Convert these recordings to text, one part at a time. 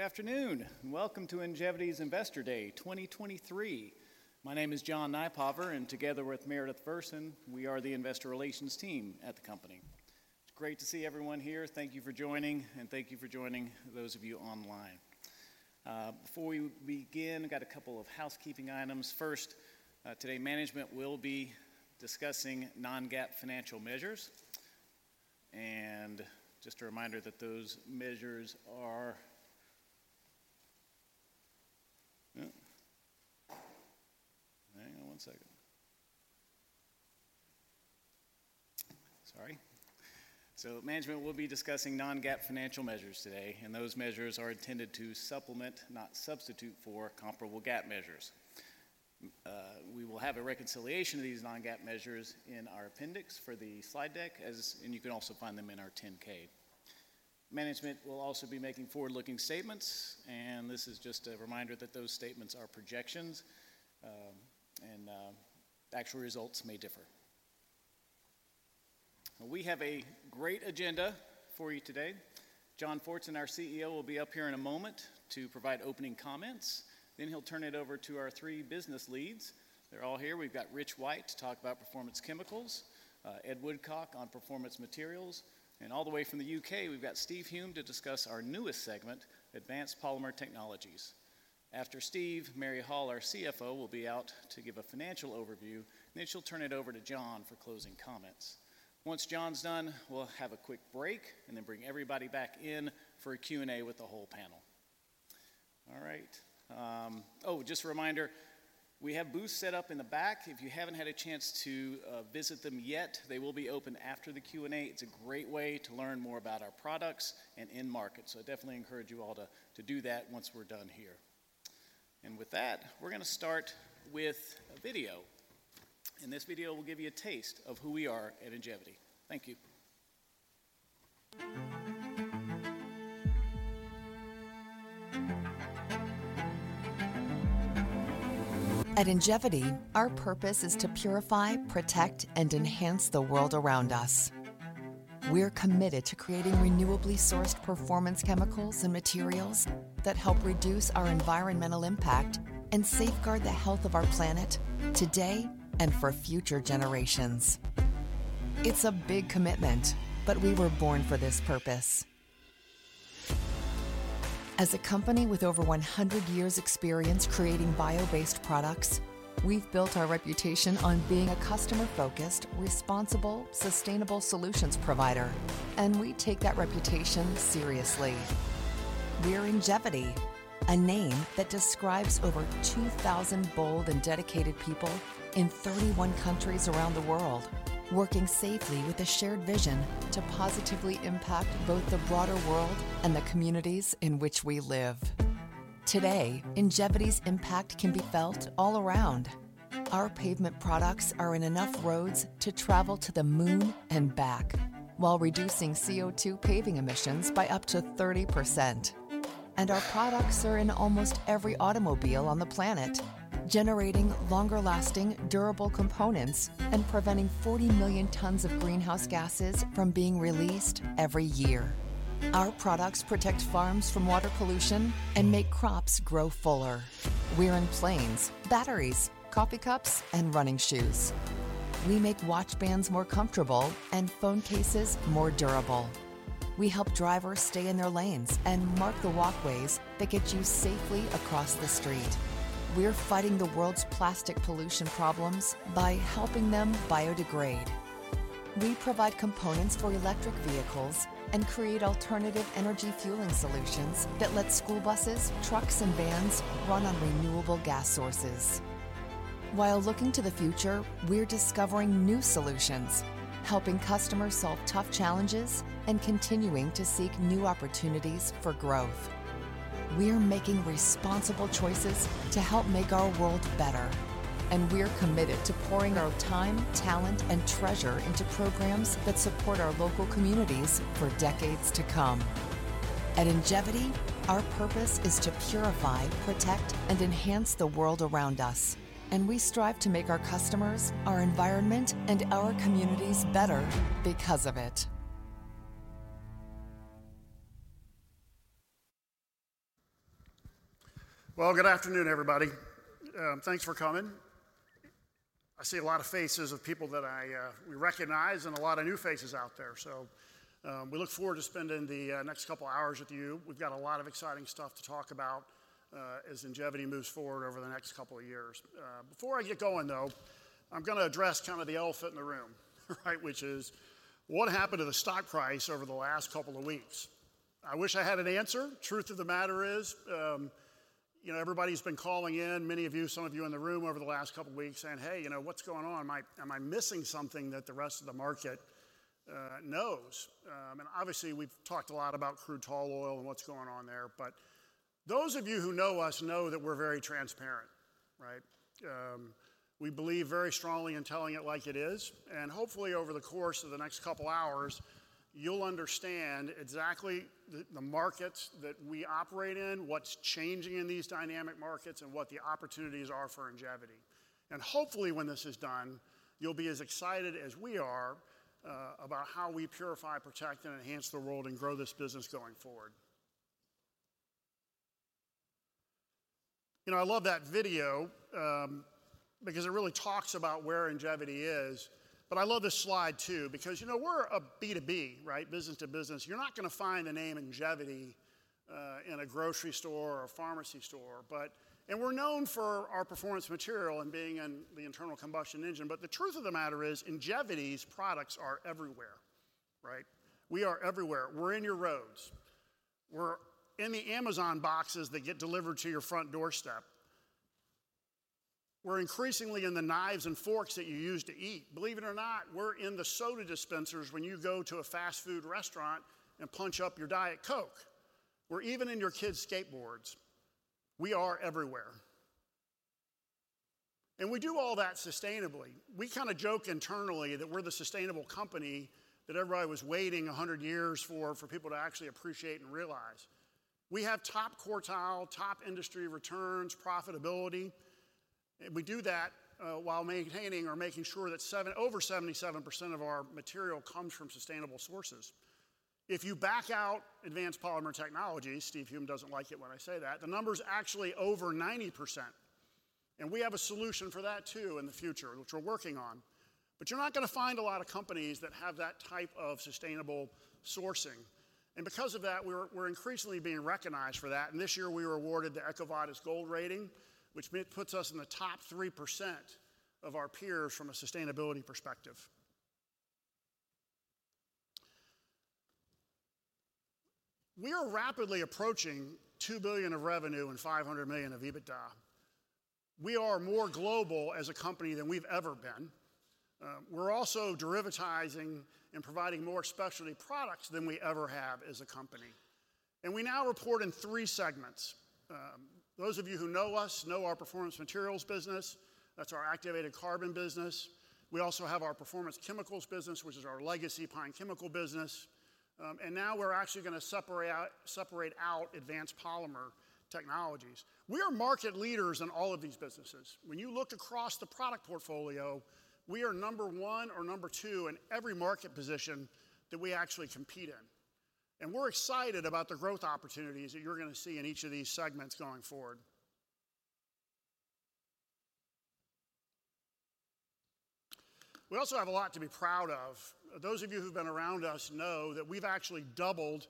Good afternoon, welcome to Ingevity's Investor Day 2023. My name is John Nypaver, and together with Meredith Versen, we are the investor relations team at the company. It's great to see everyone here. Thank you for joining, and thank you for joining those of you online. Before we begin, I got two housekeeping items. First, today management will be discussing non-GAAP financial measures. Management will be discussing non-GAAP financial measures today, and those measures are intended to supplement, not substitute for, comparable GAAP measures. We will have a reconciliation of these non-GAAP measures in our appendix for the slide deck. You can also find them in our 10-K. Management will also be making forward looking statements. This is just a reminder that those statements are projections, and actual results may differ. We have a great agenda for you today. John Fortson, our CEO, will be up here in a moment to provide opening comments. He'll turn it over to our three business leads. They're all here. We've got Rich White to talk about Performance Chemicals, Ed Woodcock on Performance Materials, and all the way from the U.K., we've got Steve Hume to discuss our newest segment, Advanced Polymer Technologies. After Steve, Mary Hall, our CFO, will be out to give a financial overview. She'll turn it over to John for closing comments. Once John's done, we'll have a quick break. We'll bring everybody back in for a Q&A with the whole panel. All right. Oh, just a reminder, we have booths set up in the back. If you haven't had a chance to visit them yet, they will be open after the Q&A. It's a great way to learn more about our products and end markets, so I definitely encourage you all to do that once we're done here. With that, we're gonna start with a video, and this video will give you a taste of who we are at Ingevity. Thank you. At Ingevity, our purpose is to purify, protect, and enhance the world around us. We're committed to creating renewably sourced performance chemicals and materials that help reduce our environmental impact and safeguard the health of our planet today and for future generations. It's a big commitment, but we were born for this purpose. As a company with over 100 years' experience creating bio-based products, we've built our reputation on being a customer focused, responsible, sustainable solutions provider, we take that reputation seriously. We're Ingevity, a name that describes over 2,000 bold and dedicated people in 31 countries around the world, working safely with a shared vision to positively impact both the broader world and the communities in which we live. Today, Ingevity's impact can be felt all around. Our pavement products are in enough roads to travel to the Moon and back while reducing CO2 paving emissions by up to 30%. Our products are in almost every automobile on the planet, generating longer lasting, durable components and preventing 40 million tons of greenhouse gases from being released every year. Our products protect farms from water pollution and make crops grow fuller. We're in planes, batteries, coffee cups, and running shoes. We make watch bands more comfortable and phone cases more durable. We help drivers stay in their lanes and mark the walkways that get you safely across the street. We're fighting the world's plastic pollution problems by helping them biodegrade. We provide components for electric vehicles and create alternative energy fueling solutions that let school buses, trucks, and vans run on renewable gas sources. While looking to the future, we're discovering new solutions, helping customers solve tough challenges, and continuing to seek new opportunities for growth. We're making responsible choices to help make our world better, and we're committed to pouring our time, talent, and treasure into programs that support our local communities for decades to come. At Ingevity, our purpose is to purify, protect, and enhance the world around us, and we strive to make our customers, our environment, and our communities better because of it. Well, good afternoon, everybody. Thanks for coming. I see a lot of faces of people that we recognize and a lot of new faces out there. We look forward to spending the next couple hours with you. We've got a lot of exciting stuff to talk about as Ingevity moves forward over the next couple of years. Before I get going, though, I'm gonna address kind of the elephant in the room, right? Which is what happened to the stock price over the last couple of weeks? I wish I had an answer. Truth of the matter is, you know, everybody's been calling in, many of you, some of you in the room over the last couple weeks saying, "Hey, you know, what's going on? Am I missing something that the rest of the market knows? Obviously, we've talked a lot about crude tall oil and what's going on there. Those of you who know us know that we're very transparent, right? We believe very strongly in telling it like it is, and hopefully over the course of the next couple of hours, you'll understand exactly the markets that we operate in, what's changing in these dynamic markets, and what the opportunities are for Ingevity. Hopefully when this is done, you'll be as excited as we are about how we purify, protect, and enhance the world and grow this business going forward. You know, I love that video because it really talks about where Ingevity is. I love this slide too, because, you know, we're a B2B, right? Business to business. You're not gonna find the name Ingevity in a grocery store or a pharmacy store. We're known for our Performance Materials and being in the internal combustion engine, but the truth of the matter is Ingevity's products are everywhere, right? We are everywhere. We're in your roads. We're in the Amazon boxes that get delivered to your front doorstep. We're increasingly in the knives and forks that you use to eat. Believe it or not, we're in the soda dispensers when you go to a fast food restaurant and punch up your Diet Coke. We're even in your kids' skateboards. We are everywhere. We do all that sustainably. We kinda joke internally that we're the sustainable company that everybody was waiting 100 years for people to actually appreciate and realize. We have top quartile, top industry returns, profitability, we do that while maintaining or making sure that over 77% of our material comes from sustainable sources. If you back out Advanced Polymer Technologies, Steve Hulme doesn't like it when I say that, the number's actually over 90%, we have a solution for that too in the future, which we're working on. You're not gonna find a lot of companies that have that type of sustainable sourcing. Because of that, we're increasingly being recognized for that, and this year we were awarded the EcoVadis Gold rating, which puts us in the top 3% of our peers from a sustainability perspective. We are rapidly approaching $2 billion of revenue and $500 million of EBITDA. We are more global as a company than we've ever been. We're also derivatizing and providing more specialty products than we ever have as a company. We now report in three segments. Those of you who know us know our Performance Materials business. That's our activated carbon business. We also have our Performance Chemicals business, which is our legacy pine chemical business. Now we're actually gonna separate out Advanced Polymer Technologies. We are market leaders in all of these businesses. When you look across the product portfolio, we are number one or number two in every market position that we actually compete in. We're excited about the growth opportunities that you're gonna see in each of these segments going forward. We also have a lot to be proud of. Those of you who've been around us know that we've actually doubled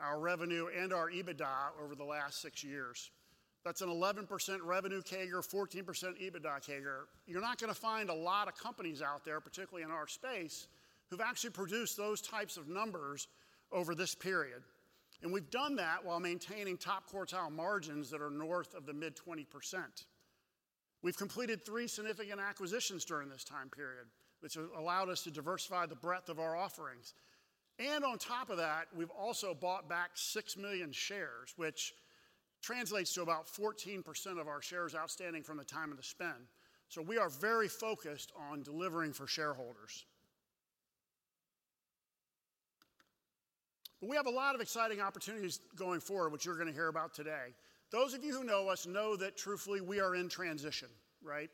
our revenue and our EBITDA over the last six years. That's an 11% revenue CAGR, 14% EBITDA CAGR. You're not gonna find a lot of companies out there, particularly in our space, who've actually produced those types of numbers over this period. We've done that while maintaining top quartile margins that are north of the mid-20%. We've completed three significant acquisitions during this time period, which allowed us to diversify the breadth of our offerings. On top of that, we've also bought back 6 million shares, which translates to about 14% of our shares outstanding from the time of the spend. We are very focused on delivering for shareholders. We have a lot of exciting opportunities going forward, which you're gonna hear about today. Those of you who know us know that truthfully, we are in transition, right?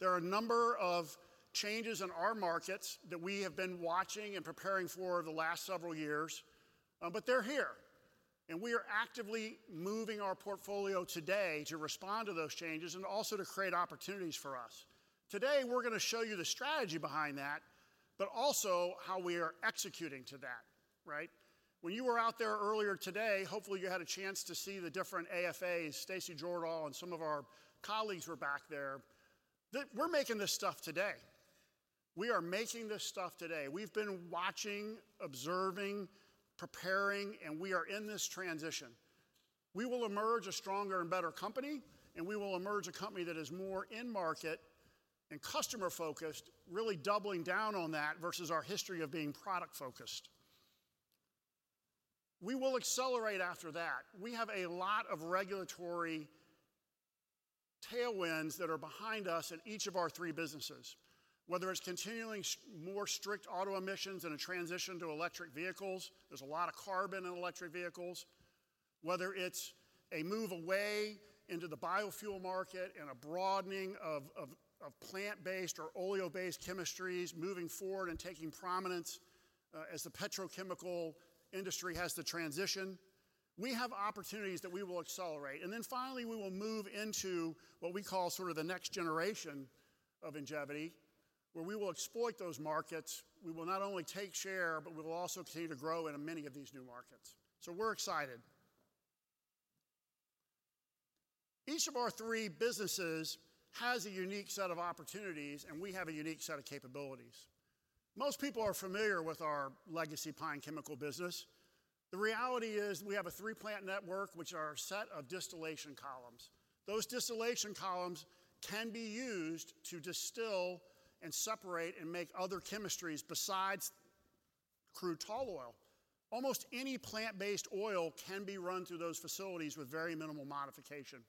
There are a number of changes in our markets that we have been watching and preparing for the last several years, but they're here, and we are actively moving our portfolio today to respond to those changes and also to create opportunities for us. Today, we're gonna show you the strategy behind that, but also how we are executing to that, right? When you were out there earlier today, hopefully you had a chance to see the different AFAs. Stacy Jordahl and some of our colleagues were back there. We're making this stuff today. We are making this stuff today. We've been watching, observing, preparing, and we are in this transition. We will emerge a stronger and better company, and we will emerge a company that is more in market and customer focused, really doubling down on that versus our history of being product focused. We will accelerate after that. We have a lot of regulatory tailwinds that are behind us in each of our three businesses, whether it's continually more strict auto emissions and a transition to electric vehicles, there's a lot of carbon in electric vehicles, whether it's a move away into the biofuel market and a broadening of plant based or oleo based chemistries moving forward and taking prominence as the petrochemical industry has to transition. We have opportunities that we will accelerate. Finally, we will move into what we call sort of the next generation of Ingevity, where we will exploit those markets. We will not only take share, but we will also continue to grow into many of these new markets. We're excited. Each of our three businesses has a unique set of opportunities, and we have a unique set of capabilities. Most people are familiar with our legacy pine chemical business. The reality is we have a three plant network, which are a set of distillation columns. Those distillation columns can be used to distill and separate and make other chemistries besides crude tall oil. Almost any plant-based oil can be run through those facilities with very minimal modification.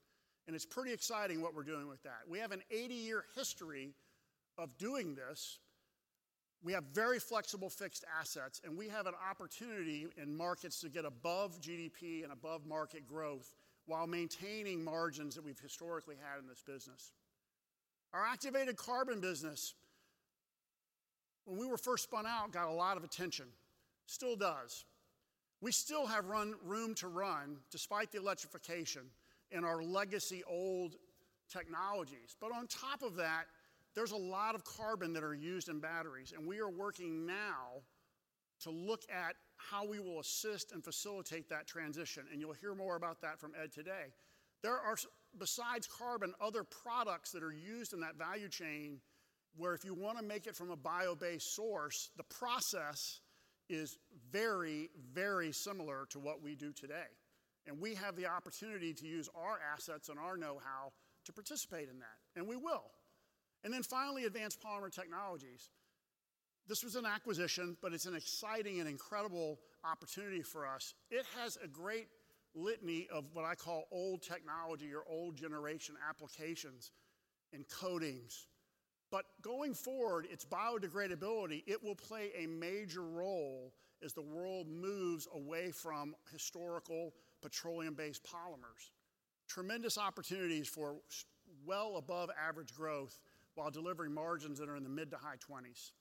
It's pretty exciting what we're doing with that. We have an 80 year history of doing this. We have very flexible fixed assets. We have an opportunity in markets to get above GDP and above market growth while maintaining margins that we've historically had in this business. Our activated carbon business, when we were first spun out, got a lot of attention. Still does. We still have room to run despite the electrification in our legacy old technologies. On top of that, there's a lot of carbon that are used in batteries, and we are working now to look at how we will assist and facilitate that transition, and you'll hear more about that from Ed today. There are besides carbon, other products that are used in that value chain where if you wanna make it from a bio-based source, the process is very, very similar to what we do today. We have the opportunity to use our assets and our know how to participate in that, and we will. Finally, Advanced Polymer Technologies. This was an acquisition, but it's an exciting and incredible opportunity for us. It has a great litany of what I call old technology or old generation applications in coatings. Going forward, its biodegradability, it will play a major role as the world moves away from historical petroleum based polymers. Tremendous opportunities for well above average growth while delivering margins that are in the mid to high 20s.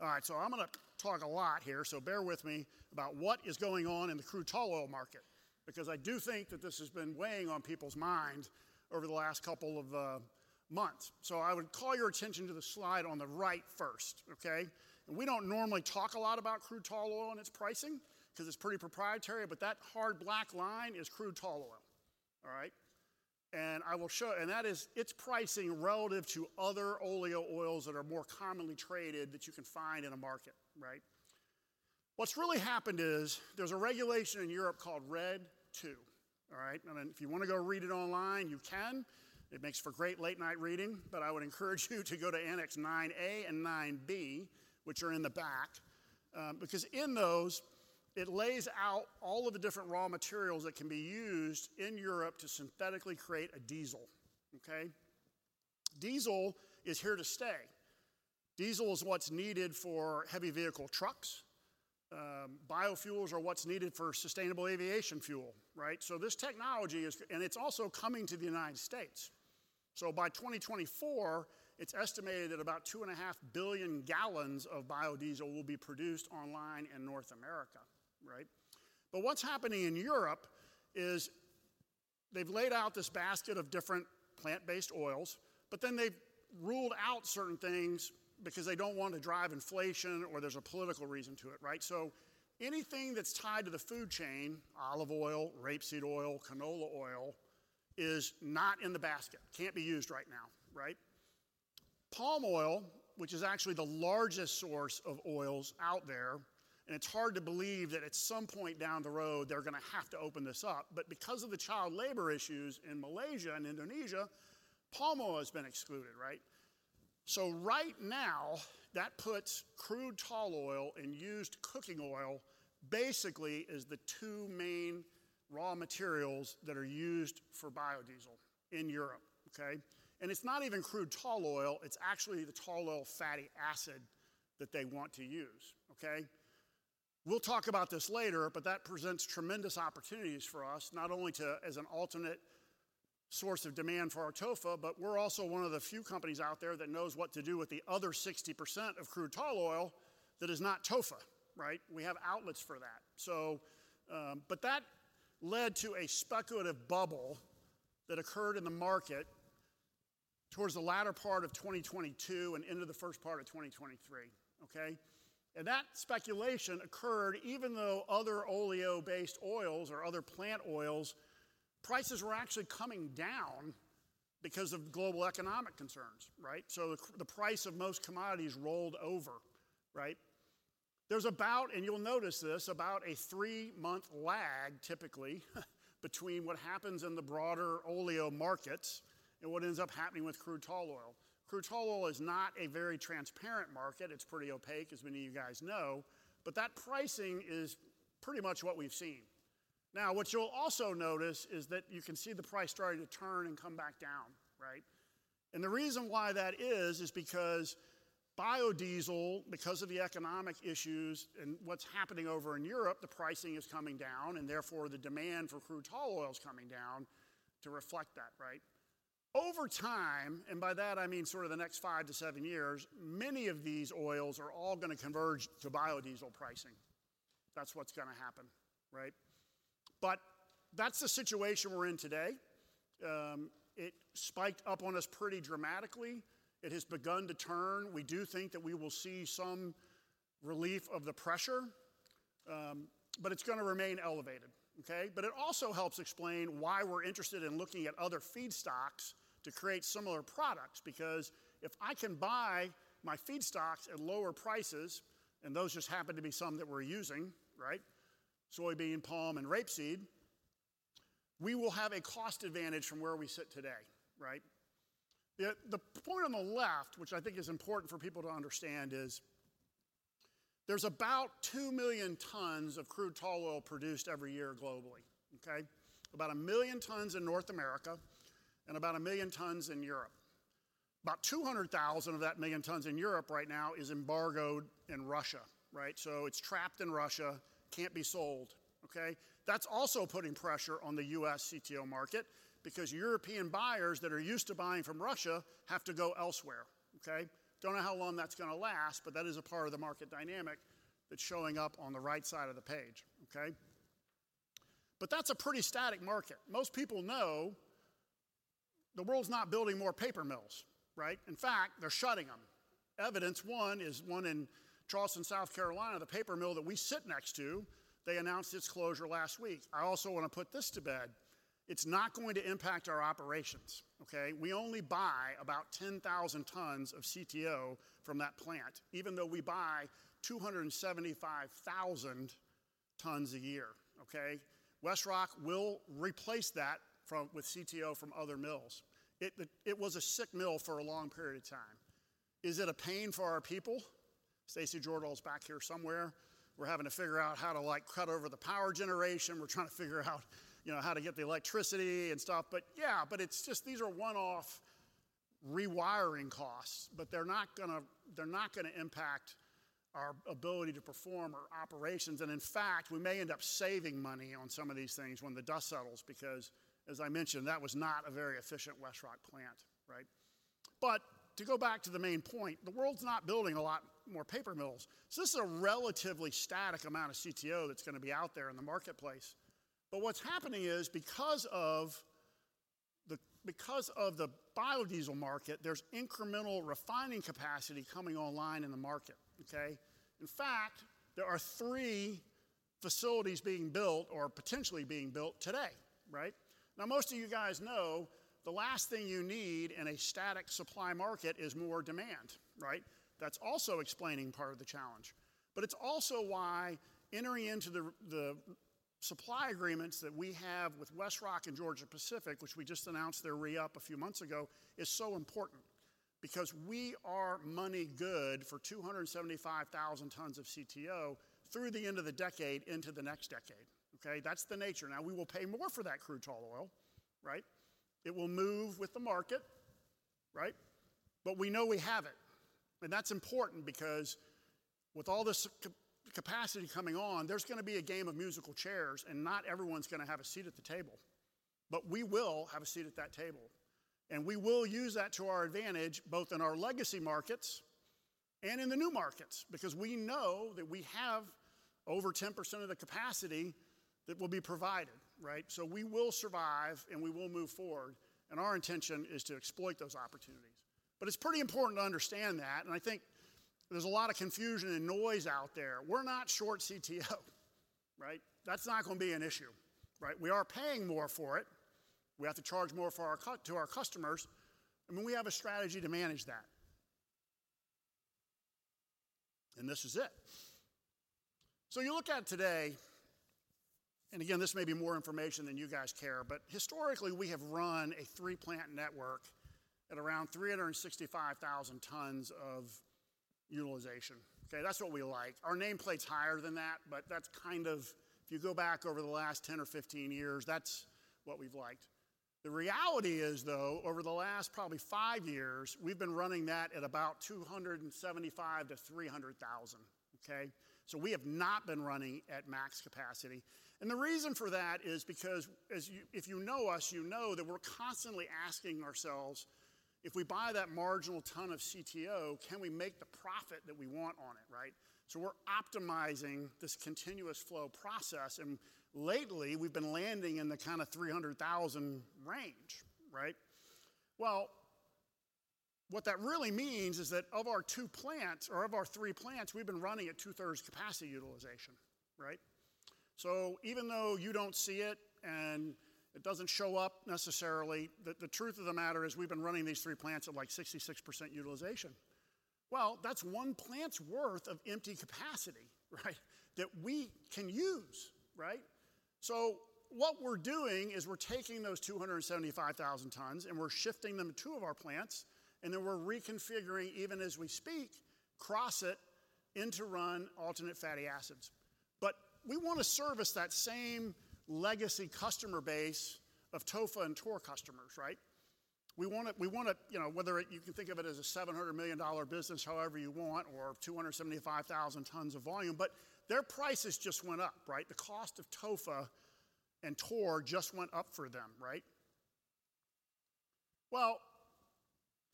All right. I'm going to talk a lot here, so bear with me, about what is going on in the crude tall oil market, because I do think that this has been weighing on people's minds over the last couple of months. I would call your attention to the slide on the right first, okay? We don't normally talk a lot about crude tall oil and its pricing because it's pretty proprietary, but that hard black line is crude tall oil. All right? That is its pricing relative to other oleo oils that are more commonly traded that you can find in a market, right? What's really happened is there's a regulation in Europe called RED II. All right? If you want to go read it online, you can. It makes for great late night reading, I would encourage you to go to Annex Nine A and Nine B, which are in the back, because in those it lays out all of the different raw materials that can be used in Europe to synthetically create a diesel. Okay? Diesel is here to stay. Diesel is what's needed for heavy vehicle trucks. Biofuels are what's needed for sustainable aviation fuel, right? This technology is also coming to the United States. By 2024, it's estimated that about 2.5 billion gal of biodiesel will be produced online in North America, right? What's happening in Europe is they've laid out this basket of different plant based oils, but then they've ruled out certain things because they don't want to drive inflation or there's a political reason to it, right? Anything that's tied to the food chain, olive oil, rapeseed oil, canola oil, is not in the basket. Can't be used right now, right? Palm oil, which is actually the largest source of oils out there, and it's hard to believe that at some point down the road they're gonna have to open this up, but because of the child labor issues in Malaysia and Indonesia, palm oil has been excluded, right? Right now, that puts crude tall oil and used cooking oil basically is the two main raw materials that are used for biodiesel in Europe. Okay? It's not even crude tall oil, it's actually the tall oil fatty acid that they want to use. Okay? We'll talk about this later, but that presents tremendous opportunities for us, not only to as an alternate source of demand for our TOFA, but we're also one of the few companies out there that knows what to do with the other 60% of crude tall oil that is not TOFA, right? We have outlets for that. That led to a speculative bubble that occurred in the market towards the latter part of 2022 and into the first part of 2023. Okay? That speculation occurred even though other oleo based oils or other plant oils, prices were actually coming down because of global economic concerns, right? The price of most commodities rolled over, right? There's about, and you'll notice this, about a three month lag typically between what happens in the broader oleo markets and what ends up happening with crude tall oil. Crude tall oil is not a very transparent market. It's pretty opaque, as many of you guys know. That pricing is pretty much what we've seen. Now, what you'll also notice is that you can see the price starting to turn and come back down, right? The reason why that is because biodiesel, because of the economic issues and what's happening over in Europe, the pricing is coming down, and therefore, the demand for crude tall oil is coming down to reflect that, right? Over time, and by that, I mean sort of the next five to seven years, many of these oils are all gonna converge to biodiesel pricing. That's what's gonna happen, right? That's the situation we're in today. It spiked up on us pretty dramatically. It has begun to turn. We do think that we will see some relief of the pressure, but it's gonna remain elevated. Okay? It also helps explain why we're interested in looking at other feedstocks to create similar products, because if I can buy my feedstocks at lower prices, and those just happen to be some that we're using, right, soybean, palm, and rapeseed, we will have a cost advantage from where we sit today, right? The, the point on the left, which I think is important for people to understand, is. There's about 2 million tons of crude tall oil produced every year globally, okay? About 1 million tons in North America and about 1 million tons in Europe. About 200,000 of that million tons in Europe right now is embargoed in Russia, right? It's trapped in Russia, can't be sold, okay? That's also putting pressure on the U.S. CTO market because European buyers that are used to buying from Russia have to go elsewhere, okay? Don't know how long that's gonna last, that is a part of the market dynamic that's showing up on the right side of the page, okay? That's a pretty static market. Most people know the world's not building more paper mills, right? In fact, they're shutting them. Evidence one is one in Charleston, South Carolina, the paper mill that we sit next to, they announced its closure last week. I also want to put this to bed. It's not going to impact our operations, okay? We only buy about 10,000 tons of CTO from that plant, even though we buy 275,000 tons a year, okay? WestRock will replace that with CTO from other mills. It was a sick mill for a long period of time. Is it a pain for our people? Stacy Jordahl's back here somewhere. We're having to figure out how to, like, cut over the power generation. We're trying to figure out, you know, how to get the electricity and stuff, but yeah. It's just these are one-off rewiring costs, but they're not gonna impact our ability to perform our operations. In fact, we may end up saving money on some of these things when the dust settles because, as I mentioned, that was not a very efficient WestRock plant, right? To go back to the main point, the world's not building a lot more paper mills, so this is a relatively static amount of CTO that's gonna be out there in the marketplace. What's happening is, because of the biodiesel market, there's incremental refining capacity coming online in the market, okay? In fact, there are three facilities being built or potentially being built today, right? Most of you guys know the last thing you need in a static supply market is more demand, right? That's also explaining part of the challenge. It's also why entering into the supply agreements that we have with WestRock and Georgia-Pacific, which we just announced their re-up a few months ago, is so important because we are money good for 275,000 tons of CTO through the end of the decade into the next decade, okay. That's the nature. We will pay more for that crude tall oil, right. It will move with the market, right. We know we have it, and that's important because with all this capacity coming on, there's gonna be a game of musical chairs, and not everyone's gonna have a seat at the table. We will have a seat at that table, and we will use that to our advantage, both in our legacy markets and in the new markets, because we know that we have over 10% of the capacity that will be provided, right? We will survive, and we will move forward, and our intention is to exploit those opportunities. It's pretty important to understand that, and I think there's a lot of confusion and noise out there. We're not short CTO, right? That's not gonna be an issue, right? We are paying more for it. We have to charge more to our customers, and we have a strategy to manage that. This is it. You look at today, Again, this may be more information than you guys care, Historically we have run a three plant network at around 365,000 tons of utilization, okay? That's what we like. Our nameplate's higher than that, but that's kind of, if you go back over the last 10 or 15 years, that's what we've liked. The reality is, though, over the last probably five years, we've been running that at about 275,000-300,000, okay? We have not been running at max capacity. The reason for that is because if you know us, you know that we're constantly asking ourselves, "If we buy that marginal ton of CTO, can we make the profit that we want on it," right? We're optimizing this continuous flow process, and lately we've been landing in the kind of 300,000 range, right? What that really means is that of our two plants or of our three plants, we've been running at 2/3 capacity utilization, right? Even though you don't see it and it doesn't show up necessarily, the truth of the matter is we've been running these three plants at, like, 66% utilization. That's one plant's worth of empty capacity, right? That we can use, right? What we're doing is we're taking those 275,000 tons, and we're shifting them to two of our plants, and then we're reconfiguring, even as we speak, Crossett into run alternative fatty acids. We want to service that same legacy customer base of TOFA and TOR customers, right? We wanna, we wanna, you know, whether it, you can think of it as a $700 million business however you want or 275,000 tons of volume, their prices just went up, right? The cost of TOFA and TOR just went up for them, right?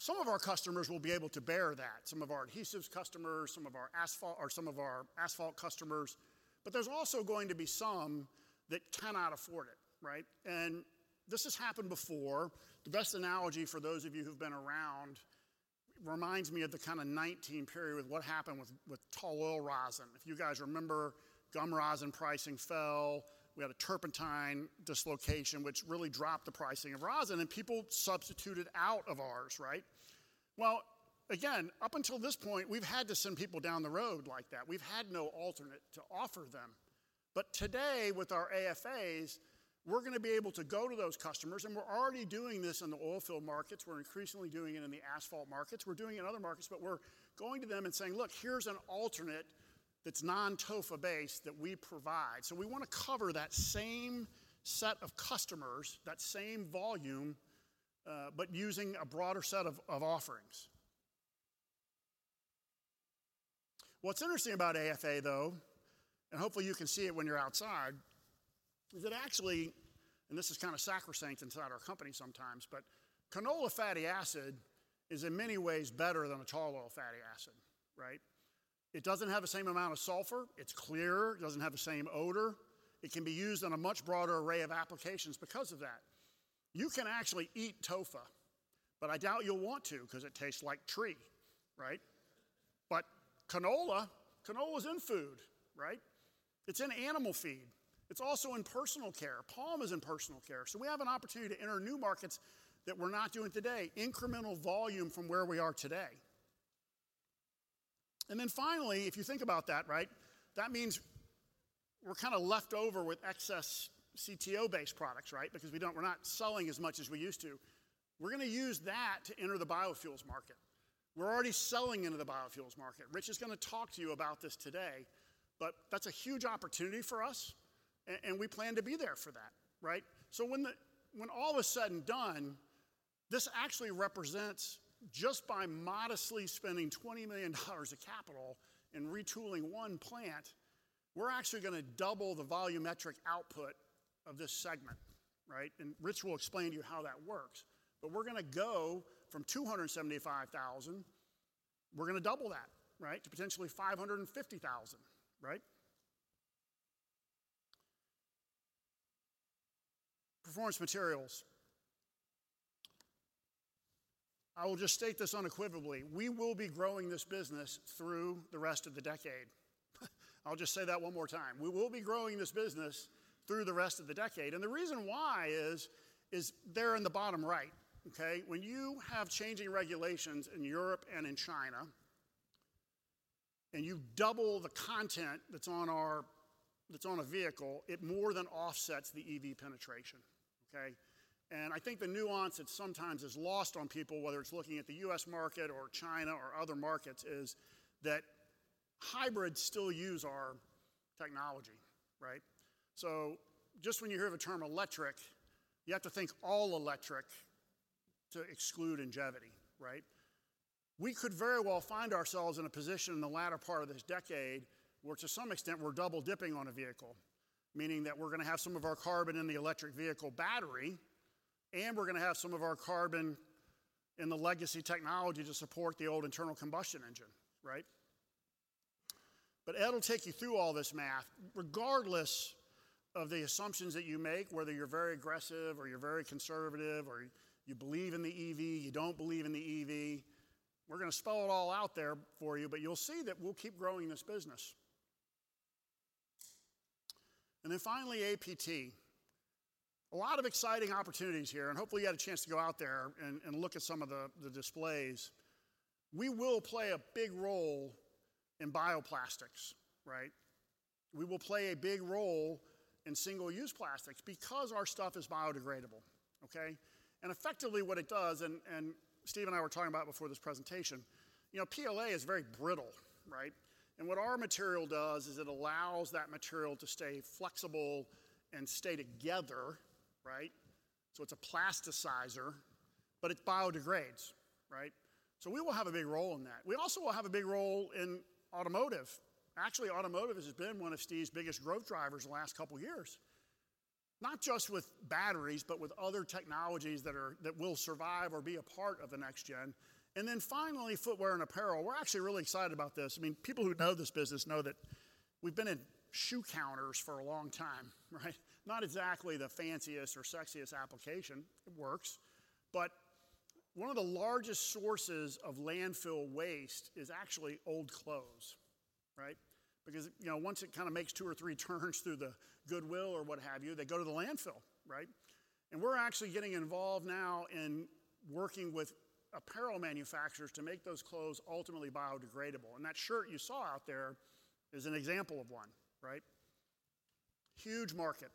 Some of our customers will be able to bear that, some of our adhesives customers, some of our asphalt or some of our asphalt customers. There's also going to be some that cannot afford it, right? This has happened before. The best analogy, for those of you who've been around, reminds me of the kinda 2019 period with what happened with tall oil rosin. If you guys remember, gum rosin pricing fell. We had a turpentine dislocation which really dropped the pricing of rosin, and people substituted out of ours, right? Well, again, up until this point, we've had to send people down the road like that. We've had no alternate to offer them. Today, with our AFAs, we're going to be able to go to those customers, and we're already doing this in the oil field markets. We're increasingly doing it in the asphalt markets. We're doing it in other markets, but we're going to them and saying, "Look, here's an alternate that's non-TOFA based that we provide." We want to cover that same set of customers, that same volume, but using a broader set of offerings. What's interesting about AFA, though, and hopefully you can see it when you're outside, is it actually, and this is kind of sacrosanct inside our company sometimes, but canola fatty acid is in many ways better than a tall oil fatty acid, right? It doesn't have the same amount of sulfur. It's clearer. It doesn't have the same odor. It can be used on a much broader array of applications because of that. You can actually eat TOFA, but I doubt you'll want to because it tastes like tree, right? Canola, canola's in food, right? It's in animal feed. It's also in personal care. Palm is in personal care. We have an opportunity to enter new markets that we're not doing today, incremental volume from where we are today. Finally, if you think about that, right, that means we're kind of left over with excess CTO-based products, right? We're not selling as much as we used to. We're gonna use that to enter the biofuels market. We're already selling into the biofuels market. Rich is gonna talk to you about this today, but that's a huge opportunity for us and we plan to be there for that, right? When all is said and done, this actually represents just by modestly spending $20 million of capital and retooling one plant, we're actually gonna double the volumetric output of this segment, right? Rich will explain to you how that works. We're gonna go from 275,000, we're gonna double that, right, to potentially 550,000, right? Performance Materials. I will just state this unequivocally. We will be growing this business through the rest of the decade. I'll just say that one more time. We will be growing this business through the rest of the decade, and the reason why is there in the bottom right, okay? When you have changing regulations in Europe and in China, and you double the content that's on a vehicle, it more than offsets the EV penetration, okay? I think the nuance that sometimes is lost on people, whether it's looking at the U.S. market or China or other markets, is that hybrids still use our technology, right? Just when you hear the term electric, you have to think all electric to exclude Ingevity, right? We could very well find ourselves in a position in the latter part of this decade where to some extent we're double dipping on a vehicle, meaning that we're gonna have some of our carbon in the electric vehicle battery, and we're gonna have some of our carbon in the legacy technology to support the old internal combustion engine, right? Ed will take you through all this math. Regardless of the assumptions that you make, whether you're very aggressive or you're very conservative, or you believe in the EV, you don't believe in the EV, we're gonna spell it all out there for you. You'll see that we'll keep growing this business. Finally, APT. A lot of exciting opportunities here, and hopefully you had a chance to go out there and look at some of the displays. We will play a big role in bioplastics, right? We will play a big role in single use plastics because our stuff is biodegradable, okay? Effectively what it does, and Steve and I were talking about it before this presentation, you know, PLA is very brittle, right? What our material does is it allows that material to stay flexible and stay together, right? It's a plasticizer, but it biodegrades, right? We will have a big role in that. We also will have a big role in automotive. Actually, automotive has been one of Steve's biggest growth drivers the last couple years, not just with batteries, but with other technologies that will survive or be a part of the next gen. Finally, footwear and apparel. We're actually really excited about this. I mean, people who know this business know that we've been in shoe counters for a long time, right? Not exactly the fanciest or sexiest application. It works. One of the largest sources of landfill waste is actually old clothes, right? Because, you know, once it kind of makes two or three turns through the Goodwill or what have you, they go to the landfill, right? We're actually getting involved now in working with apparel manufacturers to make those clothes ultimately biodegradable. That shirt you saw out there is an example of one, right? Huge market.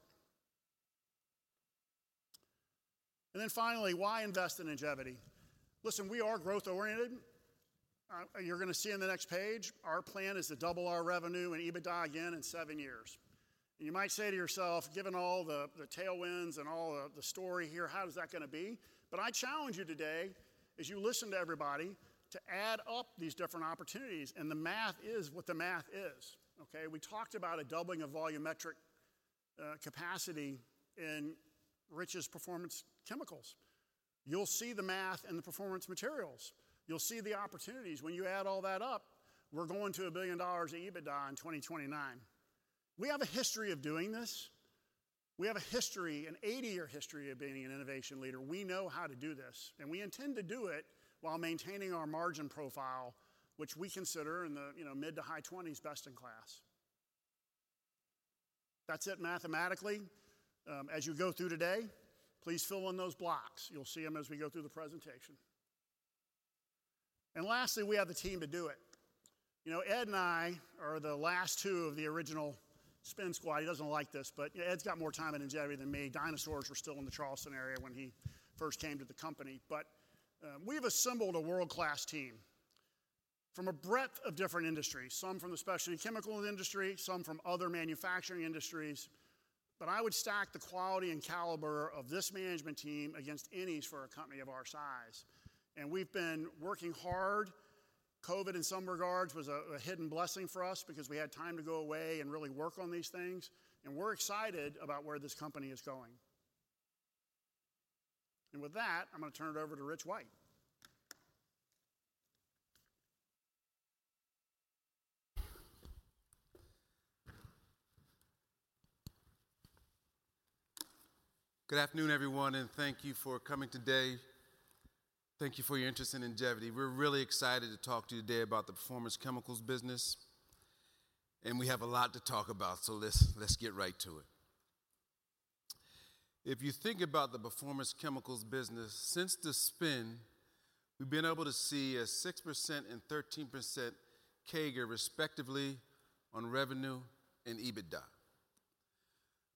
Finally, why invest in Ingevity? Listen, we are growth oriented. You're gonna see in the next page, our plan is to double our revenue and EBITDA again in seven years. You might say to yourself, given all the tailwinds and all the story here, how is that gonna be? I challenge you today as you listen to everybody to add up these different opportunities and the math is what the math is, okay? We talked about a doubling of volumetric capacity in Rich's Performance Chemicals. You'll see the math in the Performance Materials. You'll see the opportunities. When you add all that up, we're going to billion dollar of EBITDA in 2029. We have a history of doing this. We have a history, an 80 year history of being an innovation leader. We know how to do this, and we intend to do it while maintaining our margin profile, which we consider in the, you know, mid-to-high 20s%, best in class. That's it mathematically. As you go through today, please fill in those blocks. You'll see them as we go through the presentation. Lastly, we have the team to do it. You know, Ed and I are the last two of the original spin squad. He doesn't like this, but yeah, Ed's got more time at Ingevity than me. Dinosaurs were still in the Charleston area when he first came to the company. We've assembled a world-class team from a breadth of different industries, some from the specialty chemical industry, some from other manufacturing industries. I would stack the quality and caliber of this management team against any for a company of our size. We've been working hard. COVID, in some regards, was a hidden blessing for us because we had time to go away and really work on these things, and we're excited about where this company is going. With that, I'm gonna turn it over to Rich White. Good afternoon, everyone, and thank you for coming today. Thank you for your interest in Ingevity. We're really excited to talk to you today about the Performance Chemicals business, and we have a lot to talk about, so let's get right to it. If you think about the Performance Chemicals business, since the spin, we've been able to see a 6% and 13% CAGR, respectively, on revenue and EBITDA.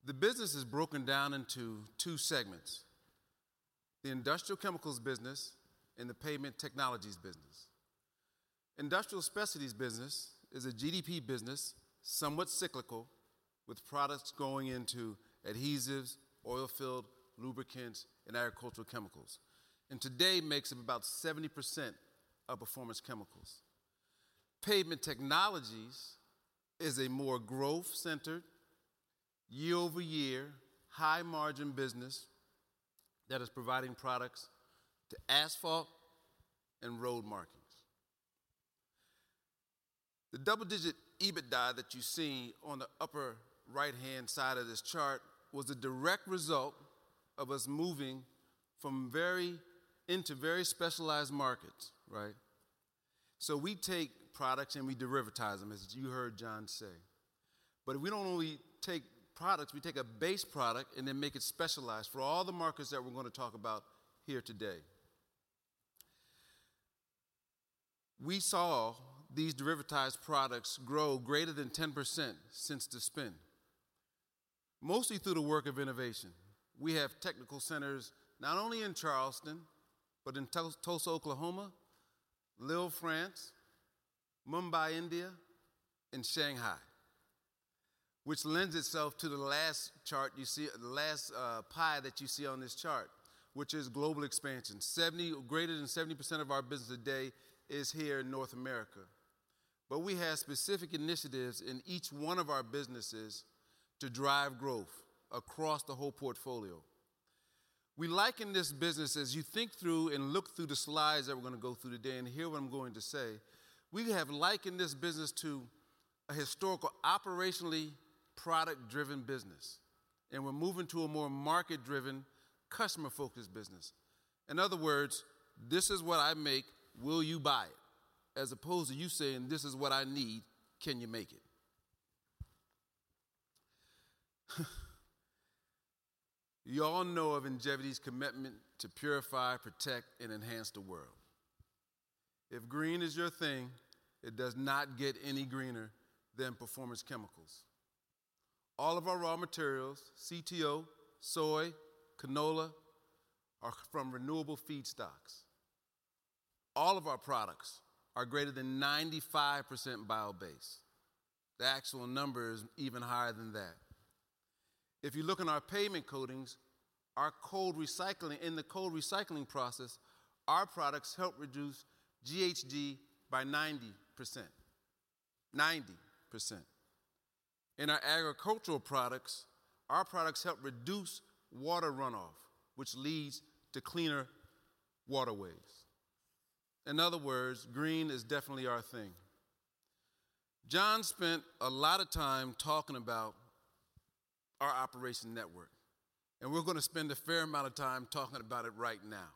The business is broken down into two segments: the Industrial Specialties business and the Pavement Technologies business. Industrial Specialties business is a GDP business, somewhat cyclical, with products going into adhesives, oil field lubricants, and agricultural chemicals, and today makes up about 70% of Performance Chemicals. Pavement Technologies is a more growth-centered, year-over-year, high-margin business that is providing products to asphalt and road markings. The double digit EBITDA that you see on the upper right-hand side of this chart was the direct result of us moving into very specialized markets, right? We take products and we derivatize them, as you heard John say. We don't only take products, we take a base product and then make it specialized for all the markets that we're gonna talk about here today. We saw these derivatized products grow greater than 10% since the spin, mostly through the work of innovation. We have technical centers not only in Charleston, but in Tulsa, Oklahoma, Lille, France, Mumbai, India, and Shanghai, which lends itself to the last chart you see, the last pie that you see on this chart, which is global expansion. 70% or greater than 70% of our business today is here in North America. We have specific initiatives in each one of our businesses to drive growth across the whole portfolio. We liken this business as you think through and look through the slides that we're gonna go through today and hear what I'm going to say, we have likened this business to a historical, operationally product-driven business, and we're moving to a more market-driven, customer-focused business. In other words, This is what I make. Will you buy it? As opposed to you saying, This is what I need. Can you make it? You all know of Ingevity's commitment to purify, protect, and enhance the world. If green is your thing, it does not get any greener than Performance Chemicals. All of our raw materials, CTO, soy, canola, are from renewable feedstocks. All of our products are greater than 95% biobased. The actual number is even higher than that. If you look in our pavement coatings, our cold recycling, in the cold recycling process, our products help reduce GHG by 90%. 90%. In our agricultural products, our products help reduce water runoff, which leads to cleaner waterways. In other words, green is definitely our thing. John spent a lot of time talking about our operation network, and we're gonna spend a fair amount of time talking about it right now.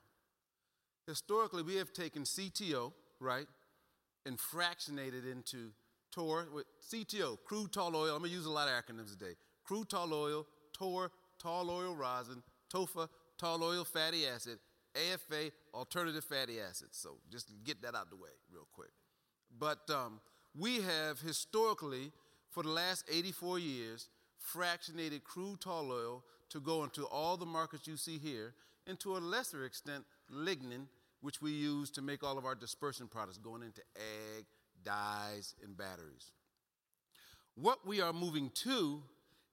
Historically, we have taken CTO, right, and fractionated into TOR. CTO, crude tall oil. I'm gonna use a lot of acronyms today. Crude tall oil, TOR, tall oil rosin, TOFA, tall oil fatty acid, AFA, alternative fatty acids. Just to get that out the way real quick. We have historically, for the last 84 years, fractionated crude tall oil to go into all the markets you see here, and to a lesser extent, lignin, which we use to make all of our dispersion products going into ag, dyes, and batteries. What we are moving to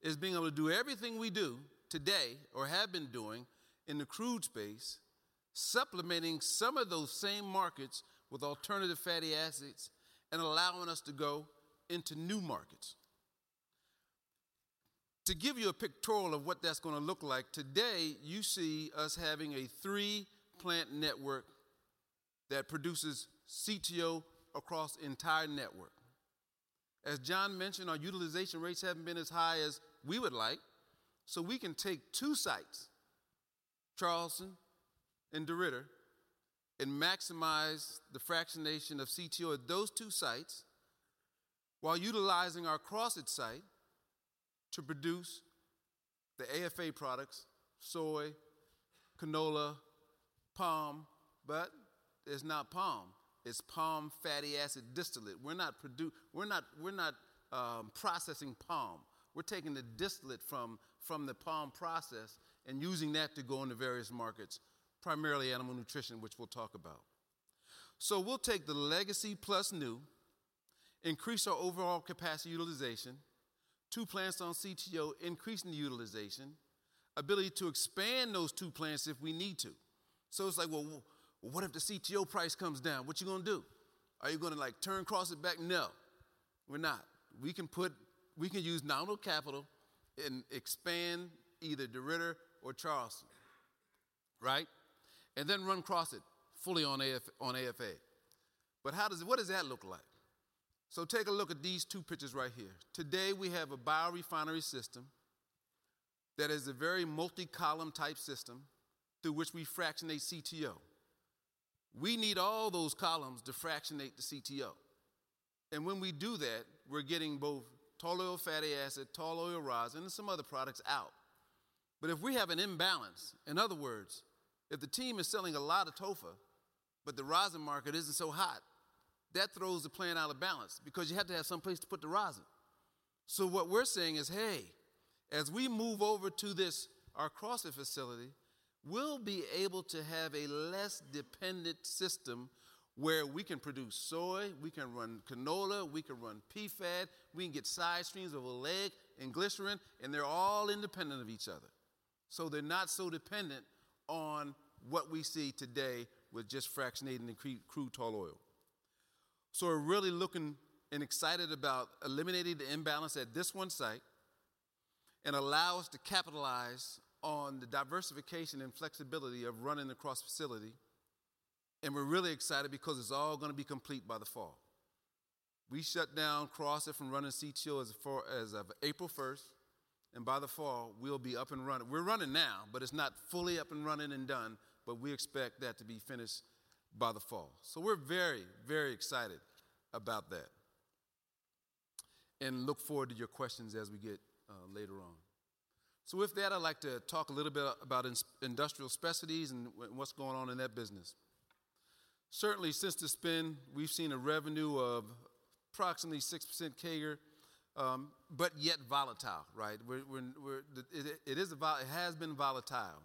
is being able to do everything we do today or have been doing in the crude space, supplementing some of those same markets with alternative fatty acids and allowing us to go into new markets. To give you a pictorial of what that's gonna look like, today you see us having a three plant network that produces CTO across the entire network. As John mentioned, our utilization rates haven't been as high as we would like, so we can take two sites, Charleston and DeRidder, and maximize the fractionation of CTO at those two sites. While utilizing our Crossett site to produce the AFA products, soy, canola, palm, but it's not palm, it's palm fatty acid distillate. We're not processing palm. We're taking the distillate from the palm process and using that to go into various markets, primarily animal nutrition, which we'll talk about. We'll take the legacy plus new, increase our overall capacity utilization, two plants on CTO, increasing the utilization, ability to expand those two plants if we need to. It's like, well, what if the CTO price comes down? What you gonna do? Are you gonna, like, turn Crossett back? No, we're not. We can put. We can use nominal capital and expand either DeRidder or Charleston, right? Then run Crossett fully on AFA. What does that look like? Take a look at these two pictures right here. Today, we have a biorefinery system that is a very multi column type system through which we fractionate CTO. We need all those columns to fractionate the CTO. When we do that, we're getting both tall oil fatty acid, tall oil rosin, and some other products out. If we have an imbalance, in other words, if the team is selling a lot of TOFA, but the rosin market isn't so hot, that throws the plant out of balance because you have to have some place to put the rosin. What we're saying is, Hey, as we move over to this, our Crossett facility, we'll be able to have a less dependent system where we can produce soy, we can run canola, we can run PFAD, we can get side streams of oleic and glycerin, and they're all independent of each other. They're not so dependent on what we see today with just fractionating the crude tall oil. We're really looking and excited about eliminating the imbalance at this one site and allow us to capitalize on the diversification and flexibility of running the Crossett facility, and we're really excited because it's all gonna be complete by the fall. We shut down Crossett from running CTO as far as of April first, and by the fall we'll be up and running. We're running now, but it's not fully up and running and done, but we expect that to be finished by the fall. We're very, very excited about that, and look forward to your questions as we get later on. With that, I'd like to talk a little bit about Industrial Specialties and what's going on in that business. Certainly since the spin, we've seen a revenue of approximately 6% CAGR, but yet volatile, right? It is, it has been volatile.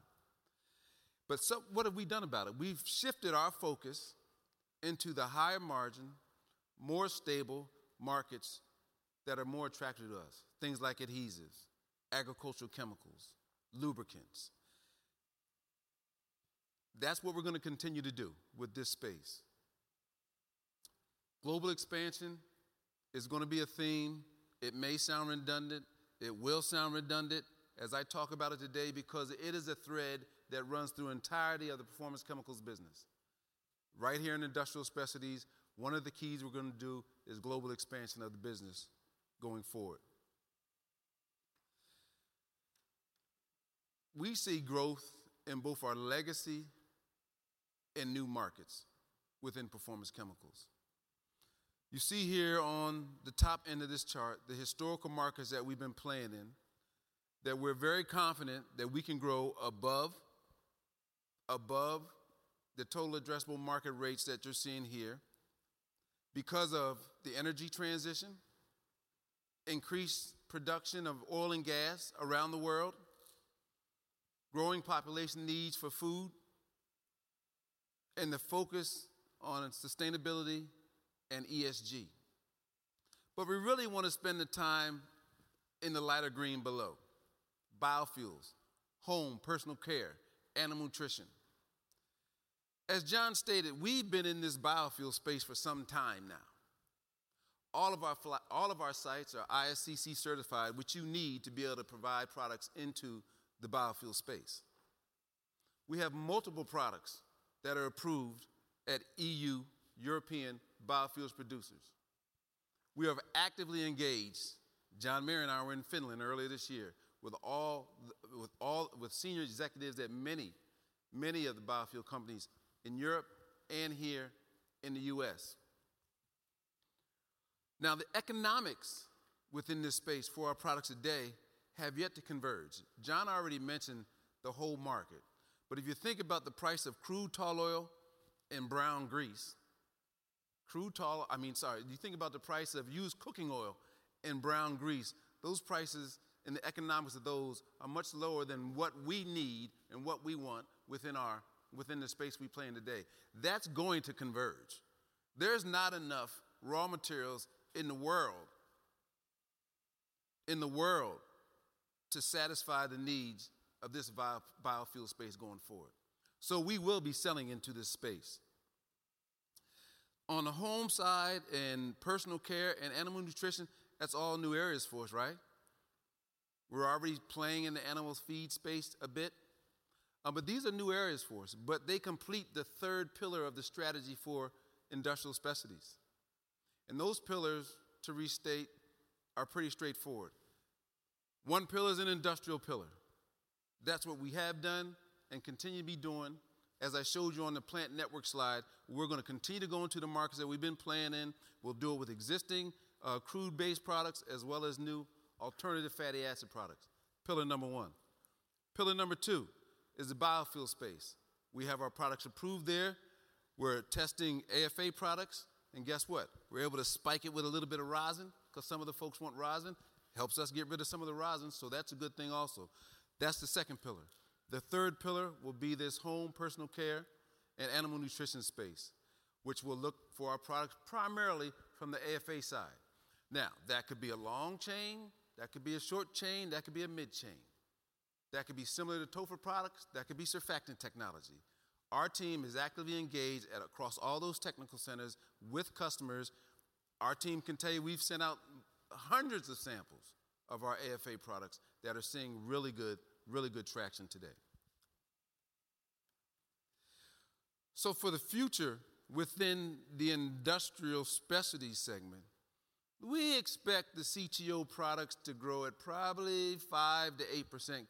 What have we done about it? We've shifted our focus into the higher margin, more stable markets that are more attractive to us. Things like adhesives, agricultural chemicals, lubricants. That's what we're gonna continue to do with this space. Global expansion is gonna be a theme. It may sound redundant. It will sound redundant as I talk about it today because it is a thread that runs through entirety of the Performance Chemicals business. Right here in Industrial Specialties, one of the keys we're gonna do is global expansion of the business going forward. We see growth in both our legacy and new markets within Performance Chemicals. You see here on the top end of this chart, the historical markets that we've been playing in, that we're very confident that we can grow above the total addressable market rates that you're seeing here because of the energy transition, increased production of oil and gas around the world, growing population needs for food, and the focus on sustainability and ESG. We really wanna spend the time in the lighter green below. Biofuels, home, personal care, animal nutrition. As John stated, we've been in this biofuel space for some time now. All of our sites are ISCC certified, which you need to be able to provide products into the biofuel space. We have multiple products that are approved at E.U., European biofuels producers. We have actively engaged, John Nypaver and I were in Finland earlier this year, with senior executives at many of the biofuel companies in Europe and here in the U.S. The economics within this space for our products today have yet to converge. John already mentioned the whole market, but if you think about the price of crude tall oil and brown grease, crude tall. I mean, sorry. If you think about the price of used cooking oil and brown grease, those prices and the economics of those are much lower than what we need and what we want within our, within the space we play in today. That's going to converge. There's not enough raw materials in the world to satisfy the needs of this biofuel space going forward. We will be selling into this space. On the home side and personal care and animal nutrition, that's all new areas for us, right? We're already playing in the animal feed space a bit, but these are new areas for us, but they complete the third pillar of the strategy for Industrial Specialties. Those pillars, to restate, are pretty straightforward. One pillar is an industrial pillar. That's what we have done and continue to be doing as I showed you on the plant network slide. We're gonna continue to go into the markets that we've been playing in. We'll do it with existing crude based products as well as new alternative fatty acid products. Pillar number one. Pillar number two is the biofuel space. We have our products approved there. We're testing AFA products. Guess what? We're able to spike it with a little bit of rosin 'cause some of the folks want rosin. Helps us get rid of some of the rosin, so that's a good thing also. That's the second pillar. The third pillar will be this home personal care and animal nutrition space, which will look for our products primarily from the AFA side. Now, that could be a long chain, that could be a short chain, that could be a mid chain. That could be similar to TOFA products. That could be surfactant technology. Our team is actively engaged across all those technical centers with customers. Our team can tell you we've sent out hundreds of samples of our AFA products that are seeing really good traction today. For the future within the Industrial Specialties segment, we expect the CTO products to grow at probably 5%-8%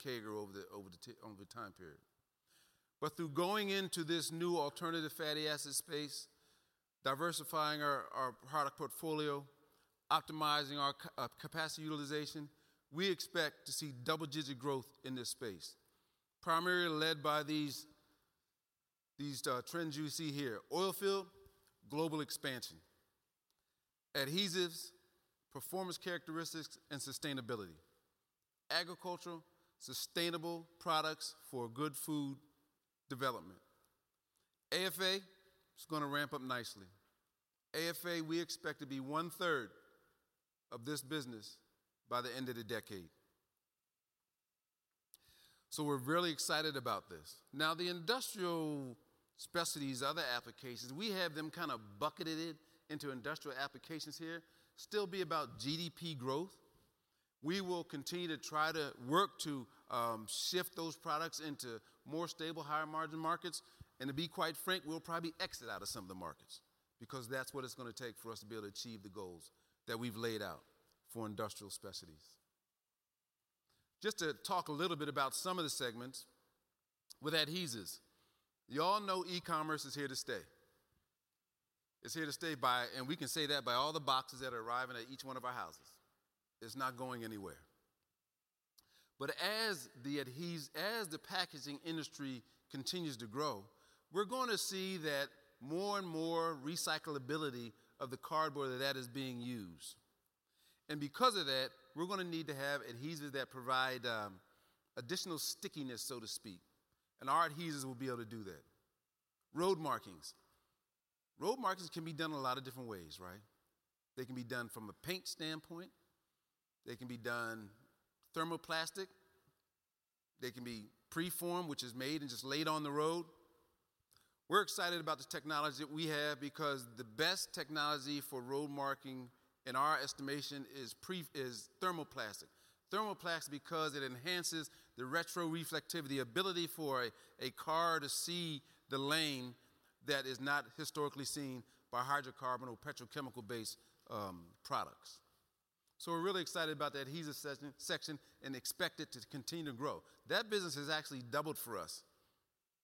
CAGR over the time period. Through going into this new alternative fatty acid space, diversifying our product portfolio, optimizing our capacity utilization, we expect to see double-digit growth in this space, primarily led by these trends you see here. Oilfield global expansion. Adhesives, performance characteristics, and sustainability. Agricultural sustainable products for good food development. AFA is gonna ramp up nicely. AFA, we expect to be one-third of this business by the end of the decade. We're really excited about this. Now, the Industrial Specialties other applications, we have them kind of bucketed into industrial applications here. Still be about GDP growth. We will continue to try to work to shift those products into more stable, higher margin markets. To be quite frank, we'll probably exit out of some of the markets because that's what it's gonna take for us to be able to achieve the goals that we've laid out for Industrial Specialties. Just to talk a little bit about some of the segments with adhesives. You all know e-commerce is here to stay. It's here to stay. We can say that by all the boxes that are arriving at each one of our houses. It's not going anywhere. As the packaging industry continues to grow, we're gonna see that more and more recyclability of the cardboard that is being used. Because of that, we're gonna need to have adhesives that provide additional stickiness, so to speak. Our adhesives will be able to do that. Road markings. Road markings can be done a lot of different ways, right? They can be done from a paint standpoint. They can be done thermoplastic. They can be preformed, which is made and just laid on the road. We're excited about the technology that we have because the best technology for road marking in our estimation is thermoplastic. Thermoplastic because it enhances the retroreflectivity, ability for a car to see the lane that is not historically seen by hydrocarbon or petrochemical-based products. We're really excited about the adhesives section and expect it to continue to grow. That business has actually doubled for us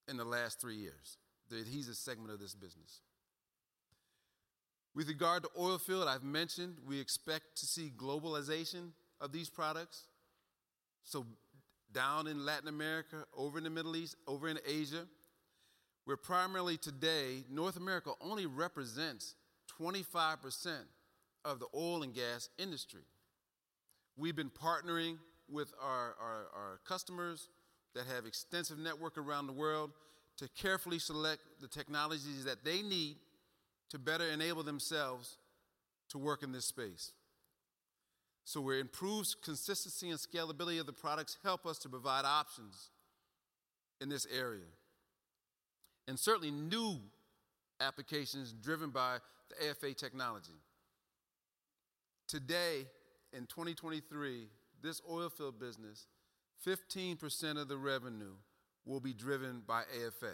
in the last three years, the adhesives segment of this business. With regard to oilfield, I've mentioned we expect to see globalization of these products, so down in Latin America, over in the Middle East, over in Asia, where primarily today, North America only represents 25% of the oil and gas industry. We've been partnering with our customers that have extensive network around the world to carefully select the technologies that they need to better enable themselves to work in this space. Where improved consistency and scalability of the products help us to provide options in this area, and certainly new applications driven by the AFA technology. Today in 2023, this oilfield business, 15% of the revenue will be driven by AFA.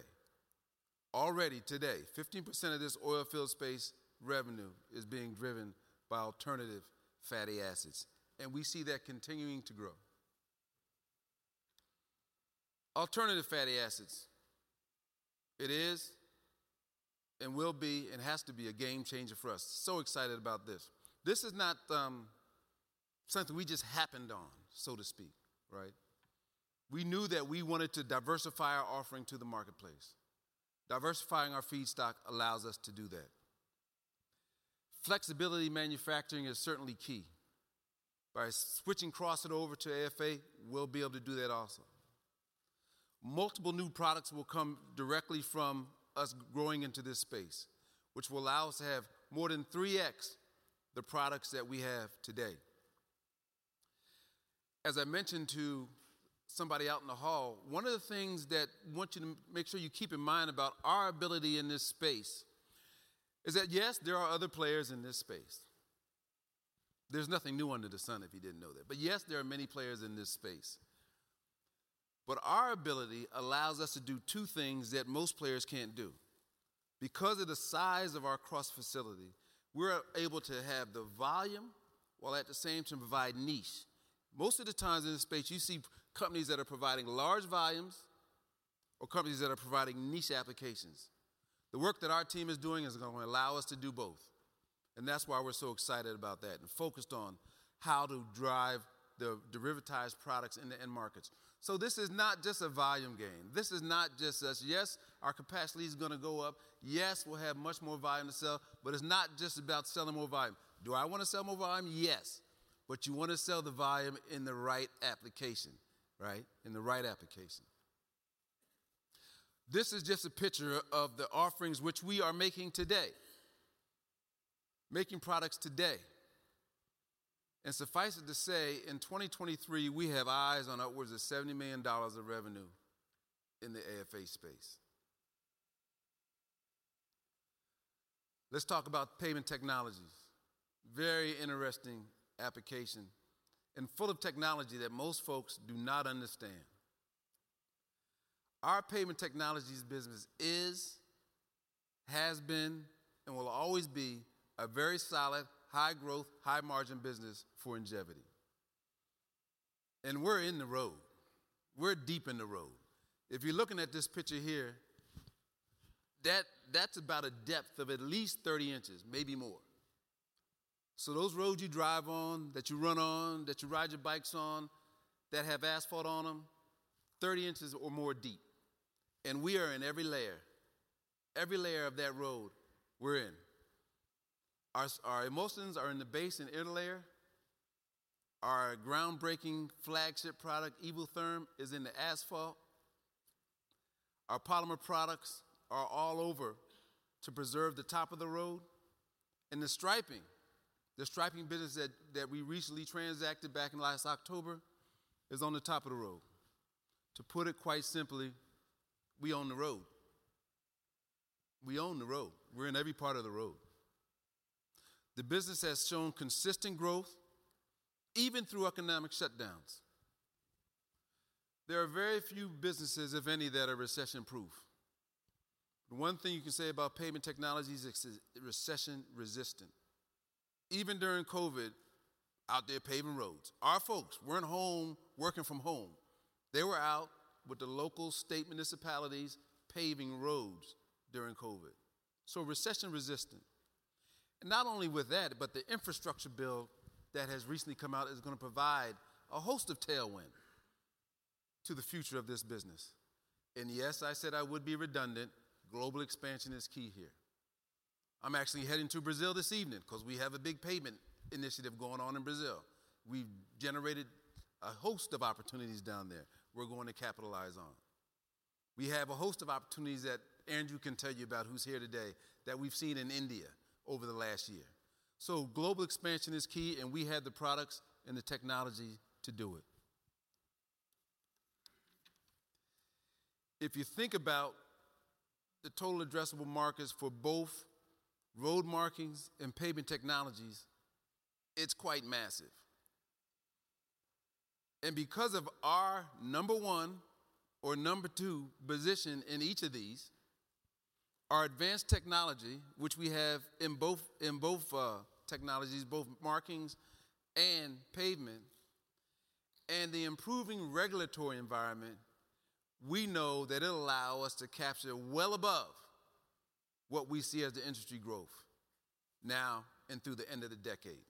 Already today, 15% of this oilfield space revenue is being driven by alternative fatty acids, and we see that continuing to grow. Alternative fatty acids. It is, and will be, and has to be a game changer for us. Excited about this. This is not something we just happened on, so to speak, right? We knew that we wanted to diversify our offering to the marketplace. Diversifying our feedstock allows us to do that. Flexibility manufacturing is certainly key. By switching crossing over to AFA, we'll be able to do that also. Multiple new products will come directly from us growing into this space, which will allow us to have more than 3x the products that we have today. As I mentioned to somebody out in the hall, one of the things that want you to make sure you keep in mind about our ability in this space is that, yes, there are other players in this space. There's nothing new under the sun if you didn't know that. Yes, there are many players in this space. Our ability allows us to do two things that most players can't do. Because of the size of our cross-facility, we're able to have the volume while at the same time provide niche. Most of the times in this space, you see companies that are providing large volumes or companies that are providing niche applications. The work that our team is doing is gonna allow us to do both, and that's why we're so excited about that and focused on how to drive the derivatized products in the end markets. This is not just a volume game. This is not just us. Yes, our capacity is gonna go up. Yes, we'll have much more volume to sell, but it's not just about selling more volume. Do I wanna sell more volume? Yes. You wanna sell the volume in the right application. Right? In the right application. This is just a picture of the offerings which we are making today. Making products today. Suffice it to say, in 2023, we have eyes on upwards of $70 million of revenue in the AFA space. Let's talk about Pavement Technologies. Very interesting application and full of technology that most folks do not understand. Our Pavement Technologies business is, has been, and will always be a very solid, high-growth, high-margin business for Ingevity. We're in the road. We're deep in the road. If you're looking at this picture here, that's about a depth of at least 30 in, maybe more. Those roads you drive on, that you run on, that you ride your bikes on, that have asphalt on them, 30 in or more deep, and we are in every layer. Every layer of that road, we're in. Our emulsions are in the base and interlayer. Our groundbreaking flagship product, Evotherm, is in the asphalt. Our polymer products are all over to preserve the top of the road. The striping business that we recently transacted back in last October, is on the top of the road. To put it quite simply, we own the road. We own the road. We're in every part of the road. The business has shown consistent growth even through economic shutdowns. There are very few businesses, if any, that are recession-proof. The one thing you can say about Pavement Technologies is it's recession resistant. Even during COVID, out there paving roads. Our folks weren't home working from home. They were out with the local state municipalities paving roads during COVID. Recession-resistant. Not only with that, but the infrastructure bill that has recently come out is gonna provide a host of tailwind to the future of this business. Yes, I said I would be redundant. Global expansion is key here. I'm actually heading to Brazil this evening 'cause we have a big pavement initiative going on in Brazil. We've generated a host of opportunities down there we're going to capitalize on. We have a host of opportunities that Andrew can tell you about, who's here today, that we've seen in India over the last year. global expansion is key, and we have the products and the technology to do it. If you think about the total addressable markets for both road markings and Pavement Technologies, it's quite massive. because of our number one or number two position in each of these, our advanced technology, which we have in both technologies, both markings and pavement, and the improving regulatory environment, we know that it'll allow us to capture well above what we see as the industry growth now and through the end of the decade.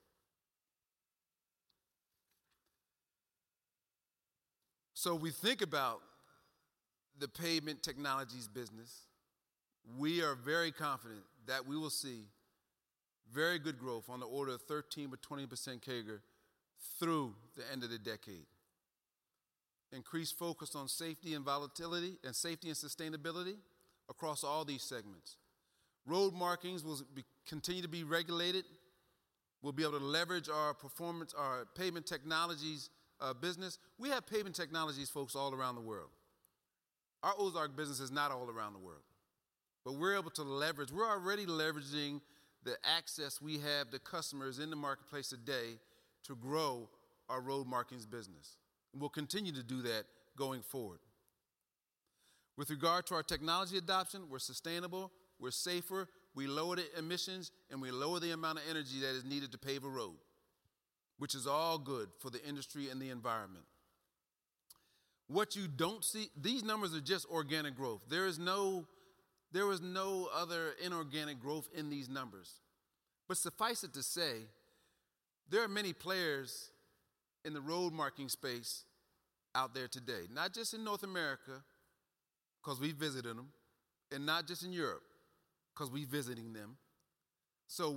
we think about the Pavement Technologies business. We are very confident that we will see very good growth on the order of 13%-20% CAGR through the end of the decade. Increased focus on safety and volatility and safety and sustainability across all these segments. Road markings will continue to be regulated. We'll be able to leverage our performance, our Pavement Technologies business. We have Pavement Technologies folks all around the world. Our Ozark business is not all around the world. We're already leveraging the access we have to customers in the marketplace today to grow our road markings business. We'll continue to do that going forward. With regard to our technology adoption, we're sustainable, we're safer, we lower the emissions, and we lower the amount of energy that is needed to pave a road, which is all good for the industry and the environment. What you don't see. These numbers are just organic growth. There was no other inorganic growth in these numbers. Suffice it to say, there are many players in the road marking space out there today, not just in North America, 'cause we visited them, and not just in Europe, 'cause we visiting them.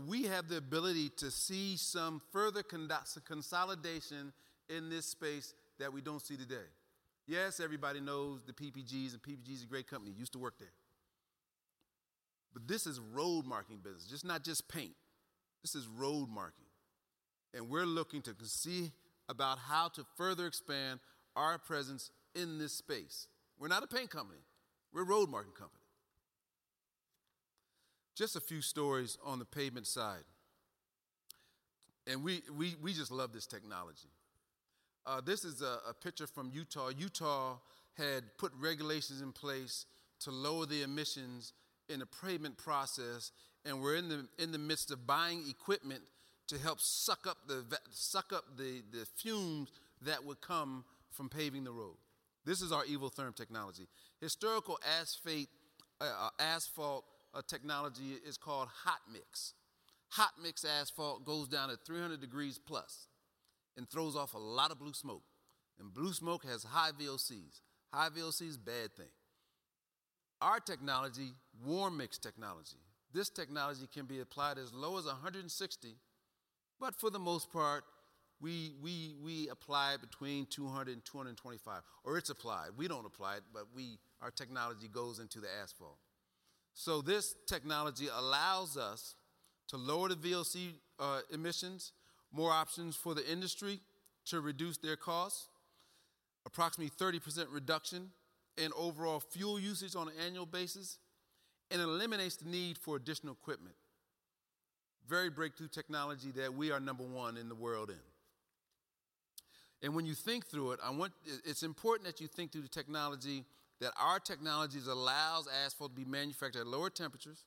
We have the ability to see some further consolidation in this space that we don't see today. Everybody knows the PPGs, and PPG is a great company. Used to work there. This is road marking business. It's not just paint. This is road marking. We're looking to see about how to further expand our presence in this space. We're not a paint company. We're a road marking company. Just a few stories on the pavement side. We just love this technology. This is a picture from Utah. Utah had put regulations in place to lower the emissions in the pavement process and were in the midst of buying equipment to help suck up the fumes that would come from paving the road. This is our Evotherm technology. Historical asphalt technology is called hot mix. Hot mix asphalt goes down at 300 degrees plus and throws off a lot of blue smoke, and blue smoke has high VOCs. High VOCs, bad thing. Our technology, warm mix technology, this technology can be applied as low as 160, but for the most part we apply between 200 and 225. It's applied. We don't apply it, but our technology goes into the asphalt. This technology allows us to lower the VOC emissions, more options for the industry to reduce their costs, approximately 30% reduction in overall fuel usage on an annual basis, and eliminates the need for additional equipment. Very breakthrough technology that we are number one in the world in. When you think through it's important that you think through the technology, that our technologies allows asphalt to be manufactured at lower temperatures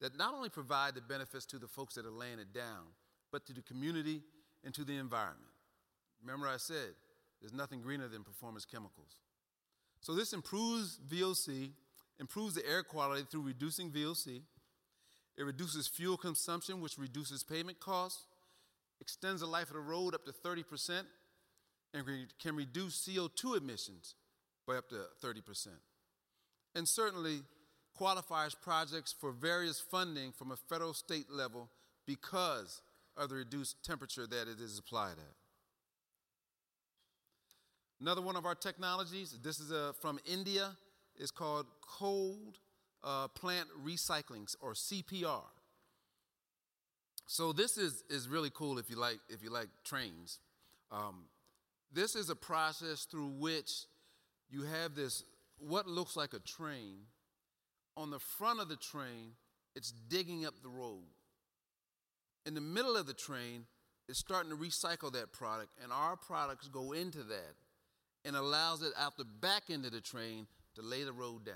that not only provide the benefits to the folks that are laying it down, but to the community and to the environment. Remember I said, there's nothing greener than Performance Chemicals. This improves VOC, improves the air quality through reducing VOC. It reduces fuel consumption, which reduces pavement costs, extends the life of the road up to 30%, and can reduce CO2 emissions by up to 30%, and certainly qualifies projects for various funding from a federal state level because of the reduced temperature that it is applied at. Another one of our technologies, this is from India, is called Cold Plant Recyclings or CPR. This is really cool if you like trains. This is a process through which you have this, what looks like a train. On the front of the train, it's digging up the road. In the middle of the train, it's starting to recycle that product, and our products go into that and allows it out the back end of the train to lay the road down.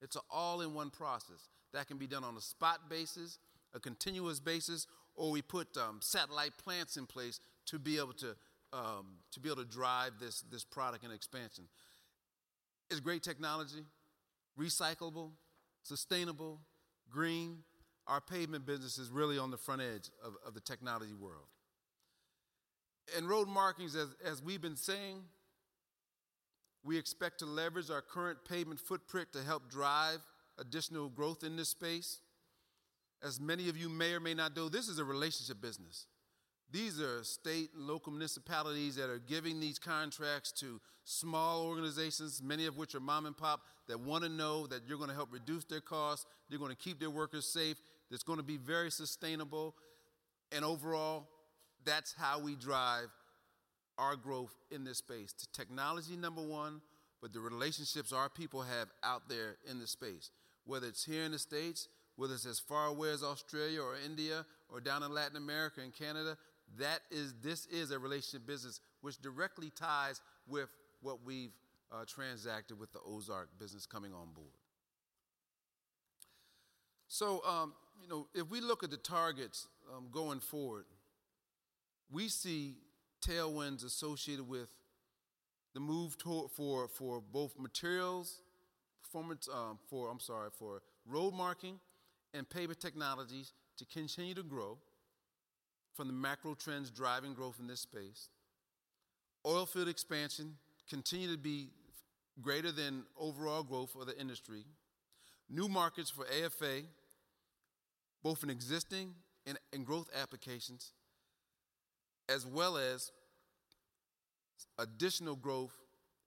It's a all-in-one process that can be done on a spot basis, a continuous basis, or we put satellite plants in place to be able to drive this product and expansion. It's great technology, recyclable, sustainable, green. Our pavement business is really on the front edge of the technology world. In road markings, as we've been saying, we expect to leverage our current pavement footprint to help drive additional growth in this space. As many of you may or may not know, this is a relationship business. These are state and local municipalities that are giving these contracts to small organizations, many of which are mom and pop, that wanna know that you're gonna help reduce their costs, you're gonna keep their workers safe, it's gonna be very sustainable. Overall, that's how we drive our growth in this space. Technology, number one, the relationships our people have out there in the space, whether it's here in the States, whether it's as far away as Australia or India or down in Latin America and Canada, that is. This is a relationship business which directly ties with what we've transacted with the Ozark business coming on board. You know, if we look at the targets, going forward, we see tailwinds associated with the move for both Performance Materials, for road marking and Pavement Technologies to continue to grow from the macro trends driving growth in this space. Oil field expansion continue to be greater than overall growth for the industry. New markets for AFA, both in existing and in growth applications, as well as additional growth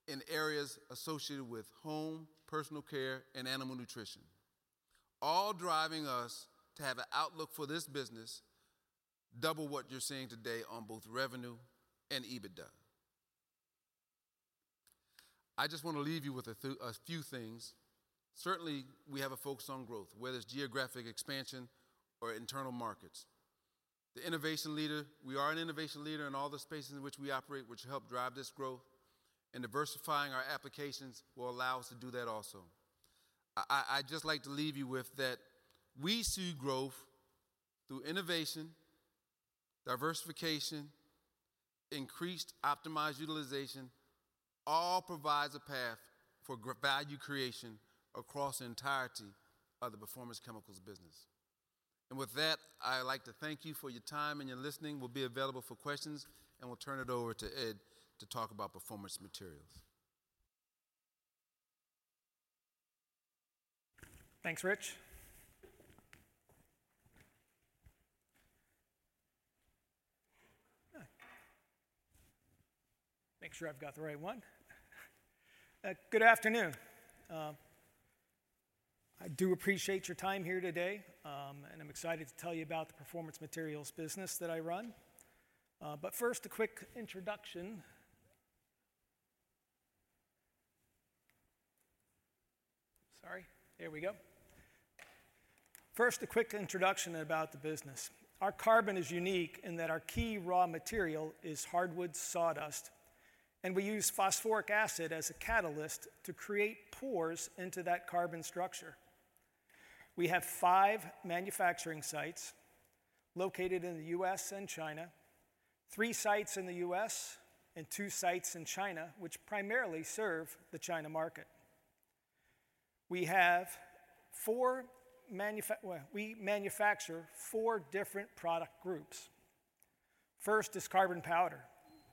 in areas associated with home, personal care, and animal nutrition, all driving us to have an outlook for this business double what you're seeing today on both revenue and EBITDA. I just wanna leave you with a few things. Certainly, we have a focus on growth, whether it's geographic expansion or internal markets. The innovation leader, we are an innovation leader in all the spaces in which we operate, which help drive this growth, and diversifying our applications will allow us to do that also. I'd just like to leave you with that we see growth through innovation, diversification, increased optimized utilization, all provides a path for value creation across the entirety of the Performance Chemicals business. With that, I'd like to thank you for your time and your listening. We'll be available for questions, and we'll turn it over to Ed to talk about Performance Materials. Thanks, Rich. Make sure I've got the right one. Good afternoon. I do appreciate your time here today, and I'm excited to tell you about the Performance Materials business that I run. First, a quick introduction. Sorry, here we go. First, a quick introduction about the business. Our carbon is unique in that our key raw material is hardwood sawdust, we use phosphoric acid as a catalyst to create pores into that carbon structure. We have five manufacturing sites located in the U.S. and China, three sites in the U.S. and two sites in China, which primarily serve the China market. Well, we manufacture four different product groups. First is carbon powder.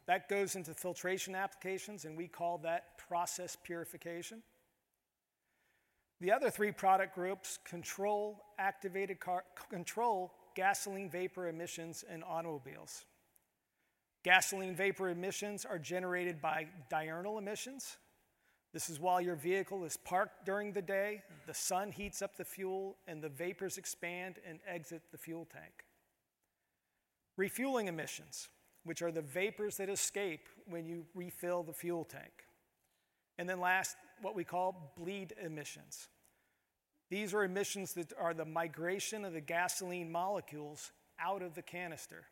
That goes into filtration applications, we call that process purification. The other three product groups control gasoline vapor emissions in automobiles. Gasoline vapor emissions are generated by diurnal emissions. This is while your vehicle is parked during the day, the sun heats up the fuel, the vapors expand and exit the fuel tank. Refueling emissions, which are the vapors that escape when you refill the fuel tank. Last, what we call bleed emissions. These are emissions that are the migration of the gasoline molecules out of the canister.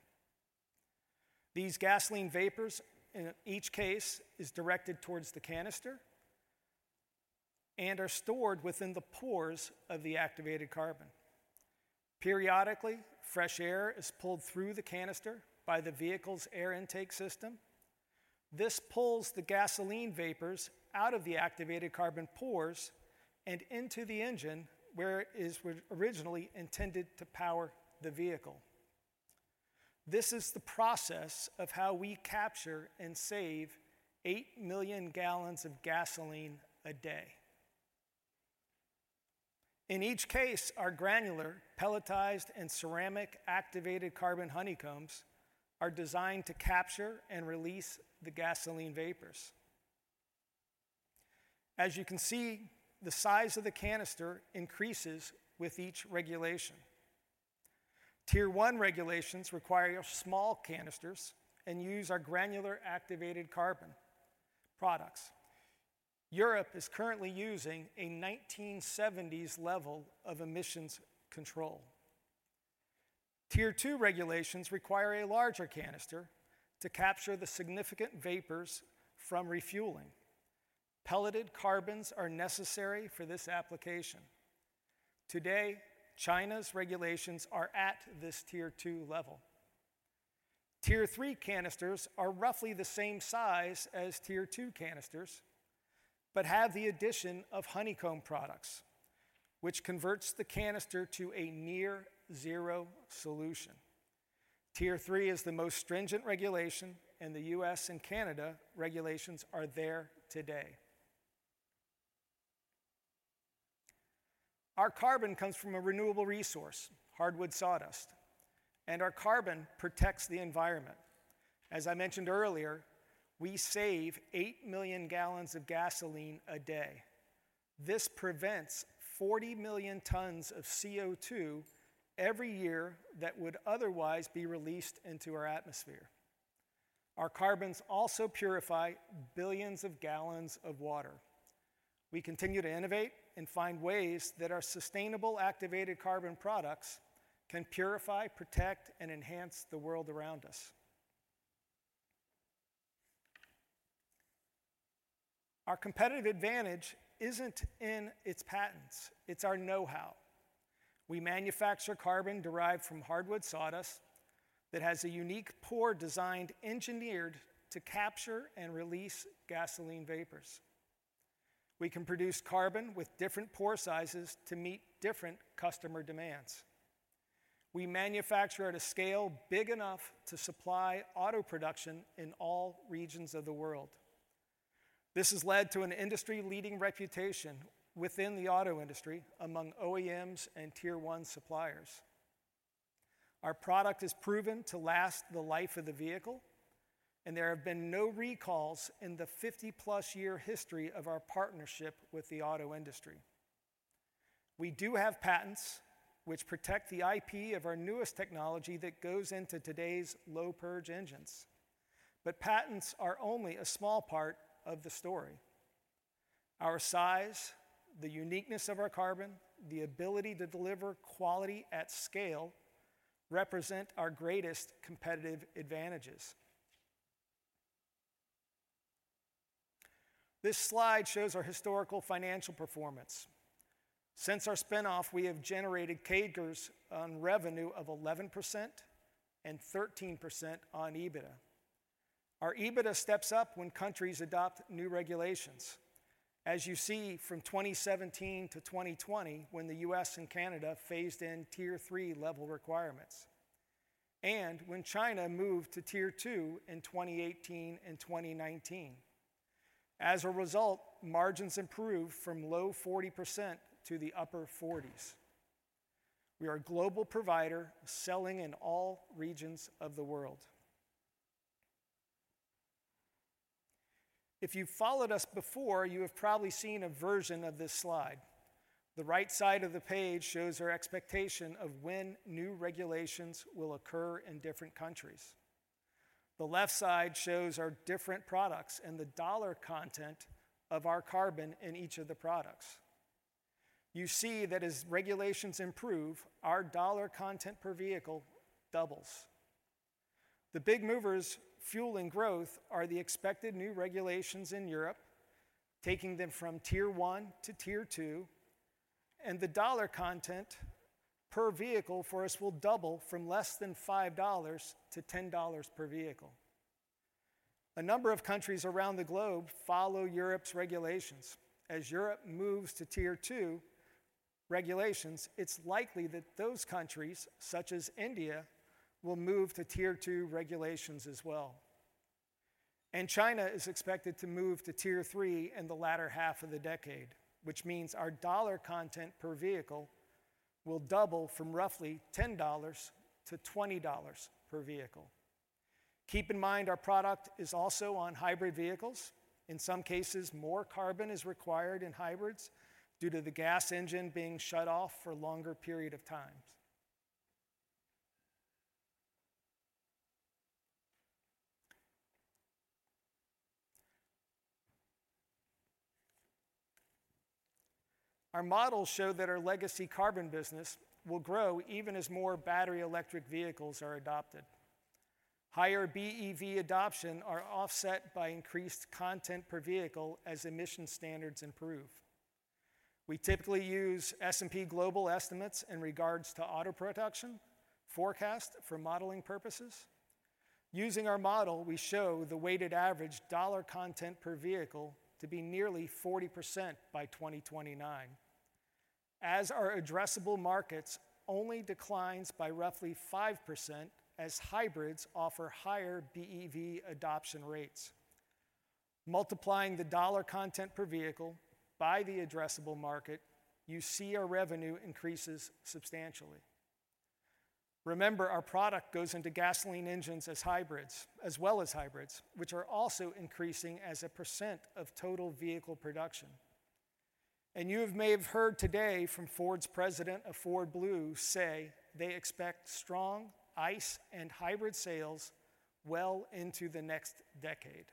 These gasoline vapors, in each case, is directed towards the canister and are stored within the pores of the activated carbon. Periodically, fresh air is pulled through the canister by the vehicle's air intake system. This pulls the gasoline vapors out of the activated carbon pores and into the engine, where it is originally intended to power the vehicle. This is the process of how we capture and save 8 million gal of gasoline a day. In each case, our granular pelletized and ceramic activated carbon honeycombs are designed to capture and release the gasoline vapors. As you can see, the size of the canister increases with each regulation. Tier one regulations require small canisters and use our granular activated carbon products. Europe is currently using a 1970s level of emissions control. Tier two regulations require a larger canister to capture the significant vapors from refueling. Pelleted carbons are necessary for this application. Today, China's regulations are at this Tier two level. Tier three canisters are roughly the same size as Tier two canisters but have the addition of honeycomb products, which converts the canister to a near-zero solution. Tier three is the most stringent regulation. The U.S. and Canada regulations are there today. Our carbon comes from a renewable resource, hardwood sawdust. Our carbon protects the environment. As I mentioned earlier, we save 8 million gal of gasoline a day. This prevents 40 million tons of CO2 every year that would otherwise be released into our atmosphere. Our carbons also purify billions of gallons of water. We continue to innovate and find ways that our sustainable activated carbon products can purify, protect, and enhance the world around us. Our competitive advantage isn't in its patents, it's our know how. We manufacture carbon derived from hardwood sawdust that has a unique pore design engineered to capture and release gasoline vapors. We can produce carbon with different pore sizes to meet different customer demands. We manufacture at a scale big enough to supply auto production in all regions of the world. This has led to an industry leading reputation within the auto industry among OEMs and tier one suppliers. Our product is proven to last the life of the vehicle, and there have been no recalls in the 50-plus year history of our partnership with the auto industry. We do have patents which protect the IP of our newest technology that goes into today's low purge engines. Patents are only a small part of the story. Our size, the uniqueness of our carbon, the ability to deliver quality at scale represent our greatest competitive advantages. This slide shows our historical financial performance. Since our spin off, we have generated CAGRs on revenue of 11% and 13% on EBITDA. Our EBITDA steps up when countries adopt new regulations. As you see from 2017 to 2020, when the U.S. and Canada phased in Tier three level requirements and when China moved to tier two in 2018 and 2019. As a result, margins improved from low 40% to the upper 40s. We are a global provider selling in all regions of the world. If you've followed us before, you have probably seen a version of this slide. The right side of the page shows our expectation of when new regulations will occur in different countries. The left side shows our different products and the dollar content of our carbon in each of the products. You see that as regulations improve, our dollar content per vehicle doubles. The big movers fueling growth are the expected new regulations in Europe, taking them from tier 1 to tier 2, and the dollar content per vehicle for us will double from less than $5 to $10 per vehicle. A number of countries around the globe follow Europe's regulations. As Europe moves to tier 2 regulations, it's likely that those countries, such as India, will move to tier 2 regulations as well. China is expected to move to tier three in the latter half of the decade, which means our dollar content per vehicle will double from roughly $10 to $20 per vehicle. Keep in mind our product is also on hybrid vehicles. In some cases, more carbon is required in hybrids due to the gas engine being shut off for longer period of times. Our models show that our legacy carbon business will grow even as more battery electric vehicles are adopted. Higher BEV adoption are offset by increased content per vehicle as emission standards improve. We typically use S&P Global estimates in regards to auto production forecast for modeling purposes. Using our model, we show the weighted average dollar content per vehicle to be nearly 40% by 2029. Our addressable markets only declines by roughly 5% as hybrids offer higher BEV adoption rates. Multiplying the dollar content per vehicle by the addressable market, you see our revenue increases substantially. Remember, our product goes into gasoline engines as well as hybrids, which are also increasing as a % of total vehicle production. You may have heard today from Ford's president of Ford Blue say they expect strong ICE and hybrid sales well into the next decade.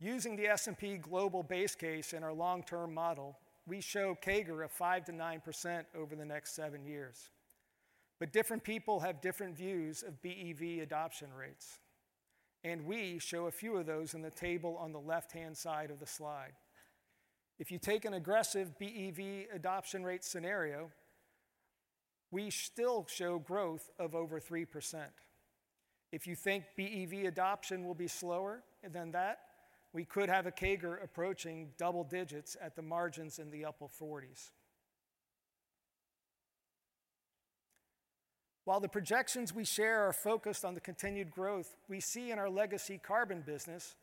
Using the S&P Global base case in our long term model, we show CAGR of 5%-9% over the next seven years. Different people have different views of BEV adoption rates, and we show a few of those in the table on the left hand side of the slide. If you take an aggressive BEV adoption rate scenario, we still show growth of over 3%. If you think BEV adoption will be slower than that, we could have a CAGR approaching double digits at the margins in the upper forties. While the projections we share are focused on the continued growth we see in our legacy carbon business,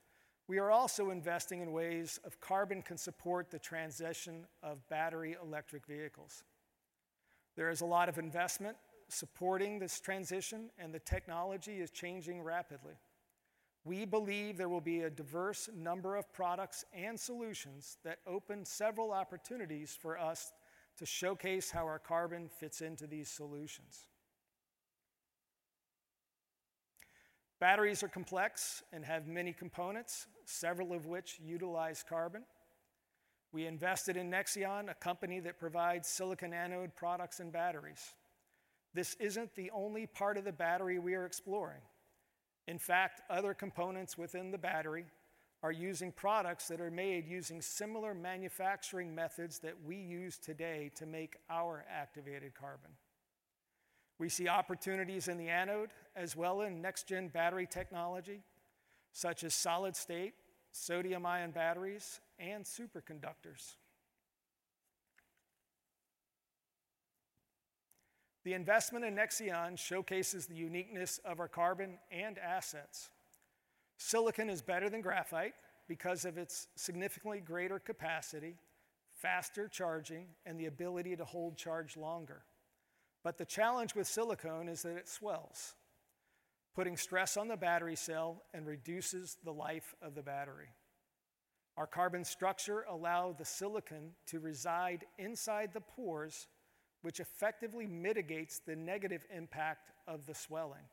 we are also investing in ways of carbon can support the transition of battery electric vehicles. There is a lot of investment supporting this transition, and the technology is changing rapidly. We believe there will be a diverse number of products and solutions that open several opportunities for us to showcase how our carbon fits into these solutions. Batteries are complex and have many components, several of which utilize carbon. We invested in Nexeon, a company that provides silicon anode products and batteries. This isn't the only part of the battery we are exploring. In fact, other components within the battery are using products that are made using similar manufacturing methods that we use today to make our activated carbon. We see opportunities in the anode as well in next gen battery technology, such as solid state, sodium ion batteries, and supercapacitors. The investment in Nexeon showcases the uniqueness of our carbon and assets. Silicon is better than graphite because of its significantly greater capacity, faster charging, and the ability to hold charge longer. The challenge with silicon is that it swells, putting stress on the battery cell and reduces the life of the battery. Our carbon structure allow the silicon to reside inside the pores, which effectively mitigates the negative impact of the swelling.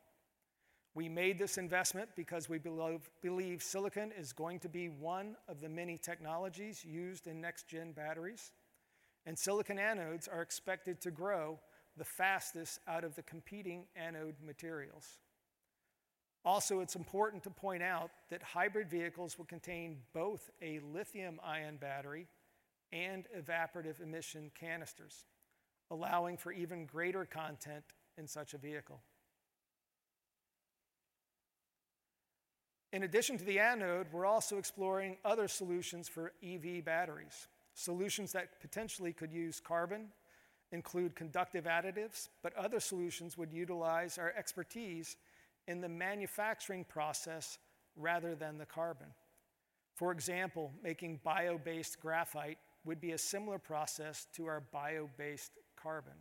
We made this investment because we believe silicon is going to be one of the many technologies used in next gen batteries, and silicon anodes are expected to grow the fastest out of the competing anode materials. Also, it's important to point out that hybrid vehicles will contain both a lithium-ion battery and evaporative emission canisters, allowing for even greater content in such a vehicle. In addition to the anode, we're also exploring other solutions for EV batteries. Solutions that potentially could use carbon include conductive additives, but other solutions would utilize our expertise in the manufacturing process rather than the carbon. For example, making bio-based graphite would be a similar process to our bio-based carbon.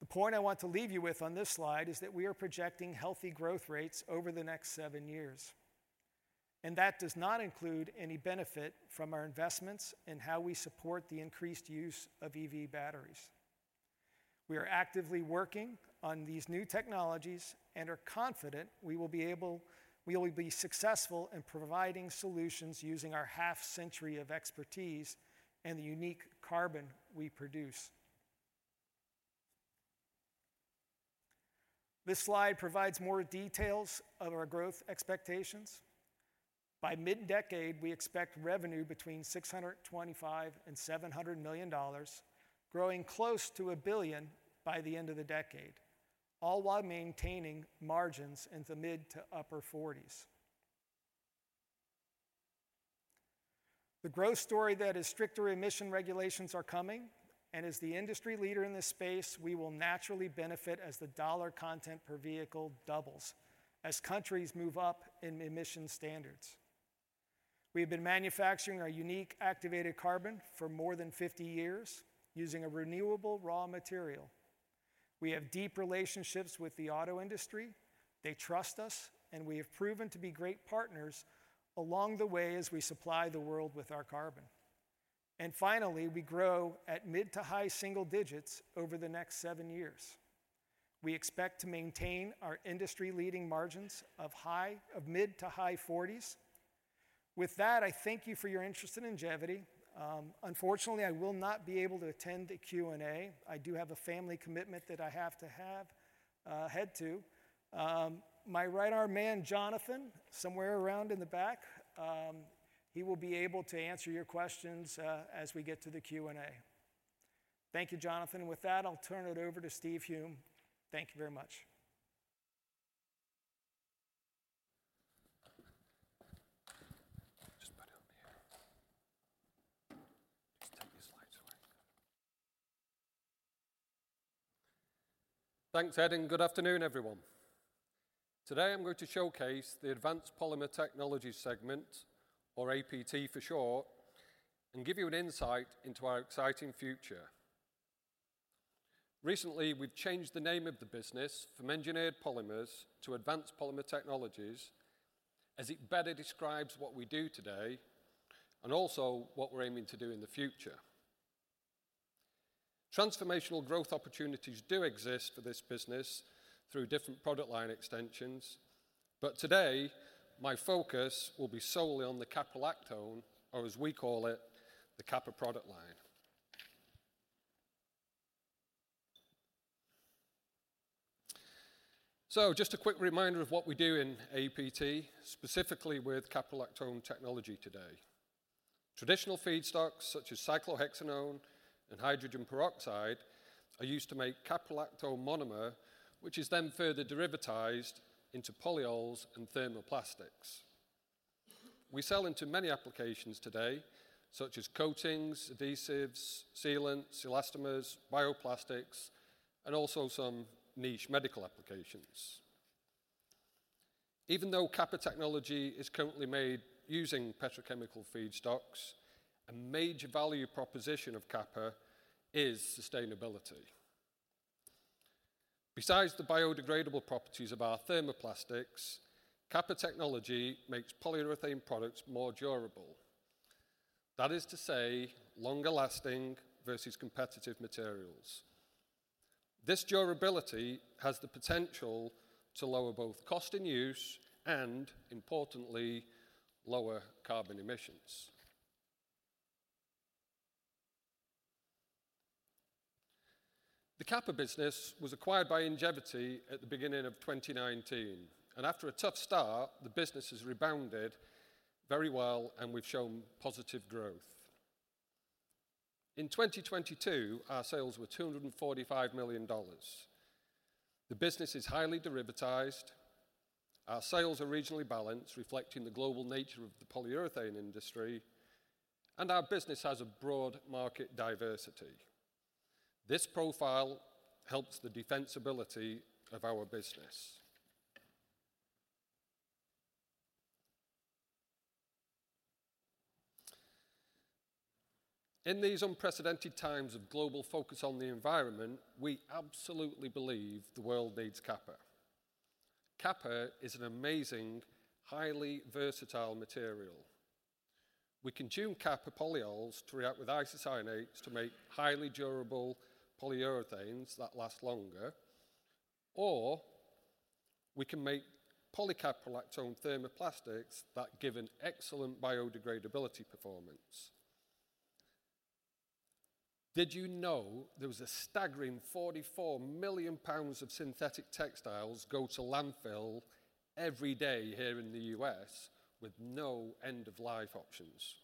The point I want to leave you with on this slide is that we are projecting healthy growth rates over the next seven years. That does not include any benefit from our investments in how we support the increased use of EV batteries. We are actively working on these new technologies and are confident we will be successful in providing solutions using our half century of expertise and the unique carbon we produce. This slide provides more details of our growth expectations. By mid-decade, we expect revenue between $625 million and $700 million, growing close to $1 billion by the end of the decade, all while maintaining margins in the mid to upper 40s%. The growth story that is stricter emission regulations are coming, and as the industry leader in this space, we will naturally benefit as the dollar content per vehicle doubles as countries move up in emission standards. We have been manufacturing our unique activated carbon for more than 50 years using a renewable raw material. We have deep relationships with the auto industry. They trust us, and we have proven to be great partners along the way as we supply the world with our carbon. Finally, we grow at mid to high single digits over the next seven years. We expect to maintain our industry leading margins of mid to high 40s. With that, I thank you for your interest in Ingevity. Unfortunately, I will not be able to attend the Q&A. I do have a family commitment that I have to head to. My right arm man, Jonathan, somewhere around in the back, he will be able to answer your questions as we get to the Q&A. Thank you, Jonathan. With that, I'll turn it over to Steve Hulme. Thank you very much. Just put it on here. Just take these slides away. Thanks, Ed, and good afternoon, everyone. Today, I'm going to showcase the Advanced Polymer Technologies segment, or APT for short, and give you an insight into our exciting future. Recently, we've changed the name of the business from Engineered Polymers to Advanced Polymer Technologies, as it better describes what we do today and also what we're aiming to do in the future. Transformational growth opportunities do exist for this business through different product line extensions, but today my focus will be solely on the caprolactone, or as we call it, the Capa product line. Just a quick reminder of what we do in APT, specifically with caprolactone technology today. Traditional feedstocks such as cyclohexanone and hydrogen peroxide are used to make caprolactone monomer, which is then further derivatized into polyols and thermoplastics. We sell into many applications today, such as coatings, adhesives, sealants, elastomers, bioplastics, and also some niche medical applications. Even though Capa technology is currently made using petrochemical feedstocks, a major value proposition of Capa is sustainability. Besides the biodegradable properties of our thermoplastics, Capa technology makes polyurethane products more durable. That is to say, longer lasting versus competitive materials. This durability has the potential to lower both cost in use and, importantly, lower carbon emissions. The Capa business was acquired by Ingevity at the beginning of 2019, and after a tough start, the business has rebounded very well, and we've shown positive growth. In 2022, our sales were $245 million. The business is highly derivatized. Our sales are regionally balanced, reflecting the global nature of the polyurethane industry, and our business has a broad market diversity. This profile helps the defensibility of our business. In these unprecedented times of global focus on the environment, we absolutely believe the world needs Capa. Capa is an amazing, highly versatile material. We can tune Capa polyols to react with isocyanates to make highly durable polyurethanes that last longer, or we can make polycaprolactone thermoplastics that give an excellent biodegradability performance. Did you know there was a staggering 44 million pounds of synthetic textiles go to landfill every day here in the U.S. with no end-of-life options?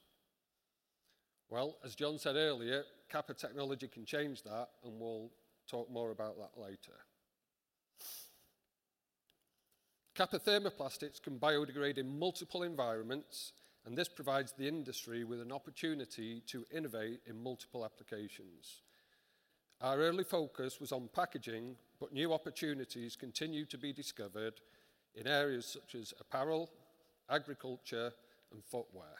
Well, as John said earlier, Capa technology can change that, and we'll talk more about that later. Capa thermoplastics can biodegrade in multiple environments, and this provides the industry with an opportunity to innovate in multiple applications. Our early focus was on packaging, new opportunities continue to be discovered in areas such as apparel, agriculture, and footwear.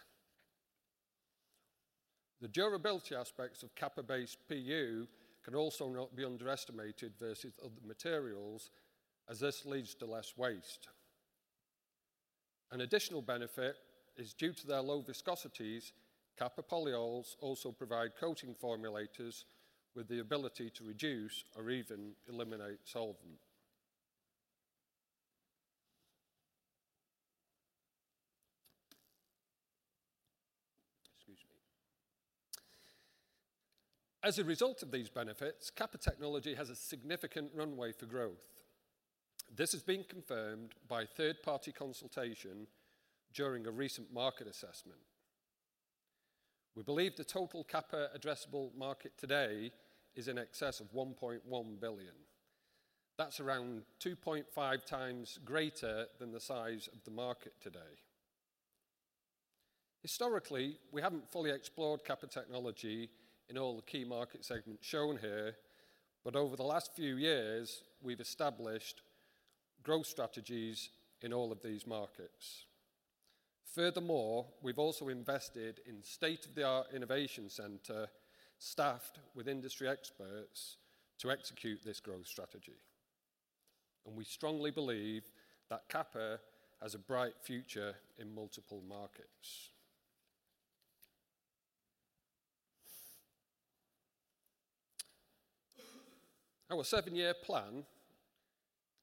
The durability aspects of Capa-based PU can also not be underestimated versus other materials as this leads to less waste. An additional benefit is due to their low viscosities, Capa polyols also provide coating formulators with the ability to reduce or even eliminate solvent. Excuse me. A result of these benefits, Capa technology has a significant runway for growth. This has been confirmed by third-party consultation during a recent market assessment. We believe the total Capa addressable market today is in excess of $1.1 billion. That's around 2.5x greater than the size of the market today. Historically, we haven't fully explored Capa technology in all the key market segments shown here. Over the last few years, we've established growth strategies in all of these markets. Furthermore, we've also invested in state-of-the-art innovation center staffed with industry experts to execute this growth strategy. We strongly believe that Capa has a bright future in multiple markets. Our seven-year plan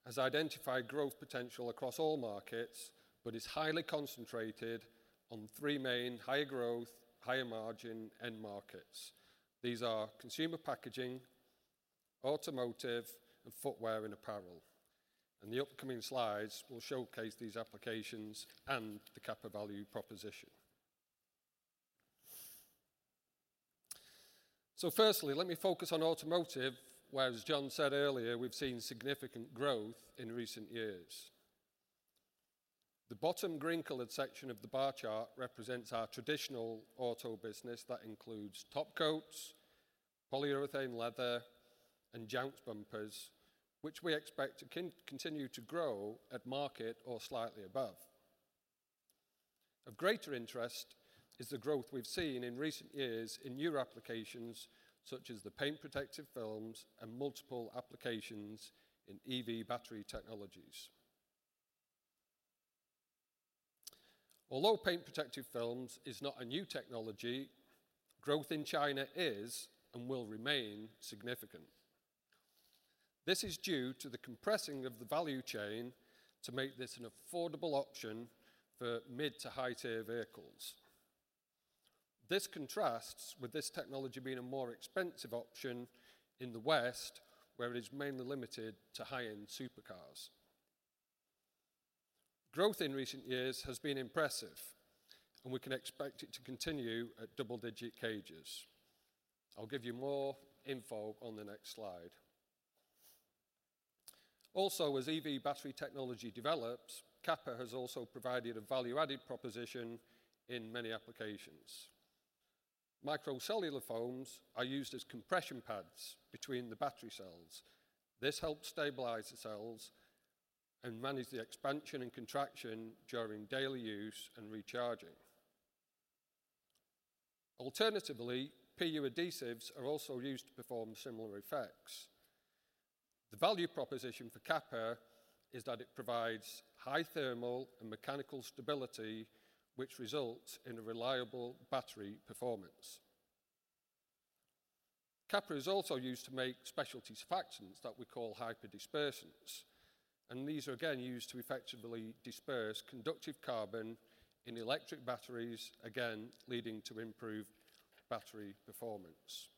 has identified growth potential across all markets but is highly concentrated on three main high growth, higher margin end markets. These are consumer packaging, automotive, and footwear and apparel. The upcoming slides will showcase these applications and the Capa value proposition. Firstly, let me focus on automotive, where as John said earlier, we've seen significant growth in recent years. The bottom green colored section of the bar chart represents our traditional auto business that includes top coats, polyurethane leather, and jounce bumpers, which we expect to continue to grow at market or slightly above. Of greater interest is the growth we've seen in recent years in newer applications such as the paint protective films and multiple applications in EV battery technologies. Although paint protective films is not a new technology, growth in China is and will remain significant. This is due to the compressing of the value chain to make this an affordable option for mid to high-tier vehicles. This contrasts with this technology being a more expensive option in the West, where it is mainly limited to high-end supercars. Growth in recent years has been impressive, and we can expect it to continue at double-digit CAGRs. I'll give you more info on the next slide. As EV battery technology develops, Capa has also provided a value-added proposition in many applications. Microcellular foams are used as compression pads between the battery cells. This helps stabilize the cells and manage the expansion and contraction during daily use and recharging. Alternatively, PU adhesives are also used to perform similar effects. The value proposition for Capa is that it provides high thermal and mechanical stability, which results in a reliable battery performance. Capa is also used to make specialty surfactants that we call hyperdispersants, and these are again used to effectively disperse conductive carbon in electric batteries, again leading to improved battery performance.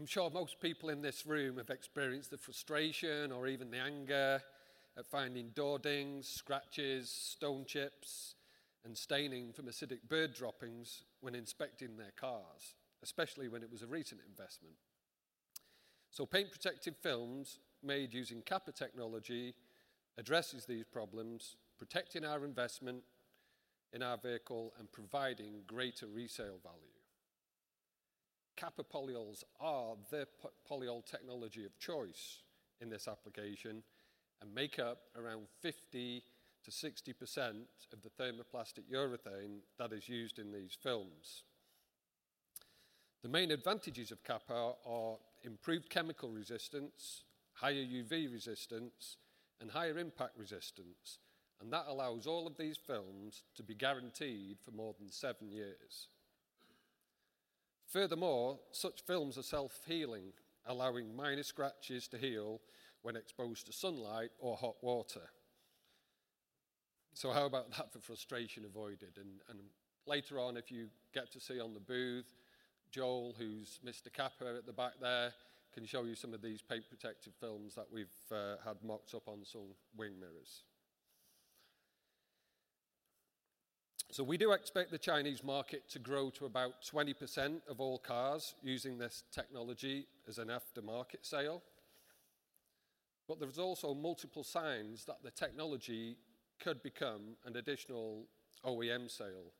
I'm sure most people in this room have experienced the frustration or even the anger at finding door dings, scratches, stone chips, and staining from acidic bird droppings when inspecting their cars, especially when it was a recent investment. Paint protective films made using Capa technology addresses these problems, protecting our investment in our vehicle and providing greater resale value. Capa polyols are the polyol technology of choice in this application and make up around 50%-60% of the thermoplastic urethane that is used in these films. The main advantages of Capa are improved chemical resistance, higher UV resistance, and higher impact resistance, and that allows all of these films to be guaranteed for more than seven years. Furthermore, such films are self-healing, allowing minor scratches to heal when exposed to sunlight or hot water. How about that for frustration avoided? Later on, if you get to see on the booth, Joel, who's Mr. Capa at the back there, can show you some of these paint protective films that we've had mocked up on some wing mirrors. We do expect the Chinese market to grow to about 20% of all cars using this technology as an aftermarket sale. There's also multiple signs that the technology could become an additional OEM sale.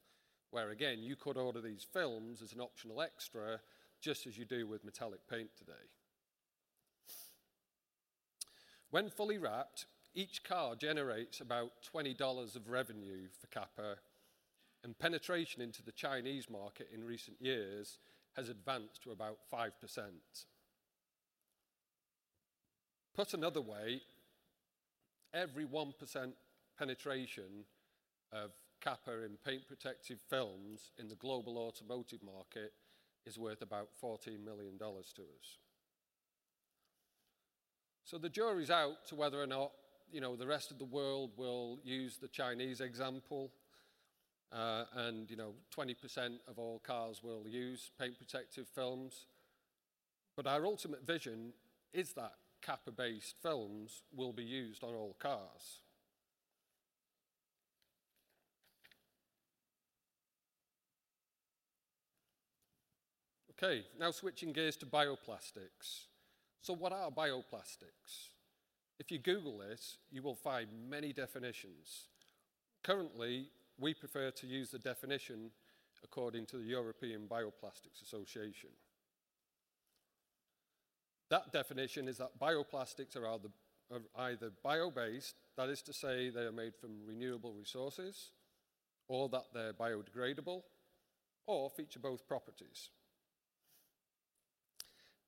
Where again, you could order these films as an optional extra, just as you do with metallic paint today. When fully wrapped, each car generates about $20 of revenue for Capa, and penetration into the Chinese market in recent years has advanced to about 5%. Put another way, every 1% penetration of Capa in paint protective films in the global automotive market is worth about $14 million to us. The jury's out to whether or not, you know, the rest of the world will use the Chinese example, and you know, 20% of all cars will use paint protective films. Our ultimate vision is that Capa-based films will be used on all cars. Switching gears to bioplastics. What are bioplastics? If you Google this, you will find many definitions. Currently, we prefer to use the definition according to the European Bioplastics. That definition is that bioplastics are either bio-based, that is to say they are made from renewable resources, or that they're biodegradable, or feature both properties.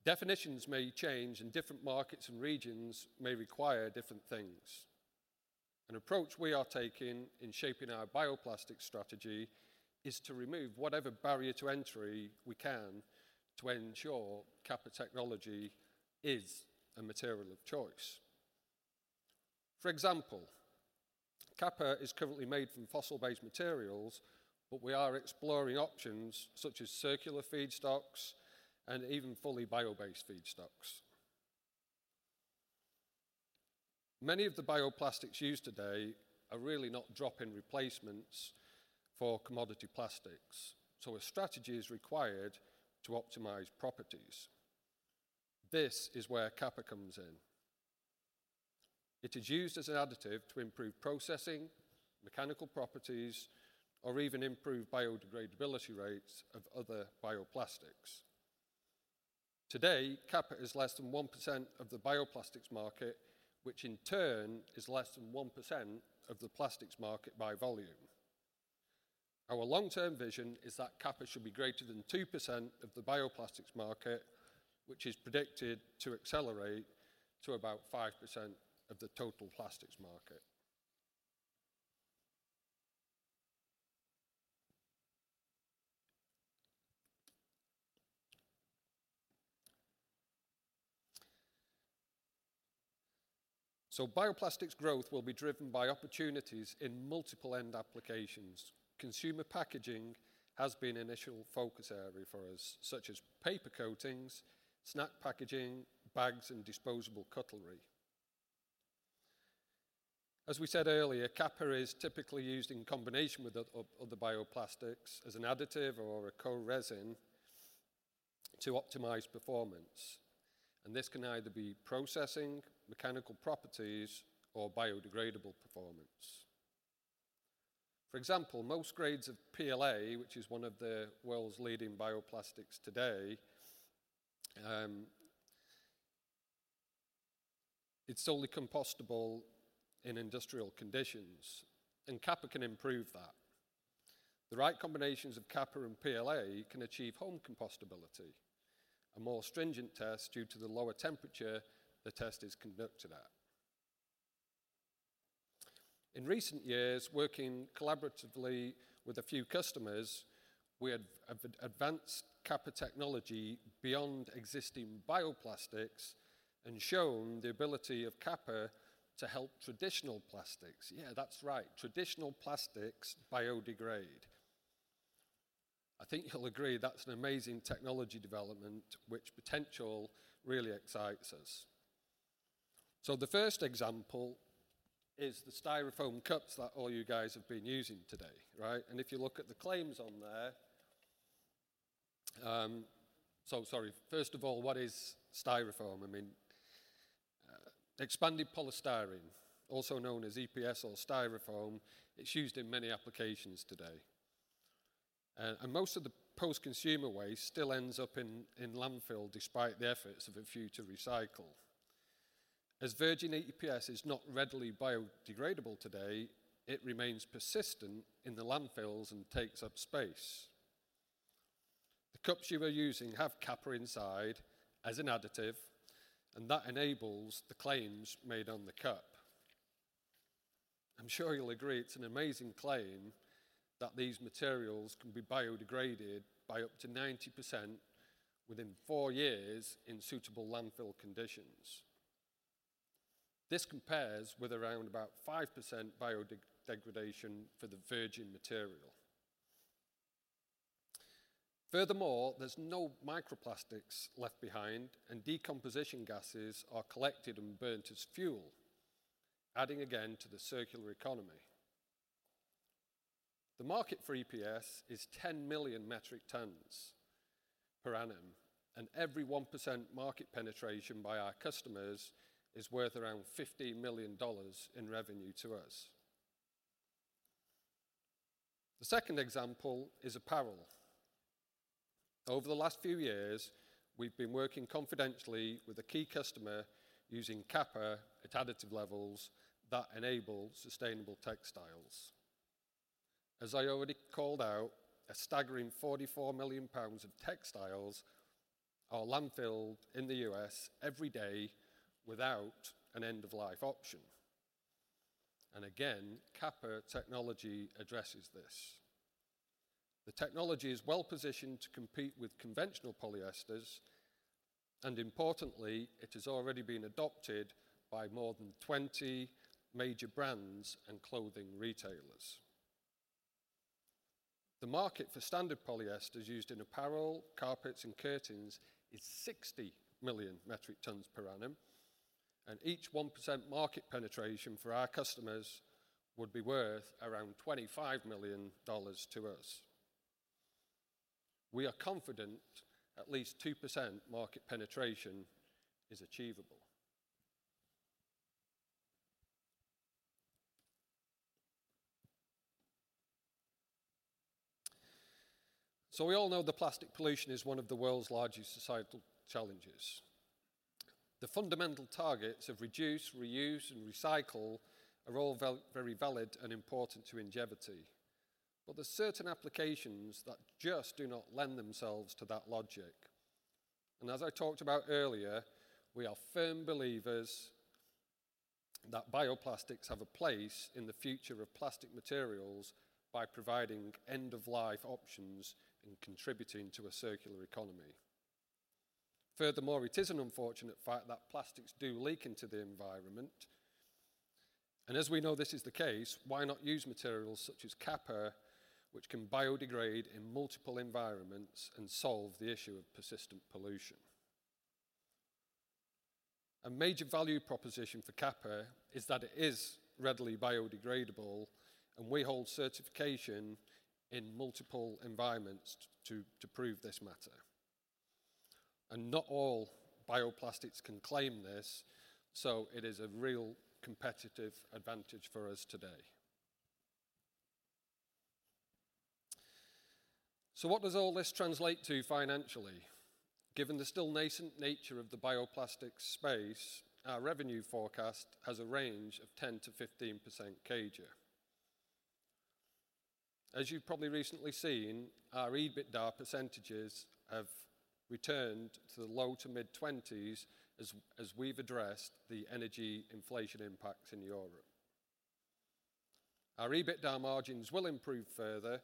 Definitions may change, different markets and regions may require different things. An approach we are taking in shaping our bioplastics strategy is to remove whatever barrier to entry we can to ensure Capa technology is a material of choice. For example, Capa is currently made from fossil-based materials, but we are exploring options such as circular feedstocks and even fully bio-based feedstocks. Many of the bioplastics used today are really not drop-in replacements for commodity plastics. A strategy is required to optimize properties. This is where Capa comes in. It is used as an additive to improve processing, mechanical properties, or even improve biodegradability rates of other bioplastics. Today, Capa is less than 1% of the bioplastics market, which in turn is less than 1% of the plastics market by volume. Our long-term vision is that Capa should be greater than 2% of the bioplastics market, which is predicted to accelerate to about 5% of the total plastics market. Bioplastics growth will be driven by opportunities in multiple end applications. Consumer packaging has been an initial focus area for us, such as paper coatings, snack packaging, bags, and disposable cutlery. As we said earlier, Capa is typically used in combination with other bioplastics as an additive or a co-resin to optimize performance, and this can either be processing, mechanical properties, or biodegradable performance. For example, most grades of PLA, which is one of the world's leading bioplastics today, it's only compostable in industrial conditions, and Capa can improve that. The right combinations of Capa and PLA can achieve home compostability, a more stringent test due to the lower temperature the test is conducted at. In recent years, working collaboratively with a few customers, we have advanced Capa technology beyond existing bioplastics and shown the ability of Capa to help traditional plastics. Yeah, that's right. Traditional plastics biodegrade. I think you'll agree that's an amazing technology development which potential really excites us. The first example is the styrofoam cups that all you guys have been using today, right? If you look at the claims on there, sorry. First of all, what is Styrofoam? I mean, expanded polystyrene, also known as EPS or Styrofoam, it's used in many applications today. Most of the post consumer waste still ends up in landfill despite the efforts of a few to recycle. Virgin EPS is not readily biodegradable today, it remains persistent in the landfills and takes up space. The cups you were using have Capa inside as an additive, that enables the claims made on the cup. I'm sure you'll agree it's an amazing claim that these materials can be biodegraded by up to 90% within four years in suitable landfill conditions. This compares with around about 5% biodegradation for the virgin material. Furthermore, there's no microplastics left behind, and decomposition gases are collected and burnt as fuel, adding again to the circular economy. The market for EPS is 10 million metric tons per annum, and every 1% market penetration by our customers is worth around $50 million in revenue to us. The second example is apparel. Over the last few years, we've been working confidentially with a key customer using Capa at additive levels that enable sustainable textiles. As I already called out, a staggering 44 million pounds of textiles are landfilled in the U.S. every day without an end-of-life option. Again, Capa technology addresses this. The technology is well-positioned to compete with conventional polyesters, and importantly, it has already been adopted by more than 20 major brands and clothing retailers. The market for standard polyesters used in apparel, carpets, and curtains is 60 million metric tons per annum. Each 1% market penetration for our customers would be worth around $25 million to us. We are confident at least 2% market penetration is achievable. We all know that plastic pollution is one of the world's largest societal challenges. The fundamental targets of reduce, reuse, and recycle are all very valid and important to Ingevity. There are certain applications that just do not lend themselves to that logic. As I talked about earlier, we are firm believers that bioplastics have a place in the future of plastic materials by providing end-of-life options and contributing to a circular economy. Furthermore, it is an unfortunate fact that plastics do leak into the environment, and as we know this is the case, why not use materials such as Capa, which can biodegrade in multiple environments and solve the issue of persistent pollution? A major value proposition for Capa is that it is readily biodegradable, and we hold certification in multiple environments to prove this matter, and not all bioplastics can claim this, so it is a real competitive advantage for us today. What does all this translate to financially? Given the still nascent nature of the bioplastics space, our revenue forecast has a range of 10%-15% CAGR. As you've probably recently seen, our EBITDA percentages have returned to the low to mid-twenties as we've addressed the energy inflation impacts in Europe. Our EBITDA margins will improve further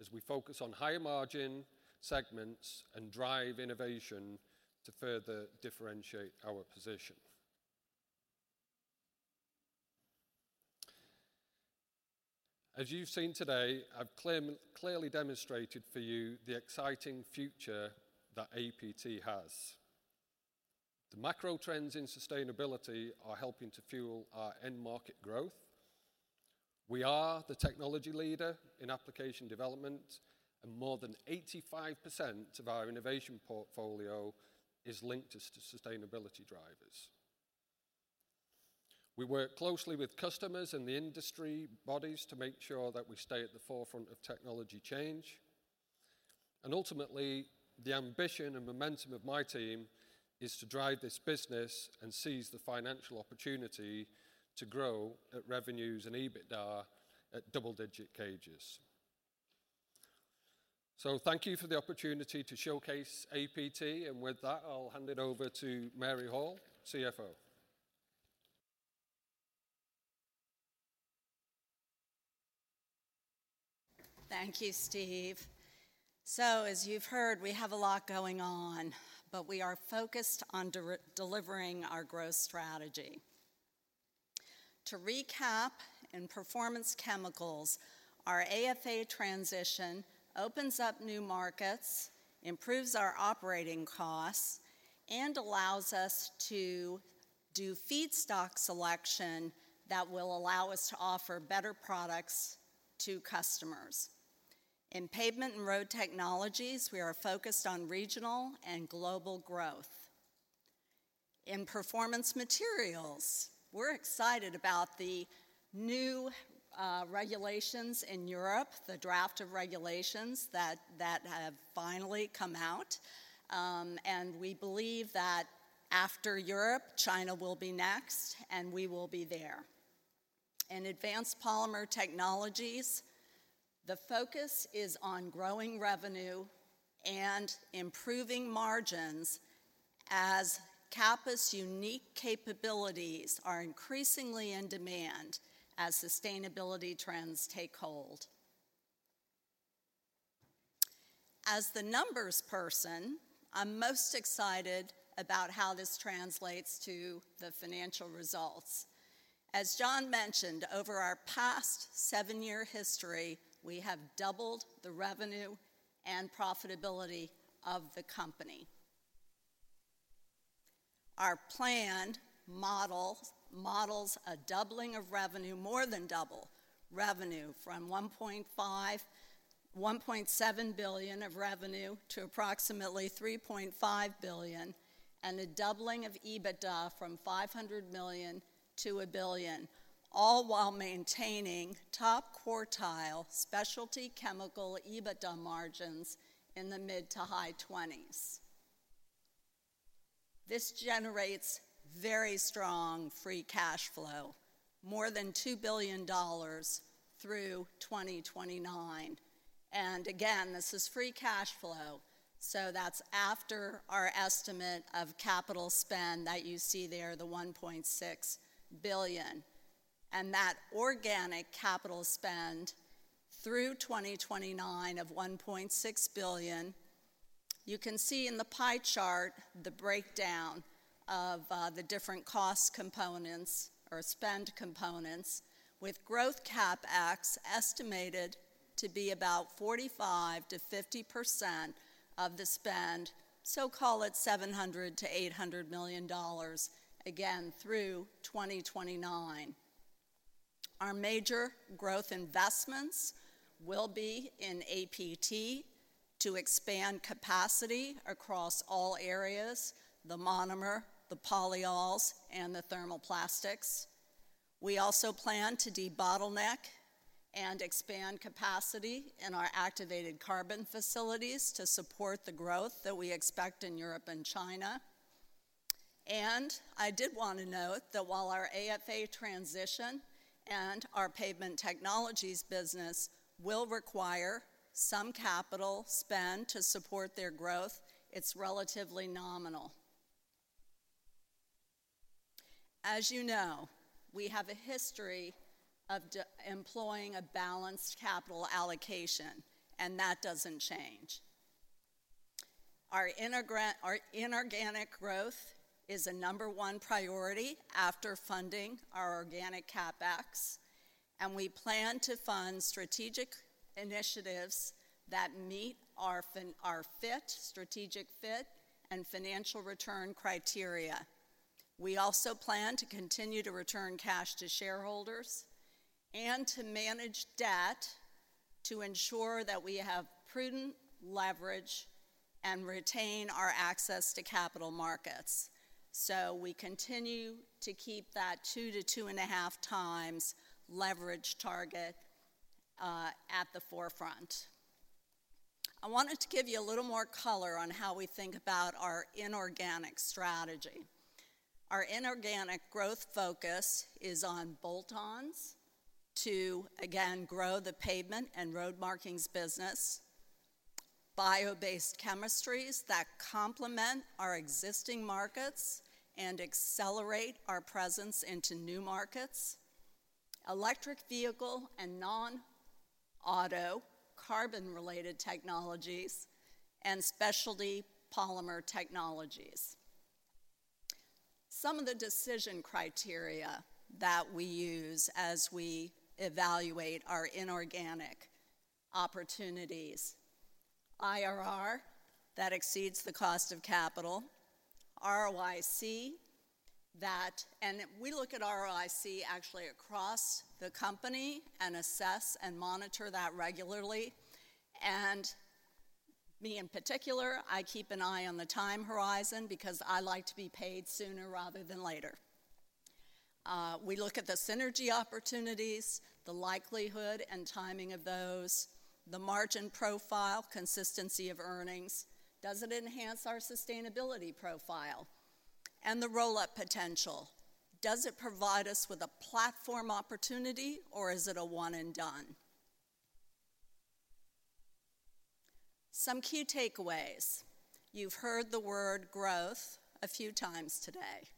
as we focus on higher-margin segments and drive innovation to further differentiate our position. As you've seen today, I've clearly demonstrated for you the exciting future that APT has. The macro trends in sustainability are helping to fuel our end market growth. We are the technology leader in application development, more than 85% of our innovation portfolio is linked to sustainability drivers. We work closely with customers and the industry bodies to make sure that we stay at the forefront of technology change. Ultimately, the ambition and momentum of my team is to drive this business and seize the financial opportunity to grow at revenues and EBITDA at double-digit CAGRs. Thank you for the opportunity to showcase APT, and with that, I'll hand it over to Mary Hall, CFO. Thank you, Steve. As you've heard, we have a lot going on, but we are focused on delivering our growth strategy. To recap, in Performance Chemicals, our AFA transition opens up new markets, improves our operating costs, and allows us to do feedstock selection that will allow us to offer better products to customers. In Pavement and road Technologies, we are focused on regional and global growth. In Performance Materials, we're excited about the new regulations in Europe, the draft of regulations that have finally come out, we believe that after Europe, China will be next, we will be there. In Advanced Polymer Technologies, the focus is on growing revenue and improving margins as Capa's unique capabilities are increasingly in demand as sustainability trends take hold. As the numbers person, I'm most excited about how this translates to the financial results. As John mentioned, over our past seven year history, we have doubled the revenue and profitability of the company. Our planned model models a doubling of revenue, more than double revenue from $1.5 billion-$1.7 billion of revenue to approximately $3.5 billion, and a doubling of EBITDA from $500 million to a billion, all while maintaining top-quartile specialty chemical EBITDA margins in the mid-to-high 20s%. This generates very strong free cash flow, more than $2 billion through 2029. Again, this is free cash flow, so that's after our estimate of capital spend that you see there, the $1.6 billion. That organic capital spend through 2029 of $1.6 billion, you can see in the pie chart the breakdown of the different cost components or spend components with growth CapEx estimated to be about 45%-50% of the spend, so call it $700 million-$800 million, again, through 2029. Our major growth investments will be in APT to expand capacity across all areas, the monomer, the polyols, and the thermoplastics. We also plan to debottleneck and expand capacity in our activated carbon facilities to support the growth that we expect in Europe and China. I did wanna note that while our AFA transition and our pavement technologies business will require some capital spend to support their growth, it's relatively nominal. As you know, we have a history of employing a balanced capital allocation, and that doesn't change. Our inorganic growth is a number one priority after funding our organic CapEx, and we plan to fund strategic initiatives that meet our fit, strategic fit, and financial return criteria. We also plan to continue to return cash to shareholders and to manage debt to ensure that we have prudent leverage and retain our access to capital markets. We continue to keep that 2 to 2.5x leverage target at the forefront. I wanted to give you a little more color on how we think about our inorganic strategy. Our inorganic growth focus is on bolt-ons to, again, grow the pavement and road markings business, bio-based chemistries that complement our existing markets and accelerate our presence into new markets, electric vehicle and non-auto carbon-related technologies, and specialty polymer technologies. Some of the decision criteria that we use as we evaluate our inorganic opportunities: IRR that exceeds the cost of capital, ROIC that. We look at ROIC actually across the company and assess and monitor that regularly. Me in particular, I keep an eye on the time horizon because I like to be paid sooner rather than later. We look at the synergy opportunities, the likelihood and timing of those, the margin profile, consistency of earnings, does it enhance our sustainability profile, and the roll-up potential. Does it provide us with a platform opportunity, or is it a one and done? Some key takeaways. You've heard the word growth a few times today,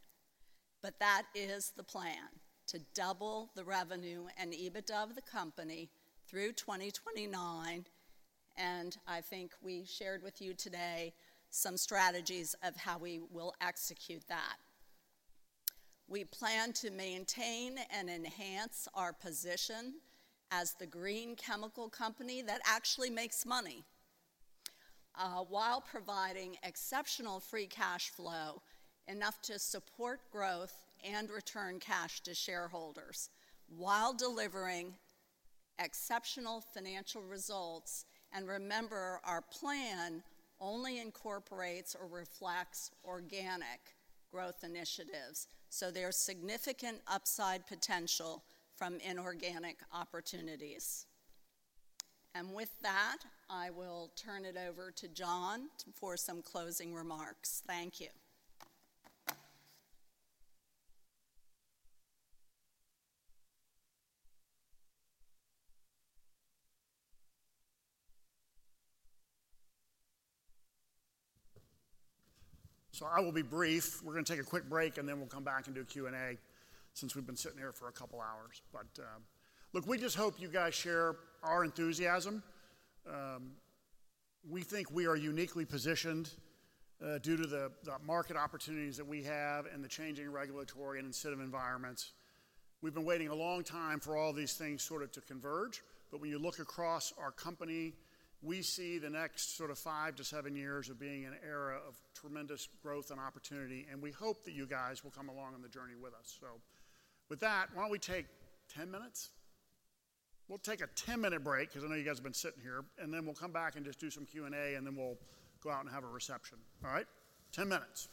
but that is the plan: to double the revenue and EBITDA of the company through 2029, and I think we shared with you today some strategies of how we will execute that. We plan to maintain and enhance our position as the green chemical company that actually makes money, while providing exceptional free cash flow, enough to support growth and return cash to shareholders while delivering exceptional financial results. Remember, our plan only incorporates or reflects organic growth initiatives, so there's significant upside potential from inorganic opportunities. With that, I will turn it over to John for some closing remarks. Thank you. I will be brief. We're gonna take a quick break, and then we'll come back and do a Q&A since we've been sitting here for a couple hours. Look, we just hope you guys share our enthusiasm. We think we are uniquely positioned due to the market opportunities that we have and the changing regulatory and incentive environments. We've been waiting a long time for all these things sort of to converge. When you look across our company, we see the next sort of five to seven years of being an era of tremendous growth and opportunity, and we hope that you guys will come along on the journey with us. With that, why don't we take 10 minutes? We'll take a 10-minute break, because I know you guys have been sitting here, and then we'll come back and just do some Q&A, and then we'll go out and have a reception. All right? 10 minutes.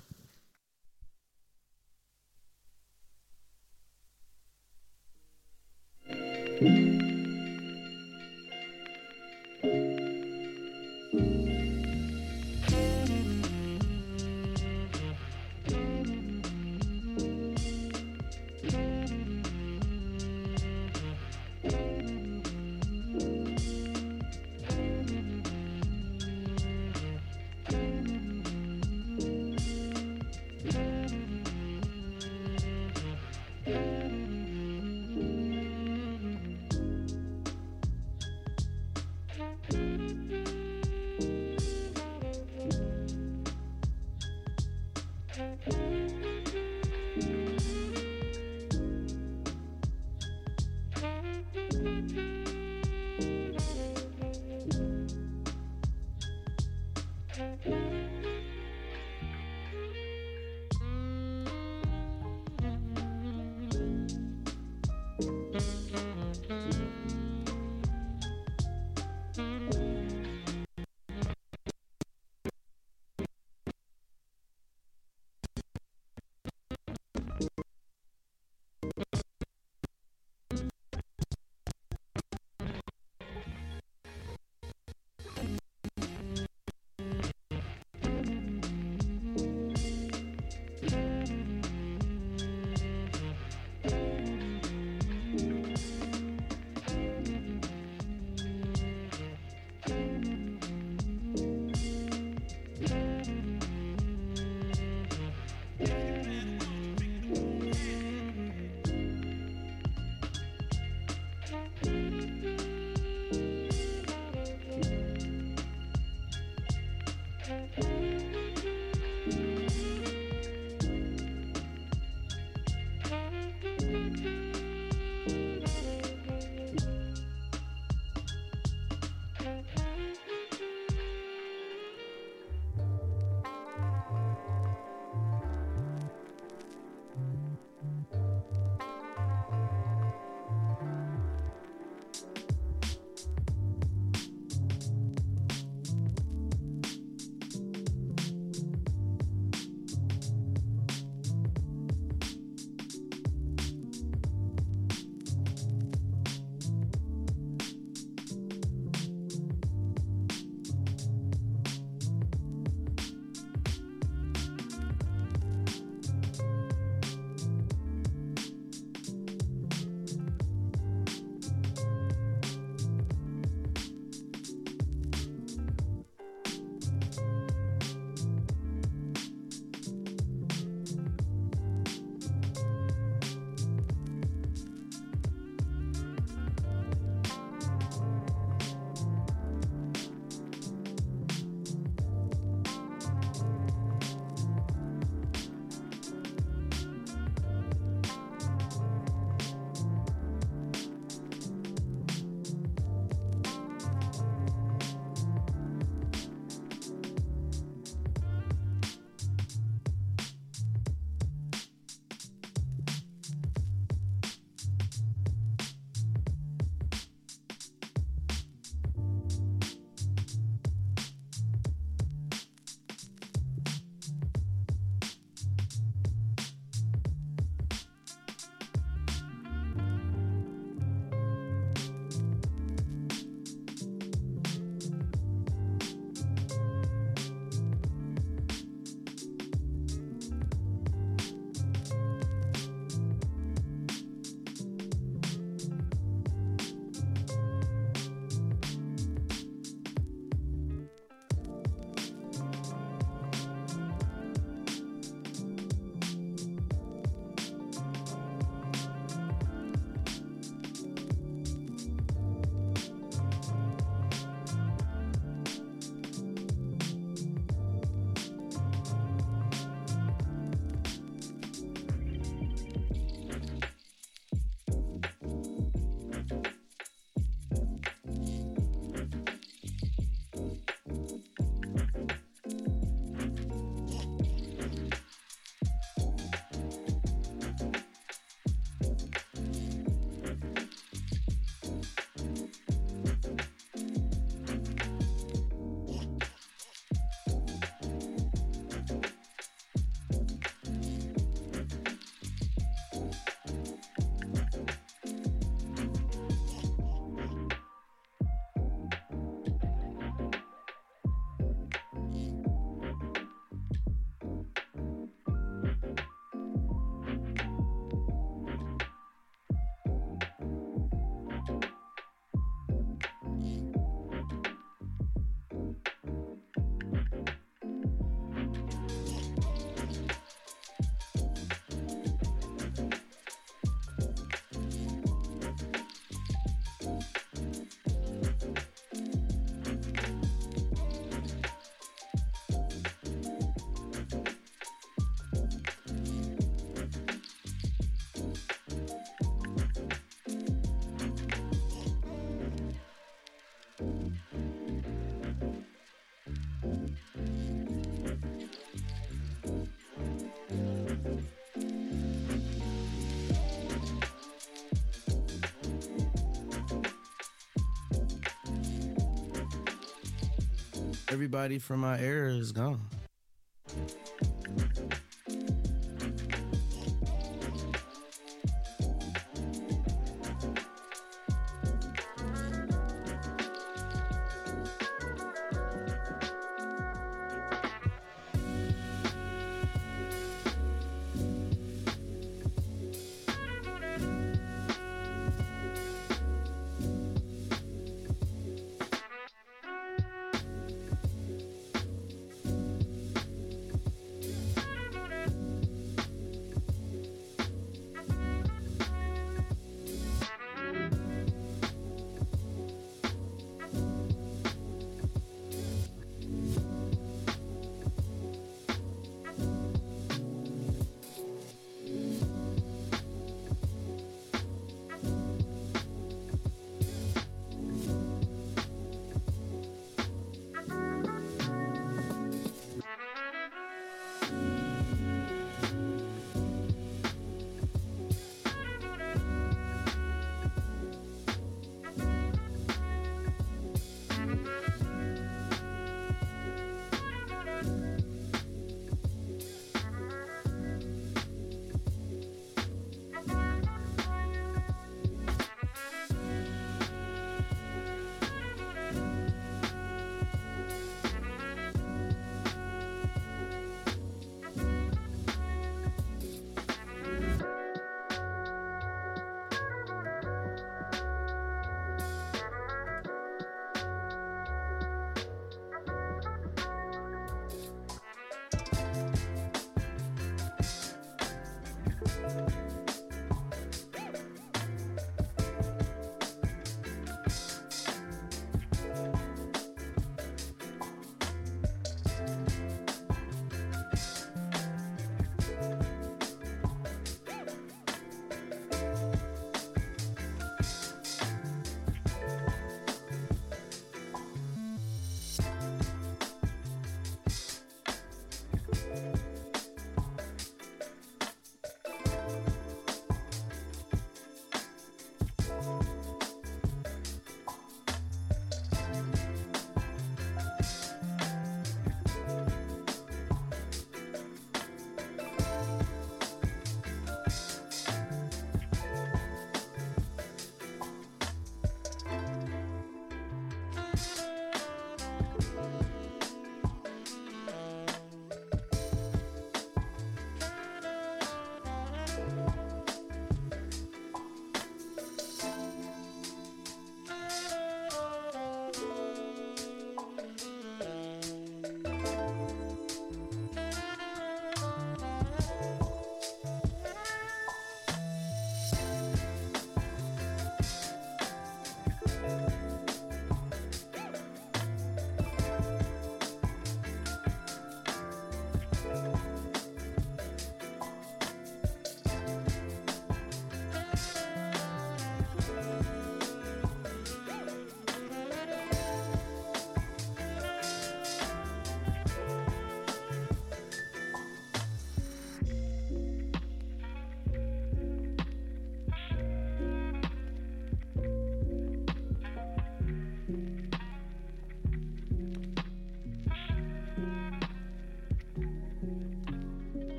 Everybody from my era is gone.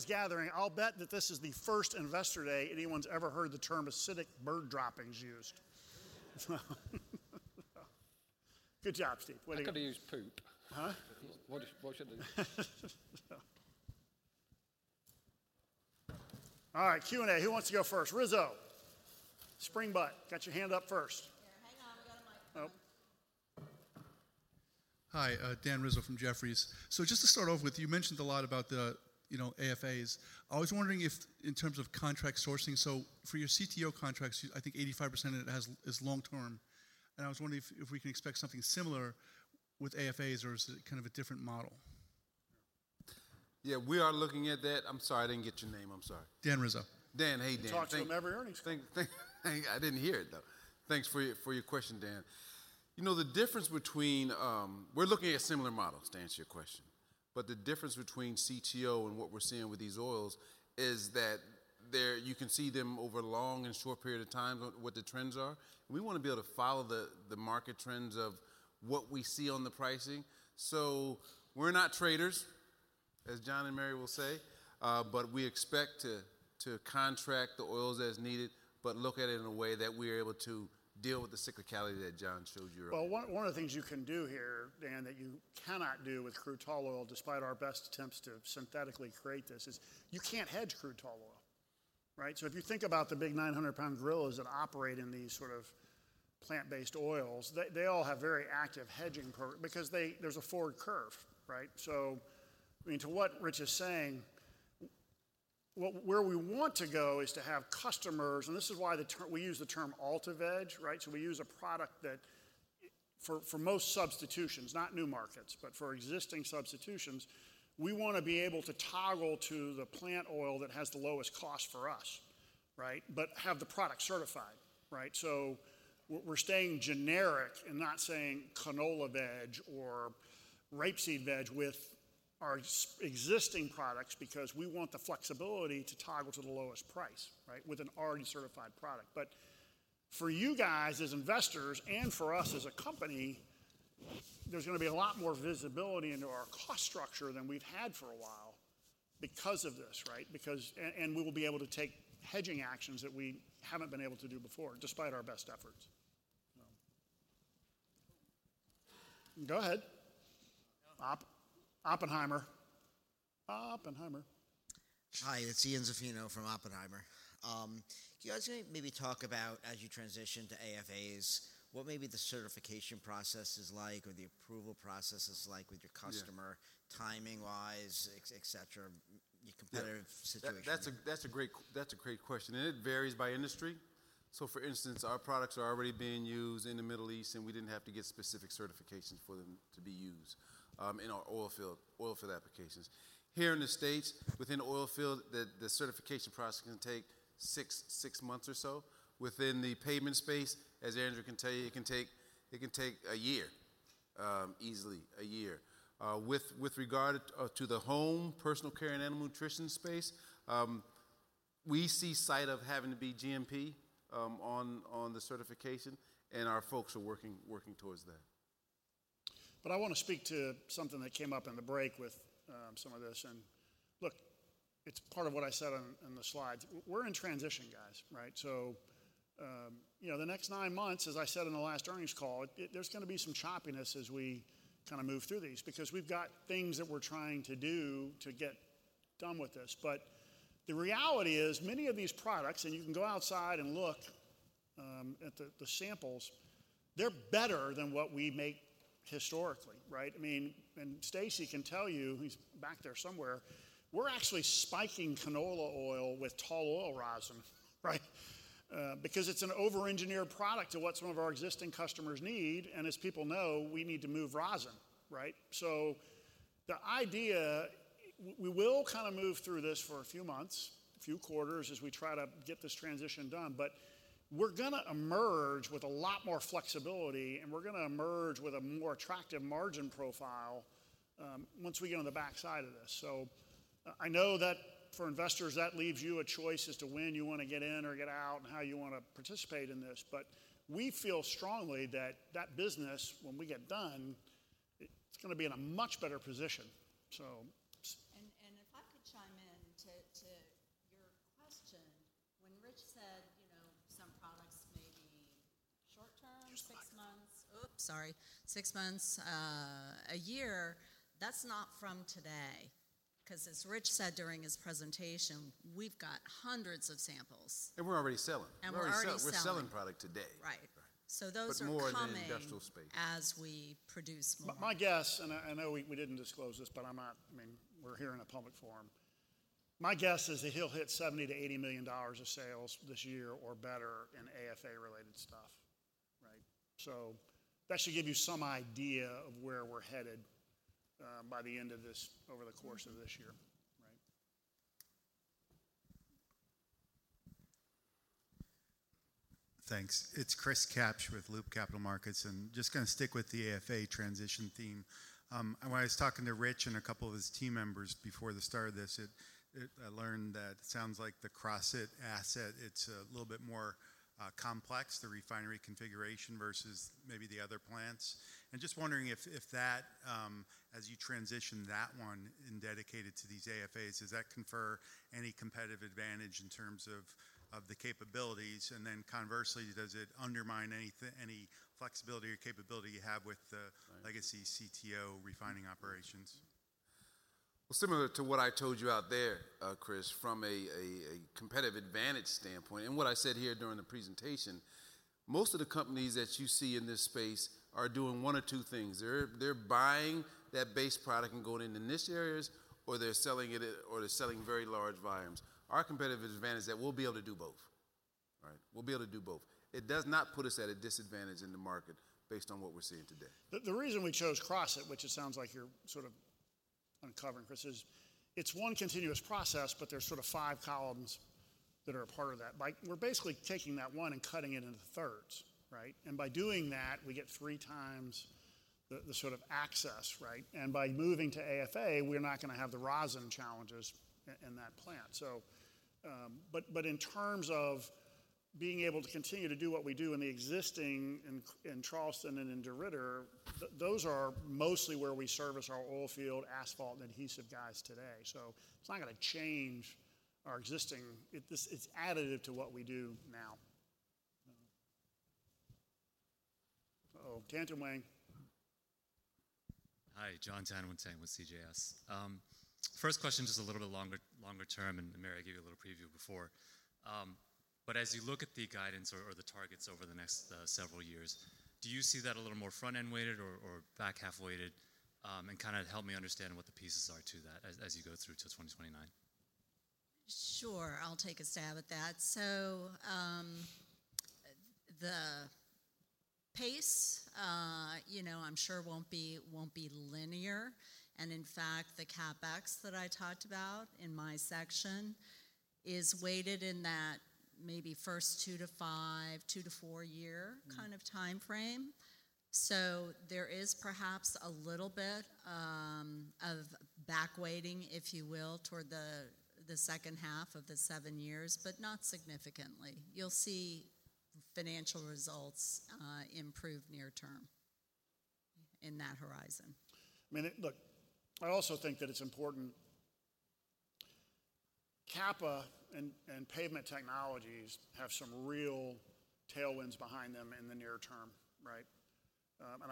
This gathering, I'll bet that this is the first Investor Day anyone's ever heard the term acidic bird droppings used. Good job, Steve. What do you- I could've used poop. Huh? What should I use? All right. Q&A. Who wants to go first? Rizzo. Spring butt, got your hand up first. Yeah. Hang on. We got a mic coming. Oh. Hi. Dan Rizzo from Jefferies. Just to start off with, you mentioned a lot about the, you know, AFAs. I was wondering if in terms of contract sourcing, for your CTO contracts, I think 85% of it has, is long term, and I was wondering if we can expect something similar with AFAs or is it kind of a different model? Yeah, we are looking at that. I'm sorry, I didn't get your name. I'm sorry. Dan Rizzo. Dan. Hey, Dan. He talks to him every earnings call. Thank, I didn't hear it, though. Thanks for your question, Dan. You know, the difference between. We're looking at similar models to answer your question, but the difference between CTO and what we're seeing with these oils is that you can see them over long and short period of time, what the trends are. We wanna be able to follow the market trends of what we see on the pricing. We're not traders, as John and Mary will say, but we expect to contract the oils as needed, but look at it in a way that we're able to deal with the cyclicality that John showed you earlier. One of the things you can do here, Dan, that you cannot do with crude tall oil, despite our best attempts to synthetically create this is, you can't hedge crude tall oil, right? If you think about the big 900 pound gorillas that operate in these sort of plant-based oils, they all have very active hedging because there's a forward curve, right? I mean, to what Rich is saying, where we want to go is to have customers, and this is why we use the term AltaVeg, right? We use a product that for most substitutions, not new markets, but for existing substitutions, we wanna be able to toggle to the plant oil that has the lowest cost for us, right? Have the product certified, right? We're staying generic and not saying canola veg or rapeseed veg with our existing products because we want the flexibility to toggle to the lowest price, right? With an already certified product. For you guys as investors and for us as a company, there's gonna be a lot more visibility into our cost structure than we've had for a while because of this, right? And we will be able to take hedging actions that we haven't been able to do before, despite our best efforts. Go ahead. Oppenheimer. Hi, it's Ian Zaffino from Oppenheimer. Can you guys maybe talk about as you transition to AFAs, what maybe the certification process is like or the approval process is like with your customer. Yeah. timing-wise, et cetera. Yeah. -situation? That's a great question, and it varies by industry. For instance, our products are already being used in the Middle East, and we didn't have to get specific certifications for them to be used in our oil field, oil field applications. Here in the States, within oil field, the certification process can take 6 months or so. Within the pavement space, as Andrew can tell you, it can take one year, easily 1 year. With regard to the home, personal care, and animal nutrition space, we see sight of having to be GMP on the certification, and our folks are working towards that. I wanna speak to something that came up in the break with some of this. Look, it's part of what I said in the slides. We're in transition, guys, right? you know, the next 9 months, as I said in the last earnings call, there's gonna be some choppiness as we kinda move through these because we've got things that we're trying to do to get done with this. The reality is many of these products, and you can go outside and look at the samples, they're better than what we make historically, right? I mean, Stacy can tell you, he's back there somewhere, we're actually spiking canola oil with tall oil rosin, right? Because it's an over-engineered product to what some of our existing customers need, and as people know, we need to move rosin, right? The idea, we will kind of move through this for a few months, a few quarters, as we try to get this transition done. We're going to emerge with a lot more flexibility, and we're going to emerge with a more attractive margin profile, once we get on the backside of this. I know that for investors, that leaves you a choice as to when you want to get in or get out and how you want to participate in this. We feel strongly that that business, when we get done, it's going to be in a much better position. If I could chime in to your question. When Rich said, you know, some products may be short-term. Use the mic. six months, a year, that's not from today. 'Cause as Rich said during his presentation, we've got hundreds of samples. We're already selling. We're already selling. We're already selling product today. Right. Right. those are coming- More in the industrial space. as we produce more. My guess, and I know we didn't disclose this, but I mean, we're here in a public forum. My guess is that he'll hit $70 million-$80 million of sales this year or better in AFA-related stuff, right? That should give you some idea of where we're headed by the end of this, over the course of this year, right? Thanks. It's Chris Kapsch with Loop Capital Markets, just gonna stick with the AFA transition theme. When I was talking to Rich and a couple of his team members before the start of this, I learned that it sounds like the Crossett asset, it's a little bit more complex, the refinery configuration versus maybe the other plants. Just wondering if that, as you transition that one and dedicate it to these AFAs, does that confer any competitive advantage in terms of the capabilities? Then conversely, does it undermine any flexibility or capability you have with the- Right ...legacy CTO refining operations? Well, similar to what I told you out there, Chris, from a competitive advantage standpoint and what I said here during the presentation, most of the companies that you see in this space are doing one of two things. They're buying that base product and going into niche areas, or they're selling very large volumes. Our competitive advantage is that we'll be able to do both, right? We'll be able to do both. It does not put us at a disadvantage in the market based on what we're seeing today. The reason we chose Crossett, which it sounds like you're sort of uncovering, Chris, is it's 1 continuous process, but there's sort of 5 columns that are a part of that. Like, we're basically taking that 1 and cutting it into thirds, right? By doing that, we get three times the sort of access, right? By moving to AFA, we're not gonna have the rosin challenges in that plant. But in terms of being able to continue to do what we do in the existing in Charleston and in DeRidder, those are mostly where we service our oil field asphalt and adhesive guys today. It's not gonna change our existing. It's additive to what we do now. Uh-oh. Jonathan Tanwanteng. Hi. Jonathan Tanwanteng with CJS. First question just a little bit longer term, and Mary gave you a little preview before. As you look at the guidance or the targets over the next several years, do you see that a little more front-end weighted or back-half weighted? Kinda help me understand what the pieces are to that as you go through to 2029. Sure. I'll take a stab at that. The pace, you know, I'm sure won't be linear. In fact, the CapEx that I talked about in my section is weighted in that maybe first two to five, two-four year kind of timeframe. There is perhaps a little bit of back-weighting, if you will, toward the second half of the seven years, but not significantly. You'll see financial results improve near term in that horizon. I mean, look, I also think that it's importantCapa and Pavement Technologies have some real tailwinds behind them in the near term, right?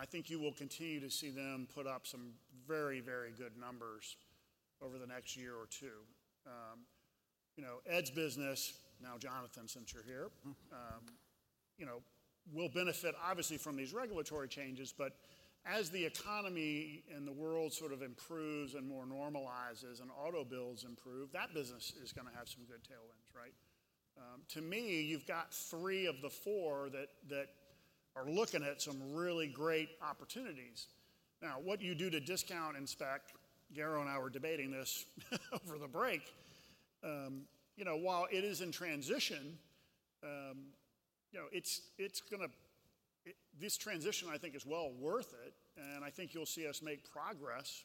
I think you will continue to see them put up some very, very good numbers over the next year or two. you know, Ed's business, now Jonathan, since you're here- Mm-hmm You know, will benefit obviously from these regulatory changes, but as the economy and the world sort of improves and more normalizes and auto builds improve, that business is gonna have some good tailwinds, right? To me, you've got three of the four that are looking at some really great opportunities. Now, what you do to discount, in fact, Garrow and I were debating this over the break, you know, while it is in transition, you know, This transition I think is well worth it and I think you'll see us make progress,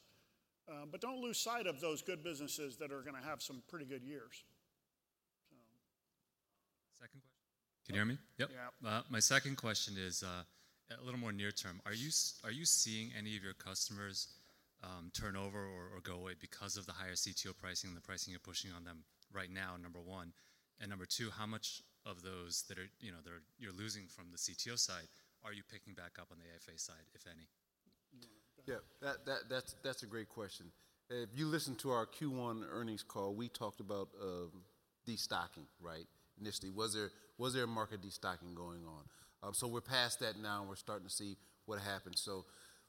but don't lose sight of those good businesses that are gonna have some pretty good years. So... Second question. Can you hear me? Yep. Yeah. My second question is a little more near term. Are you seeing any of your customers turn over or go away because of the higher CTO pricing and the pricing you're pushing on them right now, number one? Number two, how much of those that are, you know, you're losing from the CTO side, are you picking back up on the AFA side, if any? You wanna- Yeah. That's a great question. If you listen to our Q1 earnings call, we talked about destocking, right? Initially, was there a market destocking going on? We're past that now and we're starting to see what happens.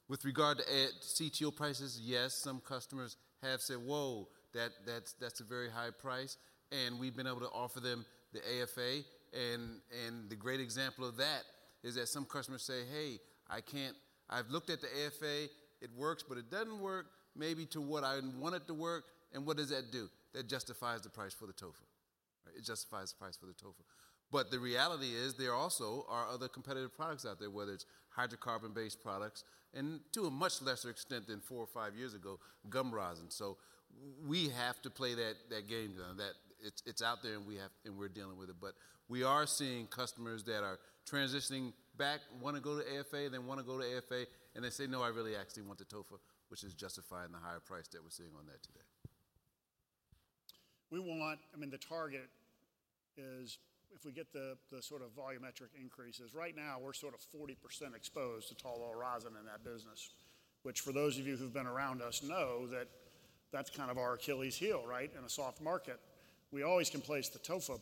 With regard to CTO prices, yes, some customers have said, "Whoa, that's a very high price," and we've been able to offer them the AFA and the great example of that is that some customers say, "Hey, I can't... I've looked at the AFA, it works, but it doesn't work maybe to what I want it to work," what does that do? That justifies the price for the TOFA. Right? It justifies the price for the TOFA. The reality is there also are other competitive products out there, whether it's hydrocarbon-based products and, to a much lesser extent than four or five years ago, gum rosin. We have to play that game, John, that it's out there and we're dealing with it. We are seeing customers that are transitioning back, wanna go to AFA, then wanna go to AFA, and they say, "No, I really actually want the TOFA," which is justifying the higher price that we're seeing on that today. I mean, the target is if we get the sort of volumetric increases. Right now, we're sort of 40% exposed to tall oil rosin in that business, which for those of you who've been around us know that that's kind of our Achilles heel, right? In a soft market, we always can place the TOFA.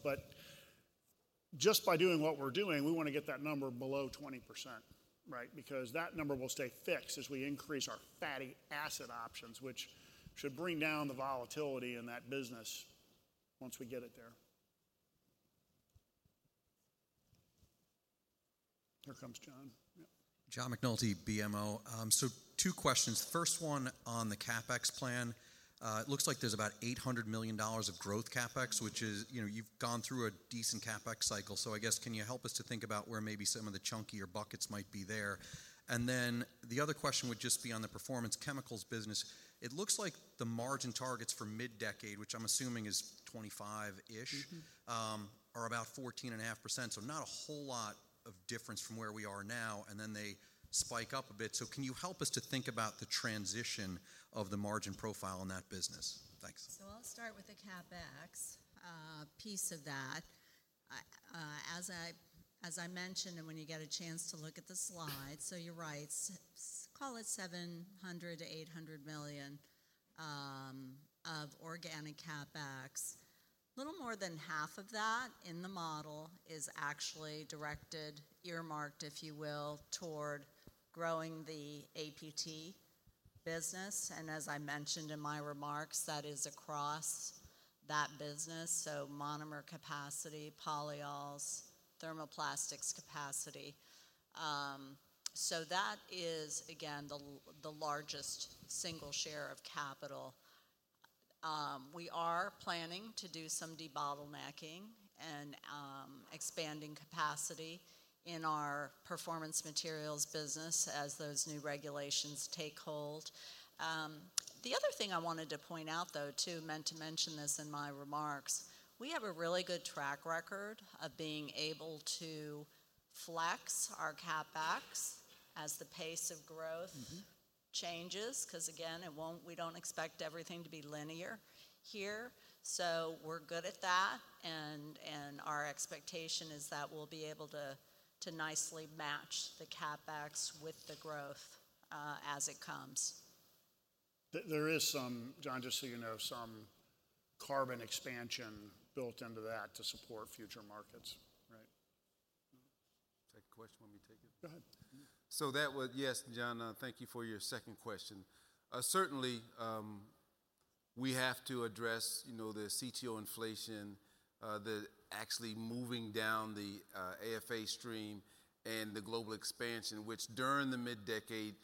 Just by doing what we're doing, we wanna get that number below 20%, right? That number will stay fixed as we increase our fatty acid options, which should bring down the volatility in that business once we get it there. Here comes John. Yep. John McNulty of BMO. Two questions. First one on the CapEx plan. It looks like there's about $800 million of growth CapEx, which is, you know, you've gone through a decent CapEx cycle, so I guess, can you help us to think about where maybe some of the chunkier buckets might be there? The other question would just be on the Performance Chemicals business. It looks like the margin targets for mid-decade, which I'm assuming is 25-ish. Mm-hmm... are about 14.5%, not a whole lot of difference from where we are now, and then they spike up a bit. Can you help us to think about the transition of the margin profile in that business? Thanks. I'll start with the CapEx piece of that. As I mentioned, and when you get a chance to look at the slides, so you're right, call it $700 million-$800 million of organic CapEx. Little more than half of that in the model is actually directed, earmarked if you will, toward growing the APT business. As I mentioned in my remarks, that is across that business, so monomer capacity, polyols, thermoplastics capacity. That is again, the largest single share of capital. We are planning to do some debottlenecking and expanding capacity in our Performance Materials business as those new regulations take hold. The other thing I wanted to point out though too, meant to mention this in my remarks, we have a really good track record of being able to flex our CapEx as the pace of growth... Mm-hmm... changes 'cause again, it won't we don't expect everything to be linear here. We're good at that and our expectation is that we'll be able to nicely match the CapEx with the growth as it comes. There is some, John, just so you know, some carbon expansion built into that to support future markets, right? Take a question. Want me to take it? Go ahead. Yes, John, thank you for your second question. Certainly, we have to address, you know, the CTO inflation, actually moving down the AFA stream and the global expansion, which during the mid-decade.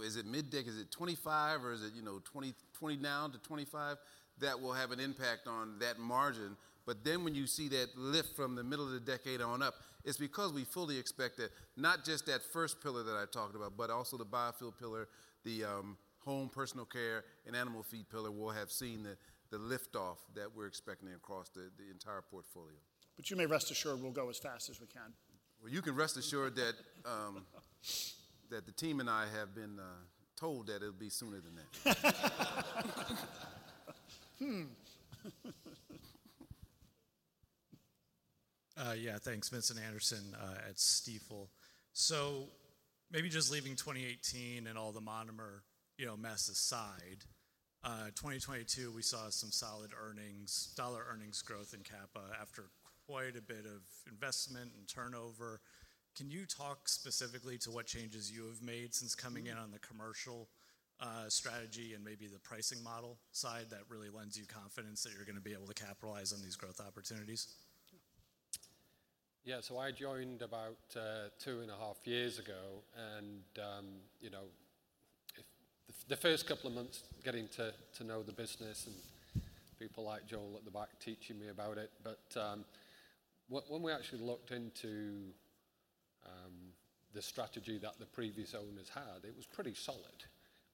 Is it 2025, or is it, you know, 2020 now to 2025? That will have an impact on that margin. When you see that lift from the middle of the decade on up, it's because we fully expect that not just that first pillar that I talked about, but also the biofuel pillar, the home personal care and animal feed pillar will have seen the lift off that we're expecting across the entire portfolio. You may rest assured we'll go as fast as we can. Well, you can rest assured that the team and I have been told that it'll be sooner than that. Yeah, thanks. Vincent Anderson at Stifel. Maybe just leaving 2018 and all the monomer, you know, mess aside, 2022 we saw some solid earnings, dollar earnings growth in Capa after quite a bit of investment and turnover. Can you talk specifically to what changes you have made since coming in on the commercial strategy and maybe the pricing model side that really lends you confidence that you're gonna be able to capitalize on these growth opportunities? Yeah. I joined about two and a half years ago, and, you know, the first couple of months getting to know the business and people like Joel at the back teaching me about it. When we actually looked into the strategy that the previous owners had, it was pretty solid.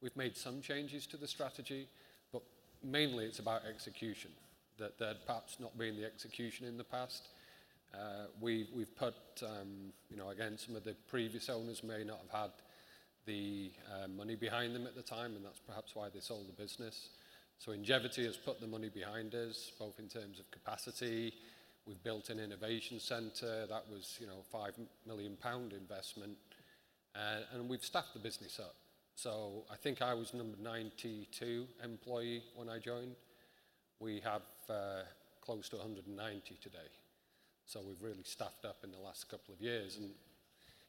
We've made some changes to the strategy, but mainly it's about execution. There'd perhaps not been the execution in the past. We've put, you know, again, some of the previous owners may not have had the money behind them at the time, and that's perhaps why they sold the business. Ingevity has put the money behind us, both in terms of capacity. We've built an innovation center that was, you know, 5 million pound investment. We've staffed the business up. I think I was number 92 employee when I joined. We have close to 190 today. We've really staffed up in the last couple of years.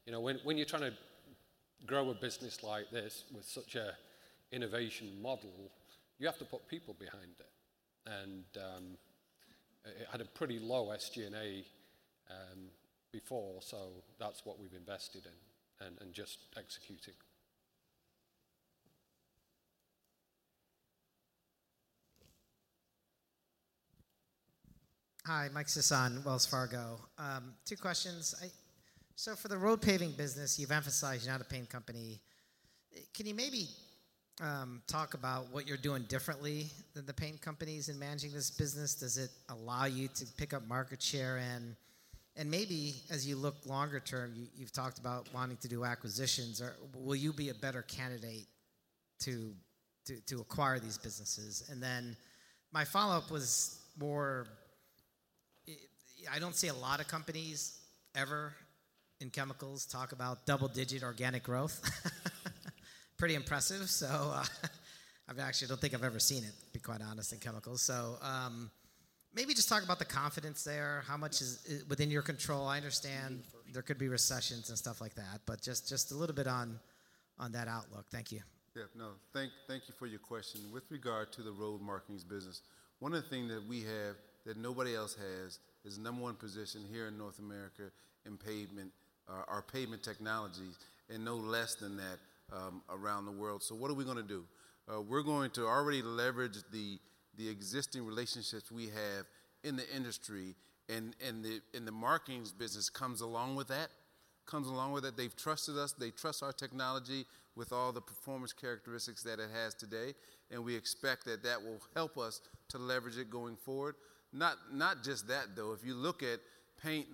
You know, when you're trying to grow a business like this with such an innovation model, you have to put people behind it. It had a pretty low SG&A before, that's what we've invested in and just executing. Hi. Mike Sison, Wells Fargo. Two questions. For the road paving business, you've emphasized you're not a paint company. Can you maybe talk about what you're doing differently than the paint companies in managing this business? Does it allow you to pick up market share? Maybe as you look longer term, you've talked about wanting to do acquisitions or will you be a better candidate to acquire these businesses? My follow-up was more, I don't see a lot of companies ever in chemicals talk about double-digit organic growth. Pretty impressive. I've actually don't think I've ever seen it, to be quite honest, in chemicals. Maybe just talk about the confidence there. How much is within your control? I understand there could be recessions and stuff like that, just a little bit on that outlook. Thank you. Yeah, no. Thank you for your question. With regard to the road markings business, one of the things that we have that nobody else has is number one position here in North America in pavement, our pavement technologies, and no less than that, around the world. What are we going to do? We're going to already leverage the existing relationships we have in the industry and the markings business comes along with that, comes along with it. They've trusted us. They trust our technology with all the performance characteristics that it has today, and we expect that that will help us to leverage it going forward. Not just that, though. If you look at paint,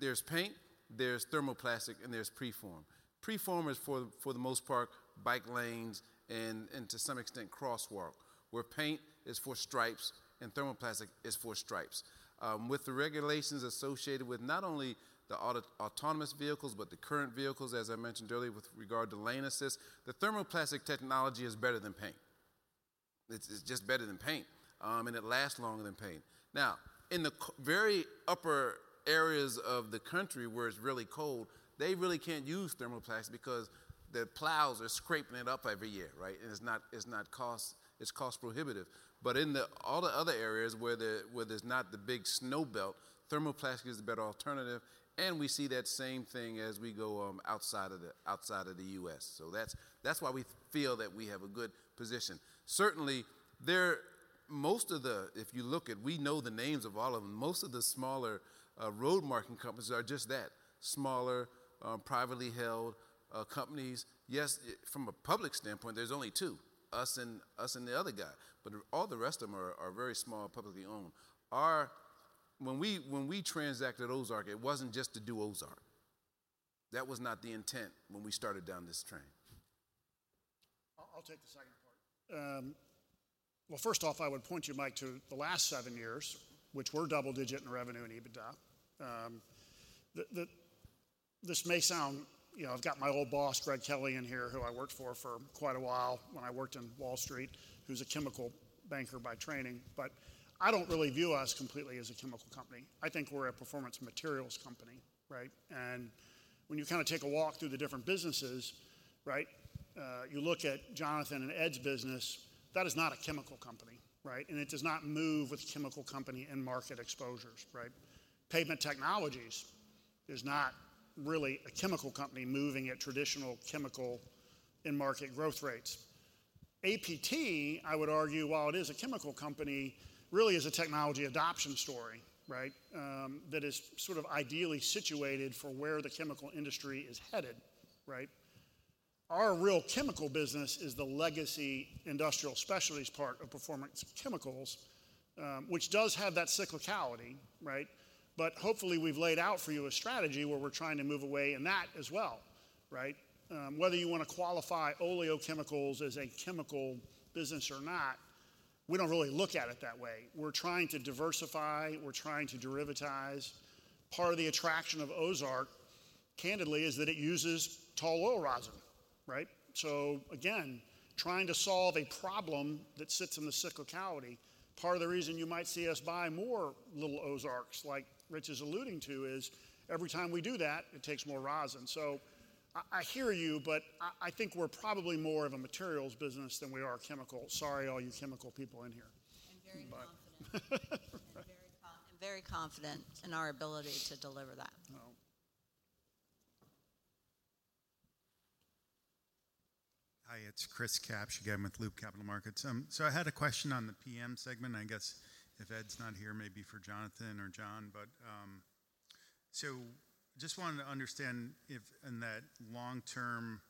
there's paint, there's thermoplastic, and there's preform. Preform is for the most part, bike lanes and to some extent crosswalk, where paint is for stripes and thermoplastic is for stripes. With the regulations associated with not only the autonomous vehicles, but the current vehicles, as I mentioned earlier, with regard to lane assist, the thermoplastic technology is better than paint. It's just better than paint and it lasts longer than paint. Now, in the very upper areas of the country where it's really cold, they really can't use thermoplastics because the plows are scraping it up every year, right? It's not cost prohibitive. In the all the other areas where there's not the big snow belt, thermoplastic is the better alternative, and we see that same thing as we go outside of the U.S. That's why we feel that we have a good position. Certainly, Most of the, if you look at, we know the names of all of them. Most of the smaller road marking companies are just that, smaller, privately held companies. Yes, from a public standpoint, there's only two, us and the other guy. All the rest of them are very small, publicly owned. When we transacted Ozark, it wasn't just to do Ozark. That was not the intent when we started down this train. I'll take the second part. Well, first off, I would point you, Mike, to the last seven years, which were double-digit in revenue and EBITDA. This may sound, you know, I've got my old boss, Greg Kelly, in here, who I worked for for quite a while when I worked on Wall Street, who's a chemical banker by training. I don't really view us completely as a chemical company. I think we're a Performance Materials company, right? When you kinda take a walk through the different businesses, right? You look at Jonathan and Ed's business. That is not a chemical company, right? It does not move with chemical company end market exposures, right? Pavement Technologies is not really a chemical company moving at traditional chemical end market growth rates. APT, I would argue, while it is a chemical company, really is a technology adoption story, right? That is sort of ideally situated for where the chemical industry is headed, right? Our real chemical business is the legacy Industrial Specialties part of Performance Chemicals. Which does have that cyclicality, right? Hopefully we've laid out for you a strategy where we're trying to move away in that as well, right? Whether you wanna qualify oleochemicals as a chemical business or not, we don't really look at it that way. We're trying to diversify, we're trying to derivatize. Part of the attraction of Ozark, candidly, is that it uses tall oil rosin, right? Again, trying to solve a problem that sits in the cyclicality. Part of the reason you might see us buy more little Ozarks, like Rich is alluding to, is every time we do that, it takes more rosin. I hear you, but I think we're probably more of a materials business than we are a chemical. Sorry, all you chemical people in here. I'm very confident in our ability to deliver that. Well... Hi, it's Chris Kapsch again with Loop Capital Markets. I had a question on the PM segment. I guess if Ed's not here, maybe for Jonathan or John. Just wanted to understand if in that long-term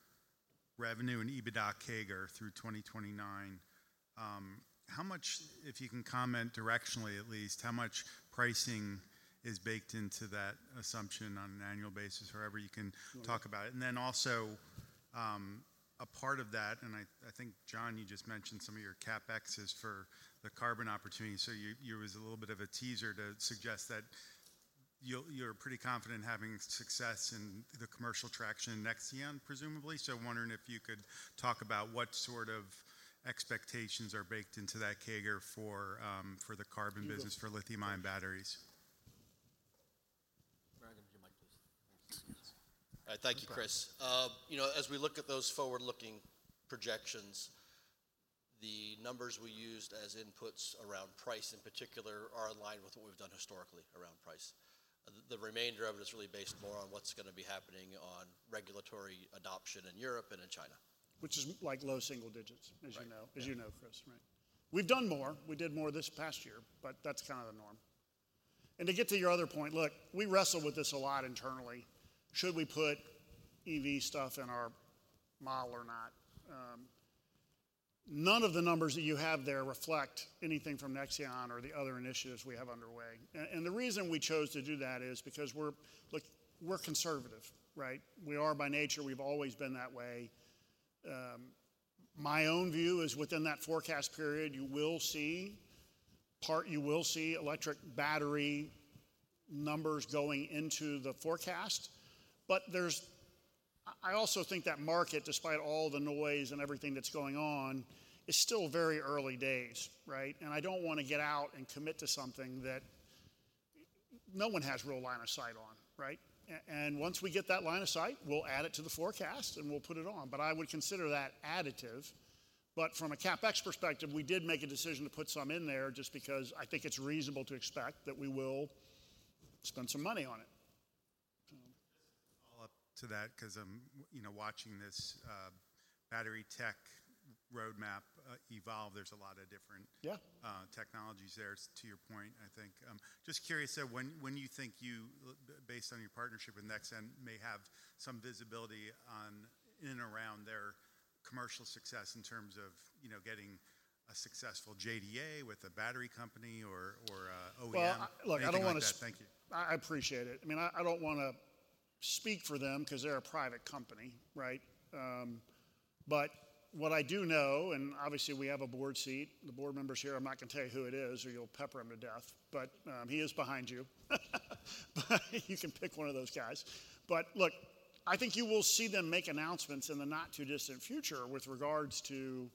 revenue and EBITDA CAGR through 2029, how much, if you can comment directionally at least, how much pricing is baked into that assumption on an annual basis, however you can talk about it? Also, a part of that, and I think, John, you just mentioned some of your CapExes for the carbon opportunity, you was a little bit of a teaser to suggest that you'll, you're pretty confident having success in the commercial traction in Nexeon, presumably. Wondering if you could talk about what sort of expectations are baked into that CAGR for the carbon business for lithium-ion batteries. Brian, give him your mic, please. All right. Thank you, Chris. You know, as we look at those forward-looking projections, the numbers we used as inputs around price in particular are in line with what we've done historically around price. The remainder of it is really based more on what's gonna be happening on regulatory adoption in Europe and in China. Which is like low single digits, as you know. Right. Yeah. As you know, Chris, right. We've done more. We did more this past year, but that's kinda the norm. To get to your other point, look, we wrestle with this a lot internally. Should we put EV stuff in our model or not? None of the numbers that you have there reflect anything from Nexeon or the other initiatives we have underway. The reason we chose to do that is because Look, we're conservative, right? We are by nature. We've always been that way. My own view is within that forecast period, you will see electric battery numbers going into the forecast. I also think that market, despite all the noise and everything that's going on, is still very early days, right? I don't wanna get out and commit to something that no one has real line of sight on, right? Once we get that line of sight, we'll add it to the forecast, and we'll put it on. I would consider that additive. From a CapEx perspective, we did make a decision to put some in there just because I think it's reasonable to expect that we will spend some money on it. Just a follow-up to that 'cause I'm, you know, watching this battery tech roadmap evolve. There's a lot of different- Yeah... technologies there, to your point, I think. Just curious, though, when you think you, based on your partnership with Nexeon, may have some visibility on in and around their commercial success in terms of getting a successful JDA with a battery company or a OEM, anything like that? Thank you. Well, look, I appreciate it. I mean, I don't wanna speak for them 'cause they're a private company, right? What I do know, and obviously we have a board seat, the board member's here, I'm not gonna tell you who it is or you'll pepper him to death. He is behind you. You can pick one of those guys. Look, I think you will see them make announcements in the not-too-distant future with regards to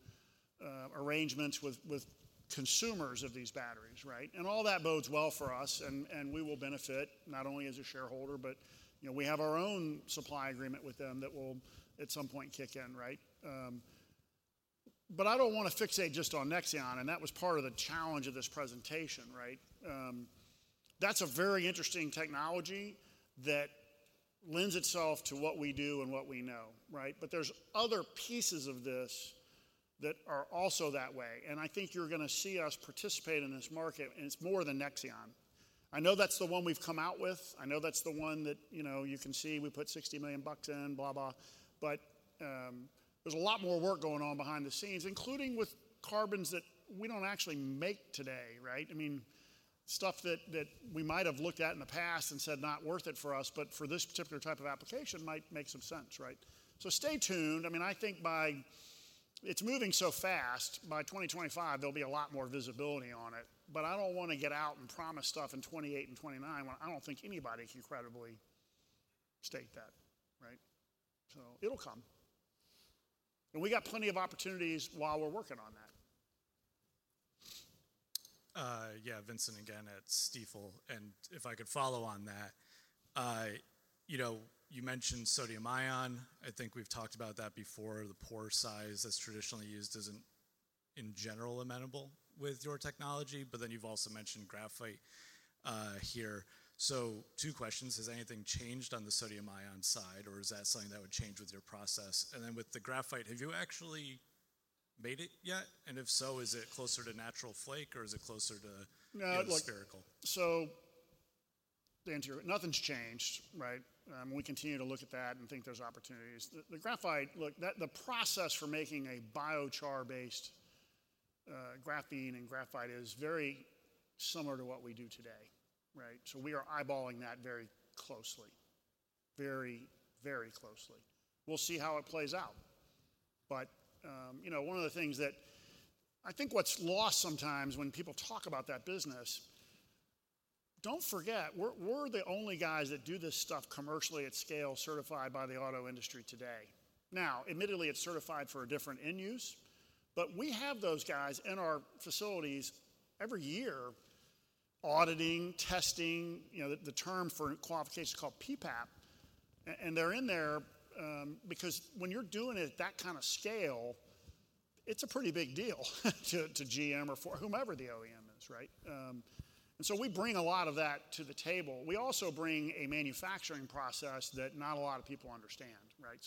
arrangements with consumers of these batteries, right? All that bodes well for us and we will benefit, not only as a shareholder, but, you know, we have our own supply agreement with them that will at some point kick in, right? I don't want to fixate just on Nexeon, and that was part of the challenge of this presentation, right? That's a very interesting technology that lends itself to what we do and what we know, right? There's other pieces of this that are also that way, and I think you're going to see us participate in this market, and it's more than Nexeon. I know that's the one we've come out with. I know that's the one that, you know, you can see we put $60 million bucks, blah. There's a lot more work going on behind the scenes, including with carbons that we don't actually make today, right? I mean, stuff that we might have looked at in the past and said not worth it for us, but for this particular type of application might make some sense, right? Stay tuned. I mean, I think It's moving so fast, by 2025 there'll be a lot more visibility on it. I don't wanna get out and promise stuff in 2028 and 2029 when I don't think anybody can credibly state that, right? It'll come. We got plenty of opportunities while we're working on that. Yeah. Vincent again at Stifel. If I could follow on that. You know, you mentioned sodium-ion. I think we've talked about that before. The pore size that's traditionally used isn't, in general, amenable with your technology. Then you've also mentioned graphite, here. Two questions. Has anything changed on the sodium-ion side, or is that something that would change with your process? Then with the graphite, have you actually made it yet? If so, is it closer to natural flake or is it closer to No. the spherical? The interior, nothing's changed, right? We continue to look at that and think there's opportunities. The graphite look, the process for making a biochar-based graphene and graphite is very similar to what we do today, right? We are eyeballing that very closely. Very closely. We'll see how it plays out. You know, one of the things that I think what's lost sometimes when people talk about that business, don't forget, we're the only guys that do this stuff commercially at scale certified by the auto industry today. Now, admittedly, it's certified for a different end use, but we have those guys in our facilities every year auditing, testing. You know, the term for qualification is called PPAP. They're in there, because when you're doing it at that kind of scale, it's a pretty big deal to GM or for whomever the OEM is, right? We bring a lot of that to the table. We also bring a manufacturing process that not a lot of people understand, right?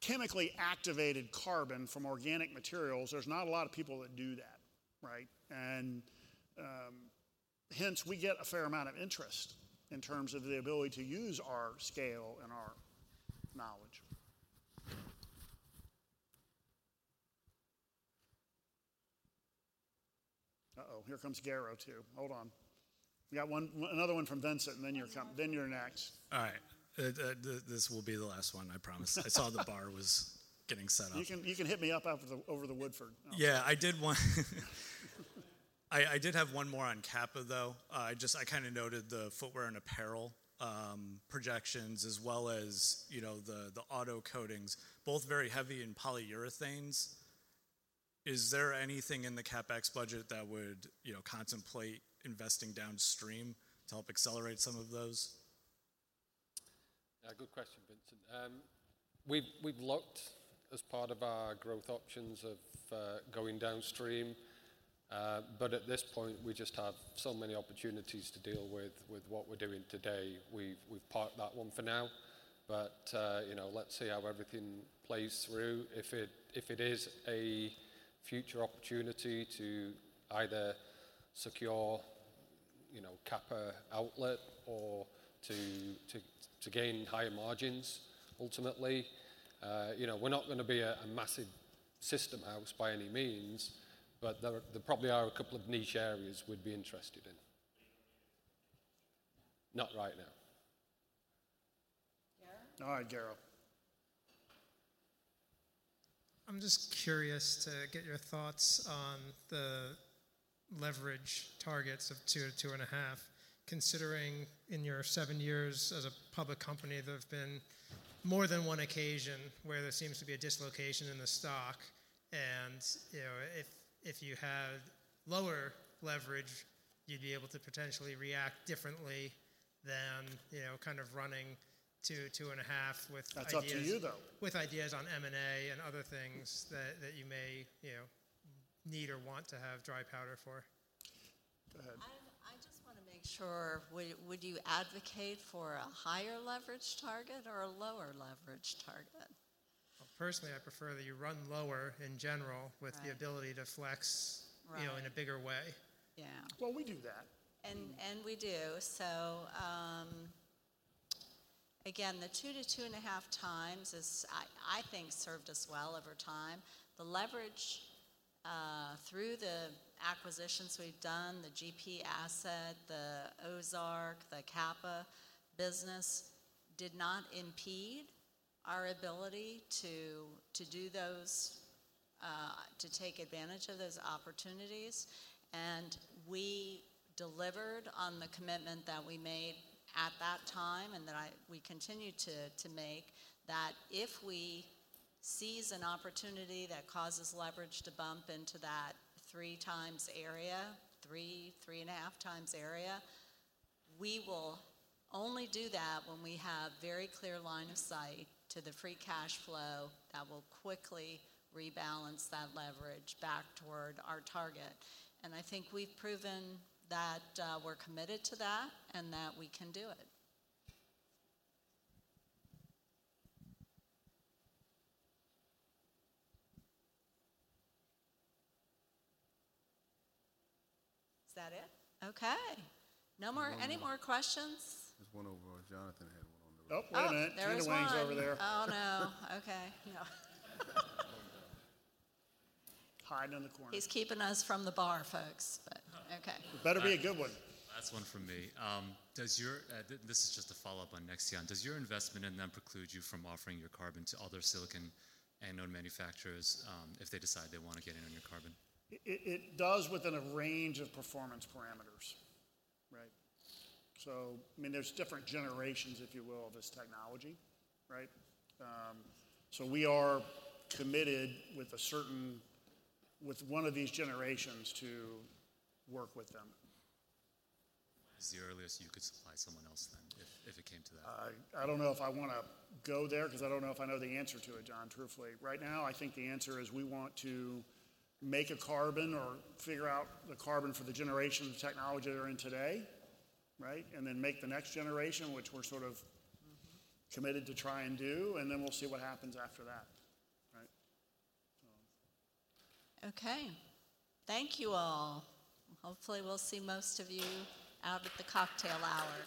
Chemically activated carbon from organic materials, there's not a lot of people that do that, right? Hence, we get a fair amount of interest in terms of the ability to use our scale and our knowledge. Uh-oh, here comes Garrow too. Hold on. We got another one from Vincent, you're next. All right. This will be the last one, I promise. I saw the bar was getting set up. You can hit me up out the, over the Woodford. Yeah, I did have one more on Capa, though. I just, I kinda noted the footwear and apparel projections as well as, you know, the auto coatings, both very heavy in polyurethanes. Is there anything in the CapEx budget that would, you know, contemplate investing downstream to help accelerate some of those? Good question, Vincent. we've looked as part of our growth options of going downstream. At this point, we just have so many opportunities to deal with what we're doing today. We've parked that one for now. you know, let's see how everything plays through. If it is a future opportunity to either secure, you know, Capa outlet or to gain higher margins ultimately, you know, we're not gonna be a massive system house by any means. There probably are a couple of niche areas we'd be interested in. Not right now. Garrow? All right, Garrow. I'm just curious to get your thoughts on the leverage targets of 2 to 2.5, considering in your seven years as a public company, there have been more than one occasion where there seems to be a dislocation in the stock. You know, if you had lower leverage, you'd be able to potentially react differently than, you know, kind of running 2.5 with ideas. That's up to you, though.... with ideas on M&A and other things that you may, you know, need or want to have dry powder for. Go ahead. I just wanna make sure, would you advocate for a higher leverage target or a lower leverage target? Well, personally, I prefer that you run lower in general. Right... with the ability to flex- Right you know, in a bigger way. Yeah. Well, we do that. We do. Again, the 2 to 2.5x has I think served us well over time. The leverage through the acquisitions we've done, the GP asset, the Ozark, the Capa business, did not impede our ability to do those to take advantage of those opportunities. We delivered on the commitment that we made at that time, and that we continue to make, that if we seize an opportunity that causes leverage to bump into that 3x area, 3.5x area, we will only do that when we have very clear line of sight to the free cash flow that will quickly rebalance that leverage back toward our target. I think we've proven that we're committed to that, and that we can do it. Is that it? Okay. No more- One more. Any more questions? There's one over where Jonathan had one on the right. Oh. Oh, wait a minute. There is one. Andrew Wang's over there. Oh, no. Okay. Yeah. Hiding in the corner. He's keeping us from the bar, folks. Okay. It better be a good one. Last one from me. Does your this is just a follow-up on Nexeon. Does your investment in them preclude you from offering your carbon to other silicon anode manufacturers, if they decide they wanna get in on your carbon? It does within a range of performance parameters, right? I mean, there's different generations, if you will, of this technology, right? We are committed with a certain, with one of these generations to work with them. What is the earliest you could supply someone else then if it came to that? I don't know if I wanna go there 'cause I don't know if I know the answer to it, Jon, truthfully. Right now, I think the answer is we want to make a carbon or figure out the carbon for the generation of the technology that we're in today, right? Then make the next generation, which we're sort of committed to try and do, and then we'll see what happens after that, right? Okay. Thank you, all. Hopefully, we'll see most of you out at the cocktail hour.